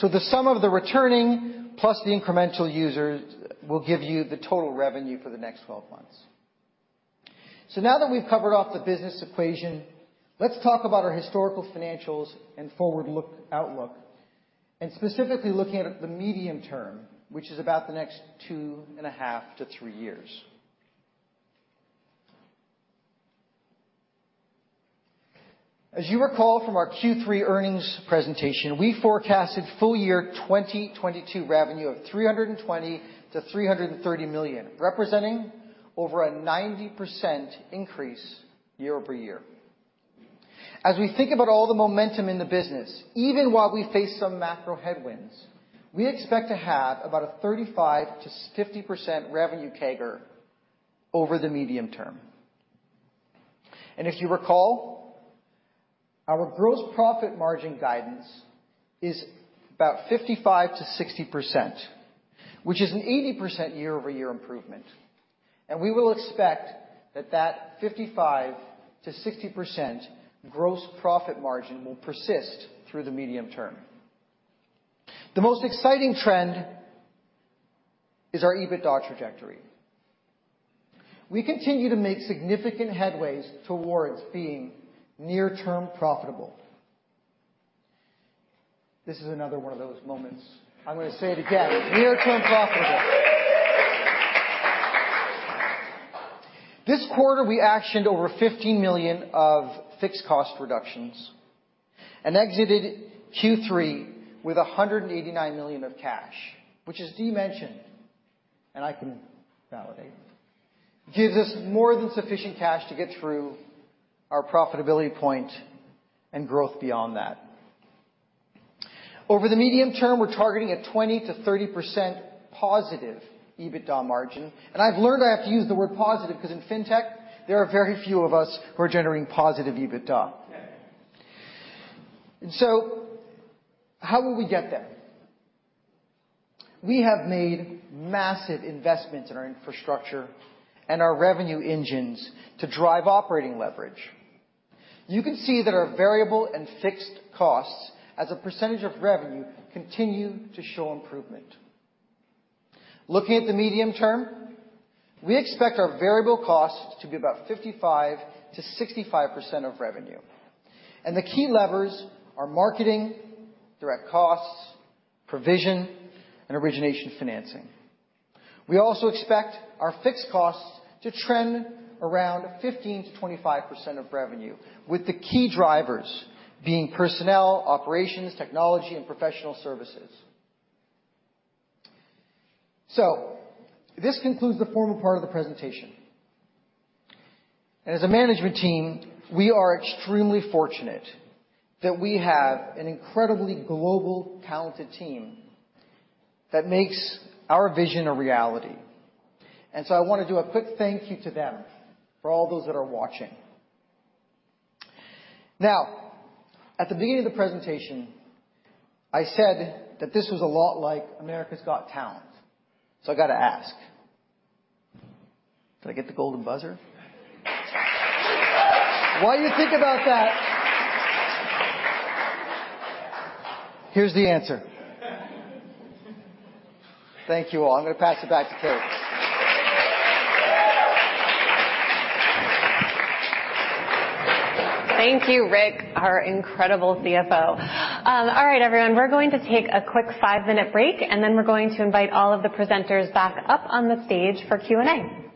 The sum of the returning plus the incremental users will give you the total revenue for the next 12 months. Now that we've covered off the business equation, let's talk about our historical financials and forward look outlook, and specifically looking at the medium term, which is about the next two and a half to 3 years. As you recall from our Q3 earnings presentation, we forecasted full year 2022 revenue of $320 million-$330 million, representing over a 90% increase year-over-year. As we think about all the momentum in the business, even while we face some macro headwinds, we expect to have about a 35%-50% revenue CAGR over the medium term. If you recall, our gross profit margin guidance is about 55%-60%, which is an 80% year-over-year improvement. We will expect that that 55%-60% gross profit margin will persist through the medium term. The most exciting trend is our EBITDA trajectory. We continue to make significant headways towards being near-term profitable. This is another one of those moments. I'm gonna say it again, near-term profitable. This quarter we actioned over $50 million of fixed cost reductions and exited Q3 with $189 million of cash, which as Dee mentioned, and I can validate, gives us more than sufficient cash to get through our profitability point and growth beyond that. Over the medium term, we're targeting a 20%-30% positive EBITDA margin, and I've learned I have to use the word positive because in FinTech there are very few of us who are generating positive EBITDA. How will we get there? We have made massive investments in our infrastructure and our revenue engines to drive operating leverage. You can see that our variable and fixed costs as a percentage of revenue continue to show improvement. Looking at the medium term, we expect our variable costs to be about 55%-65% of revenue. The key levers are marketing, direct costs, provision, and origination financing. We also expect our fixed costs to trend around 15%-25% of revenue, with the key drivers being personnel, operations, technology, and professional services. This concludes the formal part of the presentation. As a management team, we are extremely fortunate that we have an incredibly global talented team that makes our vision a reality. I wanna do a quick thank you to them for all those that are watching. Now, at the beginning of the presentation, I said that this was a lot like America's Got Talent. I gotta ask, did I get the golden buzzer? While you think about that, here's the answer. Thank you all. I'm gonna pass it back to Kate. Thank you, Rick, our incredible CFO. All right, everyone, we're going to take a quick 5-minute break, and then we're going to invite all of the presenters back up on the stage for Q&A. Welcome back, everyone. Thank you so much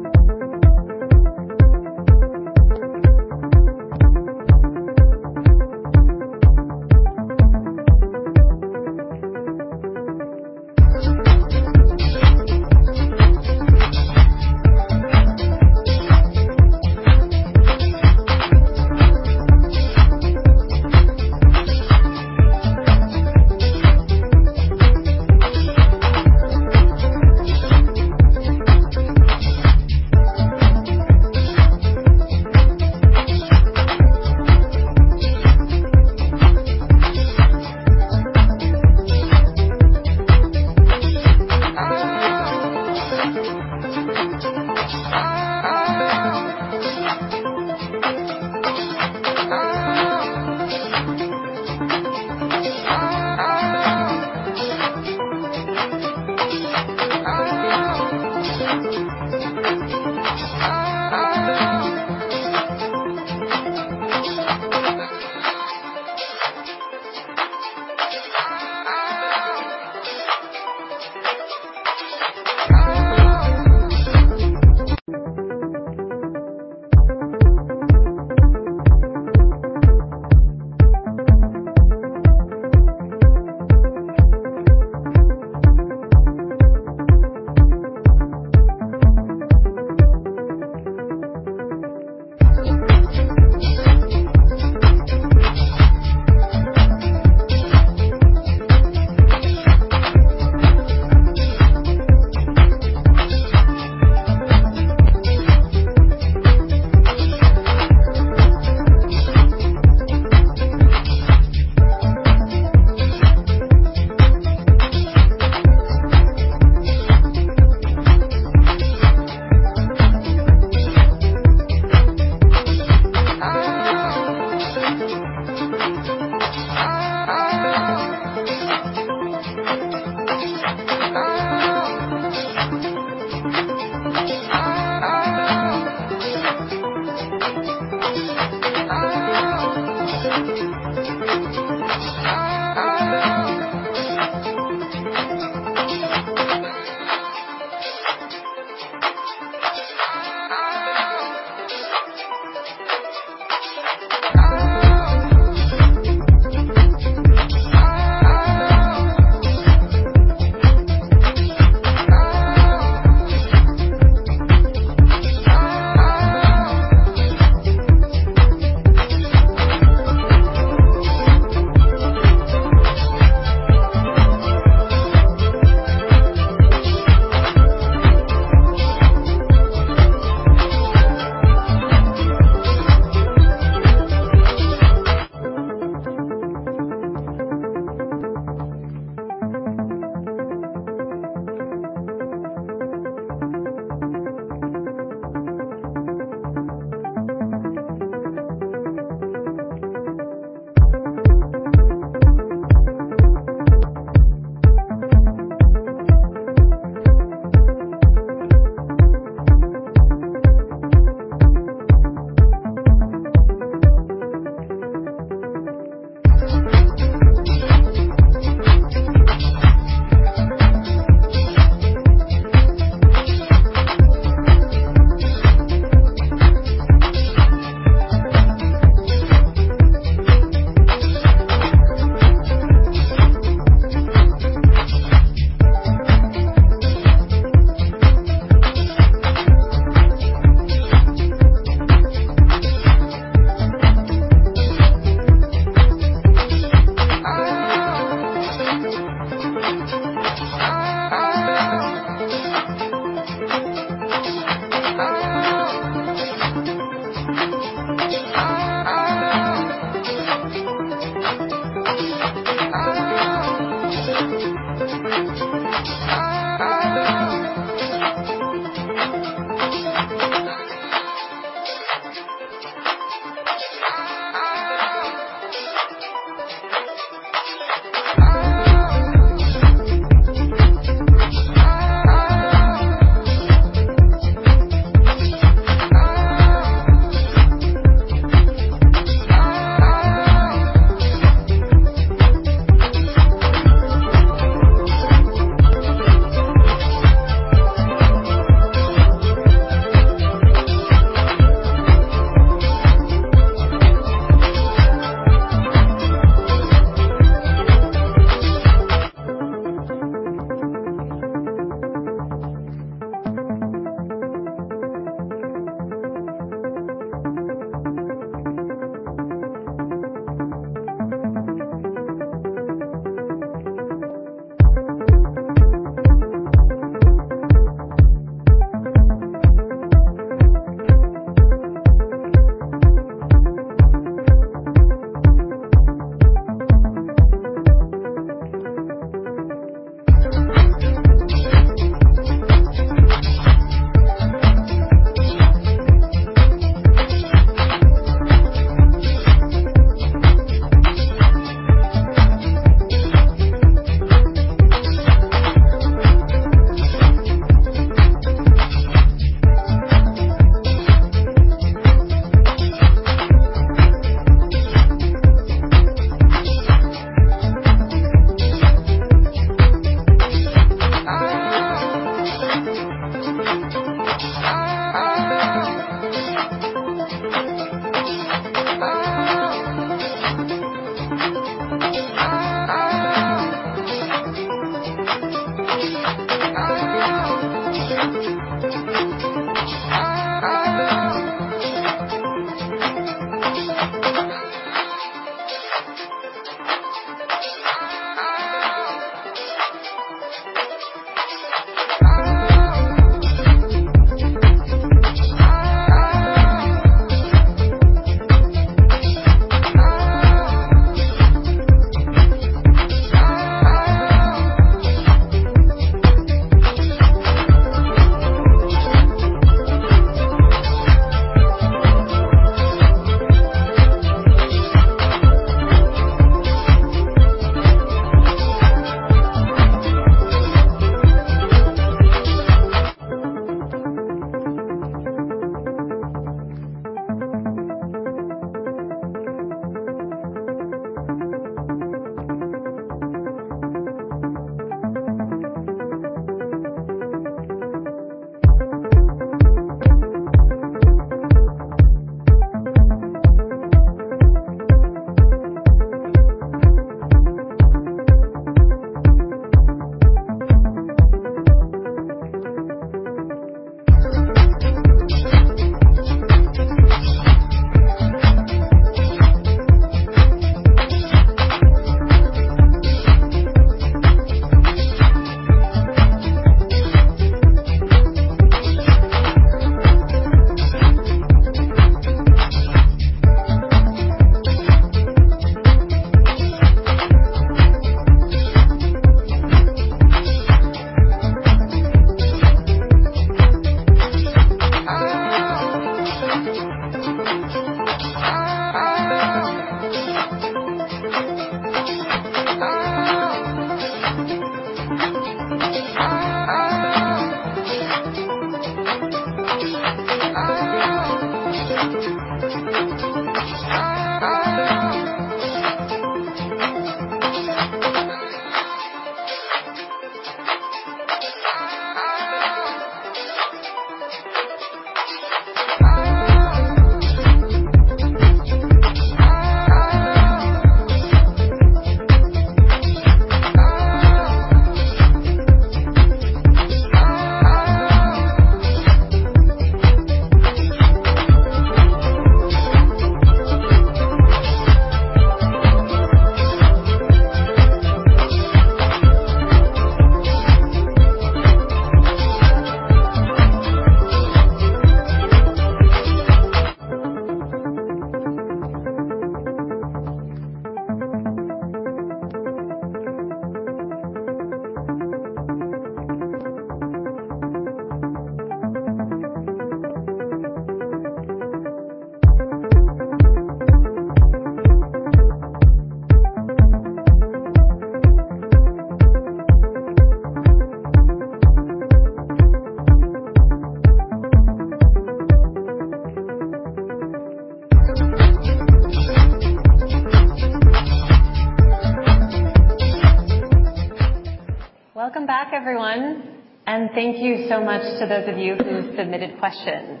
to those of you who submitted questions.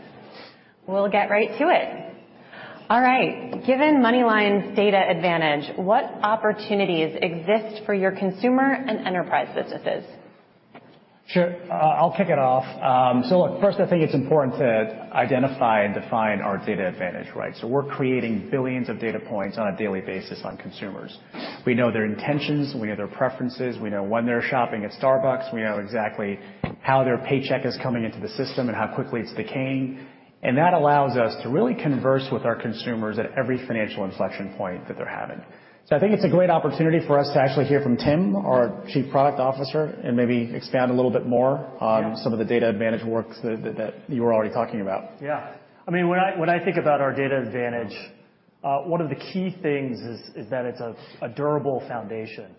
We'll get right to it. All right. Given MoneyLion's data advantage, what opportunities exist for your consumer and enterprise businesses? Sure. I'll kick it off. Look, first, I think it's important to identify and define our data advantage, right? We're creating billions of data points on a daily basis on consumers. We know their intentions. We know their preferences. We know when they're shopping at Starbucks. We know exactly how their paycheck is coming into the system and how quickly it's decaying. That allows us to really converse with our consumers at every financial inflection point that they're having. I think it's a great opportunity for us to actually hear from Tim, our Chief Product Officer, and maybe expand a little bit more on some of the data advantage works that you were already talking about. Yeah. I mean, when I think about our data advantage, one of the key things is that it's a durable foundation.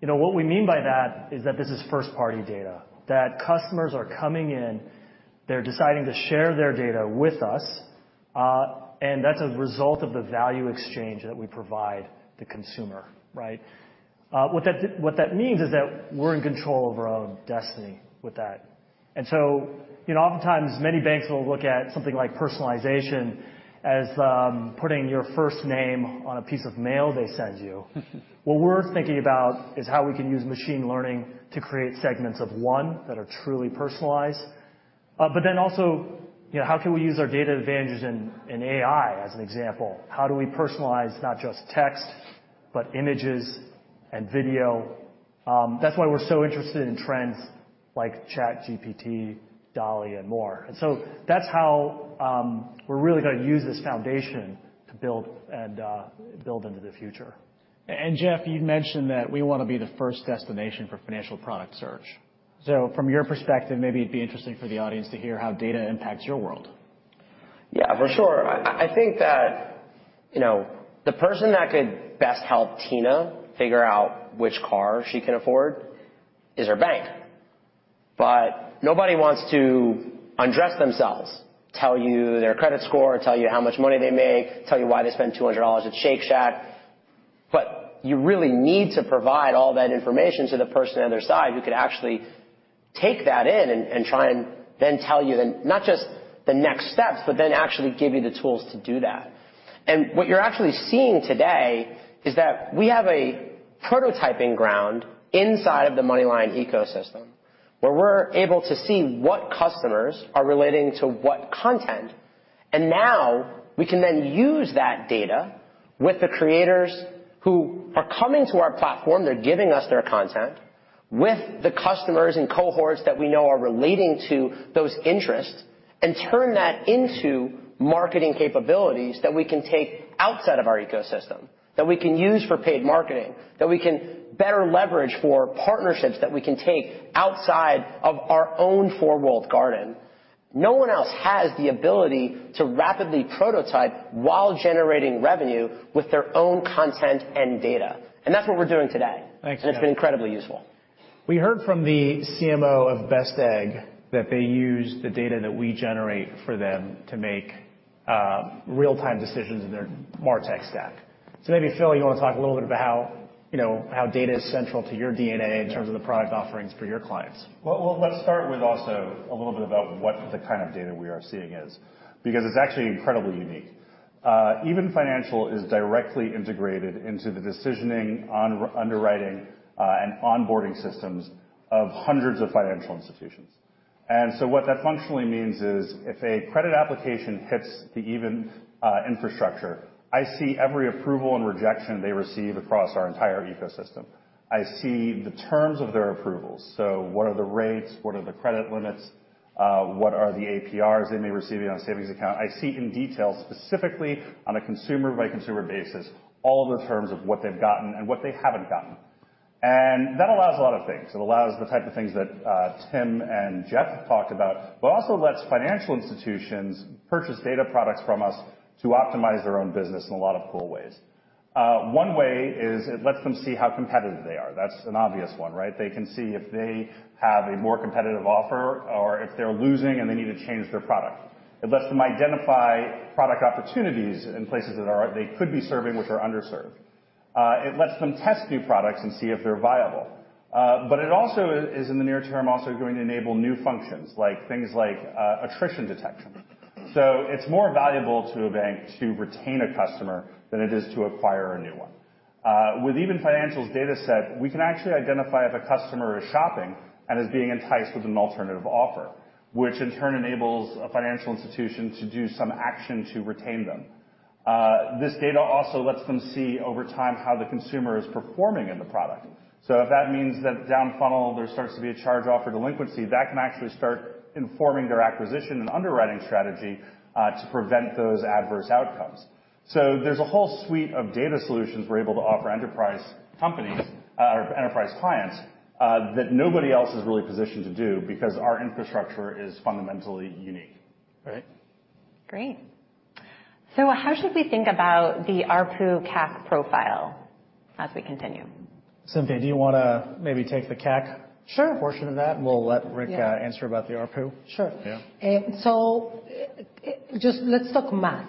You know, what we mean by that is that this is first-party data, that customers are coming in, they're deciding to share their data with us, and that's a result of the value exchange that we provide the consumer, right? What that means is that we're in control of our own destiny with that. You know, oftentimes many banks will look at something like personalization as putting your first name on a piece of mail they send you. What we're thinking about is how we can use machine learning to create segments of one that are truly personalized. Also, you know, how can we use our data advantages in AI as an example? How do we personalize not just text, but images and video? That's why we're so interested in trends like ChatGPT, DALL-E, and more. That's how we're really gonna use this foundation to build and build into the future. Jeff, you'd mentioned that we wanna be the first destination for financial product search. From your perspective, maybe it'd be interesting for the audience to hear how data impacts your world. Yeah, for sure. I think that, you know, the person that could best help Tina figure out which car she can afford is her bank. Nobody wants to undress themselves, tell you their credit score, tell you how much money they make, tell you why they spend $200 at Shake Shack. You really need to provide all that information to the person on their side who could actually take that in and try and then tell you then not just the next steps, but then actually give you the tools to do that. What you're actually seeing today is that we have a prototyping ground inside of the MoneyLion ecosystem, where we're able to see what customers are relating to what content, and now we can then use that data with the creators who are coming to our platform, they're giving us their content, with the customers and cohorts that we know are relating to those interests and turn that into marketing capabilities that we can take outside of our ecosystem, that we can use for paid marketing, that we can better leverage for partnerships that we can take outside of our own four-walled garden. No one else has the ability to rapidly prototype while generating revenue with their own content and data. That's what we're doing today. Thanks, Jeff. It's been incredibly useful. We heard from the CMO of Best Egg that they use the data that we generate for them to make real-time decisions in their martech stack. Maybe, Phil, you wanna talk a little bit about how, you know, how data is central to your DNA in terms of the product offerings for your clients? Well, let's start with also a little bit about what the kind of data we are seeing is because it's actually incredibly unique. Even Financial is directly integrated into the decisioning, underwriting, and onboarding systems of hundreds of financial institutions. What that functionally means is if a credit application hits the Even infrastructure, I see every approval and rejection they receive across our entire ecosystem. I see the terms of their approvals. What are the rates? What are the credit limits? What are the APRs they may receive on a savings account? I see in detail, specifically on a consumer by consumer basis, all the terms of what they've gotten and what they haven't gotten. That allows a lot of things. It allows the type of things that Tim and Jeff talked about, but also lets financial institutions purchase data products from us to optimize their own business in a lot of cool ways. One way is it lets them see how competitive they are. That's an obvious one, right? They can see if they have a more competitive offer or if they're losing and they need to change their product. It lets them identify product opportunities in places that they could be serving which are underserved. It lets them test new products and see if they're viable. It also is in the near term, also going to enable new functions, like things like attrition detection. It's more valuable to a bank to retain a customer than it is to acquire a new one. With Even Financial's data set, we can actually identify if a customer is shopping and is being enticed with an alternative offer, which in turn enables a financial institution to do some action to retain them. This data also lets them see over time how the consumer is performing in the product. If that means that down funnel there starts to be a charge-off or delinquency, that can actually start informing their acquisition and underwriting strategy, to prevent those adverse outcomes. There's a whole suite of data solutions we're able to offer enterprise companies or enterprise clients, that nobody else is really positioned to do because our infrastructure is fundamentally unique. Right. Great. How should we think about the ARPU CAC profile as we continue? Cynthia, do you wanna maybe take the CAC- Sure portion of that, and we'll let Rick, answer about the ARPU? Sure. Yeah. Just let's talk math.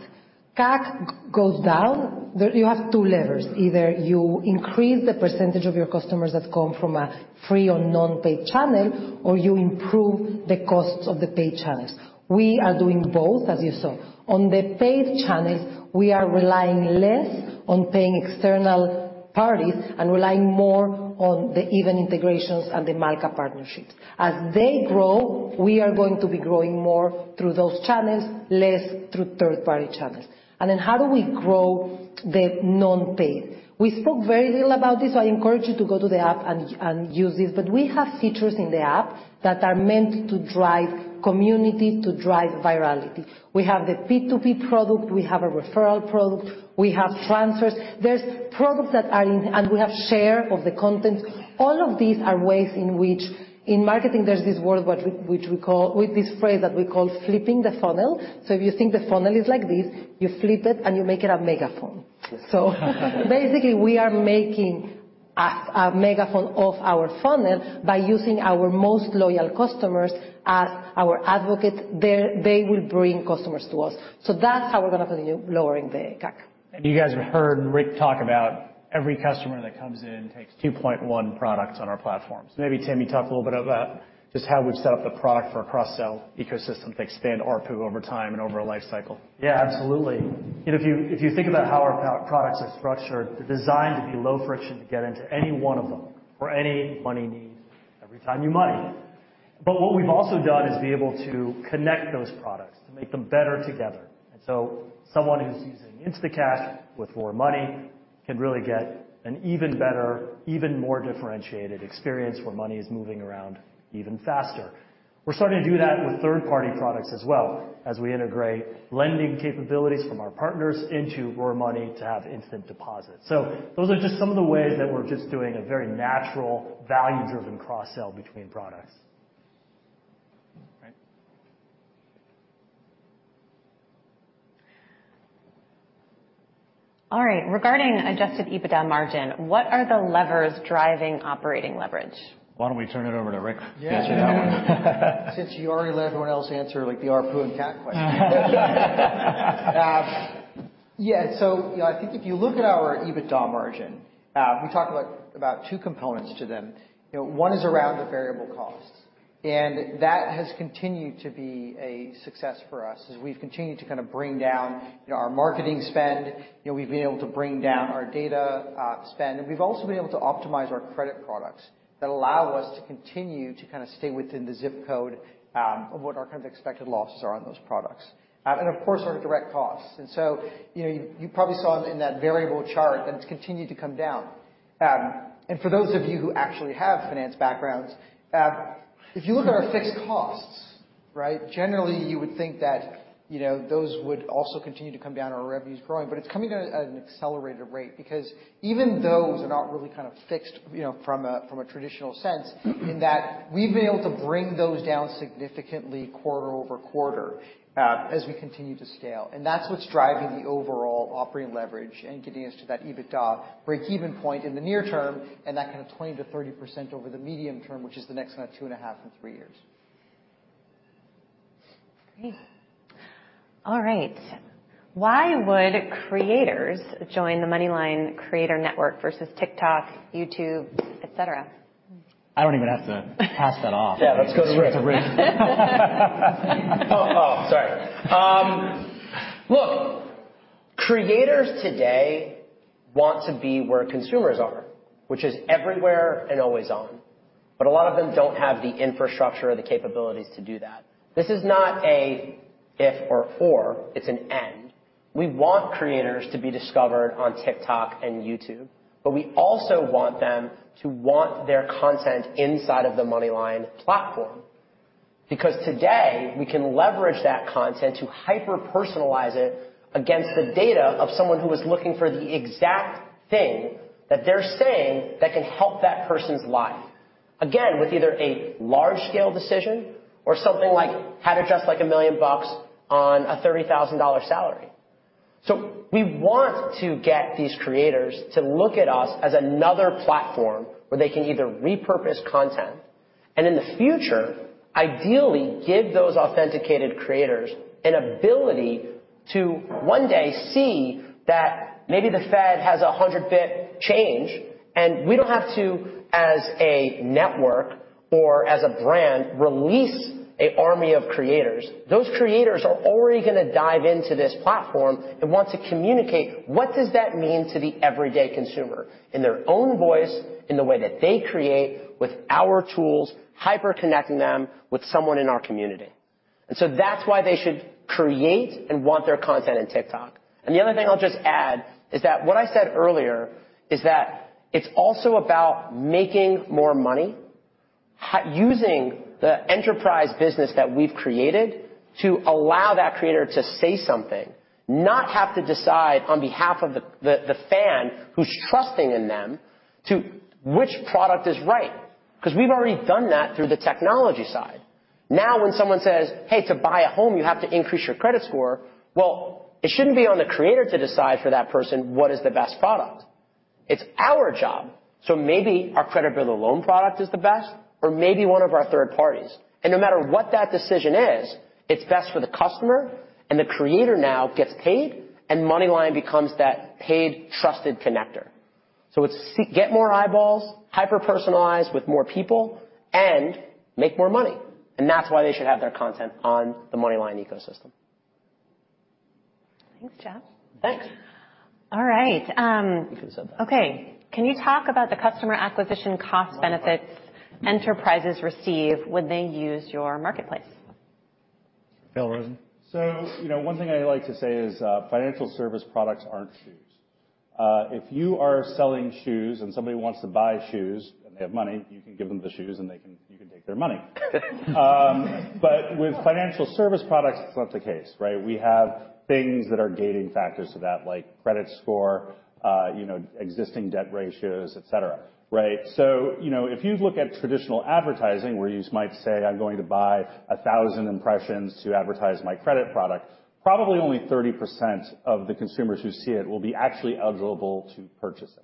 CAC goes down. You have two levers. Either you increase the percentage of your customers that come from a free or non-paid channel, or you improve the costs of the paid channels. We are doing both, as you saw. On the paid channels, we are relying less on paying external parties and relying more on the Even integrations and the MALKA partnerships. As they grow, we are going to be growing more through those channels, less through third-party channels. How do we grow the non-paid? We spoke very little about this. I encourage you to go to the app and use this. We have features in the app that are meant to drive community, to drive virality. We have the P2P product. We have a referral product. We have transfers. There's products that are in-- and we have share of the content. All of these are ways in which in marketing there's this word, this phrase that we call flipping the funnel. If you think the funnel is like this, you flip it and you make it a megaphone. Basically, we are making a megaphone of our funnel by using our most loyal customers as our advocates. They will bring customers to us. That's how we're gonna continue lowering the CAC. You guys have heard Rick talk about every customer that comes in takes 2.1 products on our platforms. Maybe, Tim, you talk a little bit about just how we've set up the product for a cross-sell ecosystem to expand ARPU over time and over a life cycle. Absolutely. You know, if you, if you think about how our products are structured, they're designed to be low friction to get into any one of them for any money needs Every Time You Money. What we've also done is be able to connect those products to make them better together. Someone who's using Instacash with RoarMoney can really get an even better, even more differentiated experience where money is moving around even faster. We're starting to do that with third-party products as well as we integrate lending capabilities from our partners into MoneyLion to have instant deposits. Those are just some of the ways that we're just doing a very natural value-driven cross-sell between products. All right. Regarding adjusted EBITDA margin, what are the levers driving operating leverage? Why don't we turn it over to Rick? Since you already let everyone else answer, like the ARPU and CAC question. Yeah. You know, I think if you look at our EBITDA margin, we talk about two components to them. You know, one is around the variable costs, and that has continued to be a success for us as we've continued to kinda bring down, you know, our marketing spend. You know, we've been able to bring down our data spend. We've also been able to optimize our credit products that allow us to continue to kinda stay within the zip code of what our kind of expected losses are on those products, and of course, our direct costs. You know, you probably saw in that variable chart that it's continued to come down. For those of you who actually have finance backgrounds, if you look at our fixed costs, right? Generally, you would think that, you know, those would also continue to come down or our revenue's growing. It's coming down at an accelerated rate because even those are not really kind of fixed, you know, from a traditional sense in that we've been able to bring those down significantly quarter-over-quarter, as we continue to scale. That's what's driving the overall operating leverage and getting us to that EBITDA break-even point in the near term and that kind of 20%-30% over the medium term, which is the next kind of 2.5 to 3 years. Great. All right. Why would creators join the MoneyLion Creator Network versus TikTok, YouTube, et cetera? I don't even have to pass that off. Yeah, let's go to Rick. Sorry. Look, creators today want to be where consumers are, which is everywhere and always on, a lot of them don't have the infrastructure or the capabilities to do that. This is not a if or or, it's an end. We want creators to be discovered on TikTok and YouTube, we also want them to want their content inside of the MoneyLion platform. Today we can leverage that content to hyper-personalize it against the data of someone who is looking for the exact thing that they're saying that can help that person's life. Again, with either a large scale decision or something like how to dress like $1 million on a $30,000 salary. We want to get these creators to look at us as another platform where they can either repurpose content and in the future, ideally give those authenticated creators an ability to one day see that maybe The Fed has a 100 bit change, and we don't have to, as a network or as a brand, release a army of creators. Those creators are already gonna dive into this platform and want to communicate what does that mean to the everyday consumer in their own voice, in the way that they create with our tools, hyper-connecting them with someone in our community. That's why they should create and want their content in TikTok. The other thing I'll just add is that what I said earlier is that it's also about making more money, using the enterprise business that we've created to allow that creator to say something, not have to decide on behalf of the fan who's trusting in them to which product is right, 'cause we've already done that through the technology side. When someone says, "Hey, to buy a home, you have to increase your credit score," well, it shouldn't be on the creator to decide for that person what is the best product. It's our job. Maybe our Credit Builder loan product is the best or maybe one of our third parties. No matter what that decision is, it's best for the customer, and the creator now gets paid, and MoneyLion becomes that paid, trusted connector. It's get more eyeballs, hyper personalize with more people, and make more money. That's why they should have their content on the MoneyLion ecosystem. Thanks, Jeff. Thanks. All right. You could've said that. Okay. Can you talk about the customer acquisition cost benefits enterprises receive when they use your marketplace? Phillip Rosen. You know, one thing I like to say is, financial service products aren't shoes. If you are selling shoes, and somebody wants to buy shoes, and they have money, you can give them the shoes, and you can take their money. With financial service products, it's not the case, right? We have things that are gating factors to that, like credit score, you know, existing debt ratios, et cetera, right? You know, if you look at traditional advertising, where yous might say, "I'm going to buy a 1,000 impressions to advertise my credit product," probably only 30% of the consumers who see it will be actually eligible to purchase it.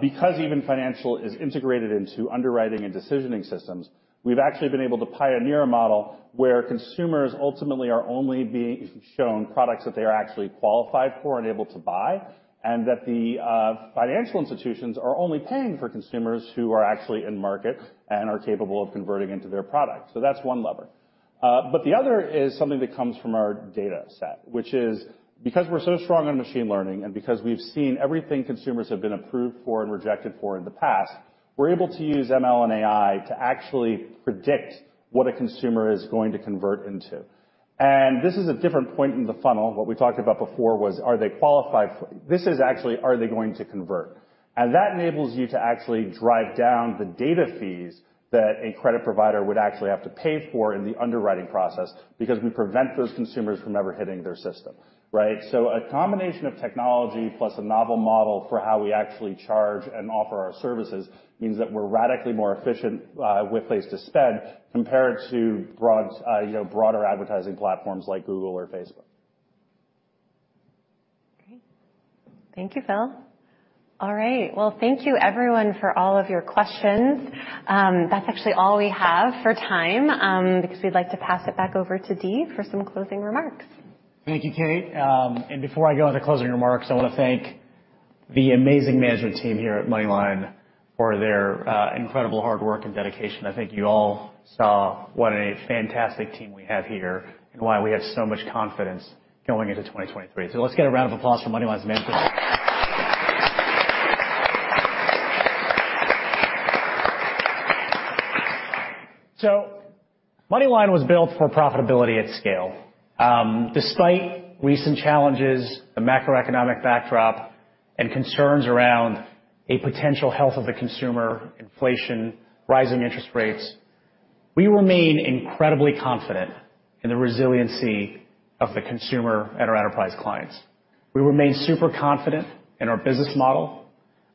Because Even Financial is integrated into underwriting and decisioning systems, we've actually been able to pioneer a model where consumers ultimately are only being shown products that they are actually qualified for and able to buy, and that the financial institutions are only paying for consumers who are actually in market and are capable of converting into their product. That's one lever. The other is something that comes from our dataset, which is because we're so strong on machine learning, and because we've seen everything consumers have been approved for and rejected for in the past, we're able to use ML and AI to actually predict what a consumer is going to convert into. This is a different point in the funnel. What we talked about before was are they qualified for it? This is actually are they going to convert? That enables you to actually drive down the data fees that a credit provider would actually have to pay for in the underwriting process because we prevent those consumers from ever hitting their system, right? A combination of technology plus a novel model for how we actually charge and offer our services means that we're radically more efficient with place to spend compared to broad, you know, broader advertising platforms like Google or Facebook. Great. Thank you, Phil. All right. Well, thank you everyone for all of your questions. That's actually all we have for time, because we'd like to pass it back over to Dee for some closing remarks. Thank you, Kate. Before I go into closing remarks, I wanna thank the amazing management team here at MoneyLion for their incredible hard work and dedication. I think you all saw what a fantastic team we have here and why we have so much confidence going into 2023. Let's get a round of applause for MoneyLion's management. MoneyLion was built for profitability at scale. Despite recent challenges, the macroeconomic backdrop, and concerns around a potential health of the consumer, inflation, rising interest rates, we remain incredibly confident in the resiliency of the consumer and our enterprise clients. We remain super confident in our business model.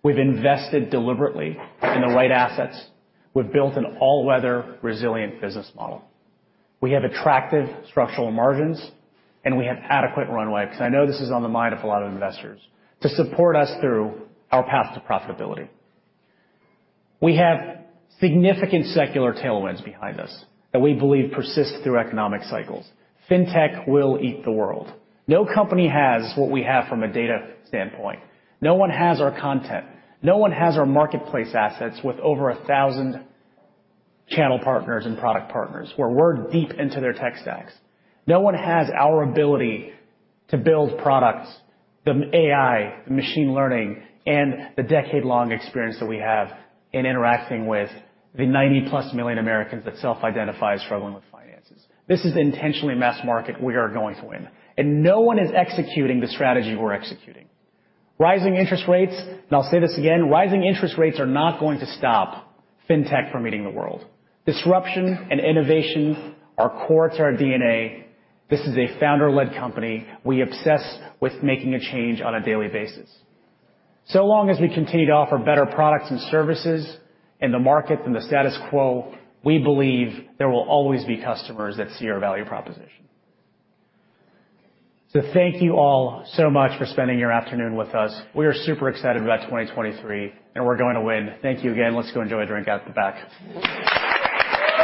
We've invested deliberately in the right assets. We've built an all-weather resilient business model. We have attractive structural margins, and we have adequate runway, 'cause I know this is on the mind of a lot of investors, to support us through our path to profitability. We have significant secular tailwinds behind us that we believe persist through economic cycles. Fintech will eat the world. No company has what we have from a data standpoint. No one has our content. No one has our marketplace assets with over 1,000 channel partners and product partners, where we're deep into their tech stacks. No one has our ability to build products, the AI, the machine learning, and the decade-long experience that we have in interacting with the 90+ million Americans that self-identify as struggling with finances. This is intentionally mass market we are going to win, and no one is executing the strategy we're executing. Rising interest rates, and I'll say this again, rising interest rates are not going to stop fintech from eating the world. Disruption and innovation are core to our DNA. This is a founder-led company. We obsess with making a change on a daily basis. Long as we continue to offer better products and services in the market than the status quo, we believe there will always be customers that see our value proposition. Thank you all so much for spending your afternoon with us. We are super excited about 2023, and we're going to win. Thank you again. Let's go enjoy a drink out the back.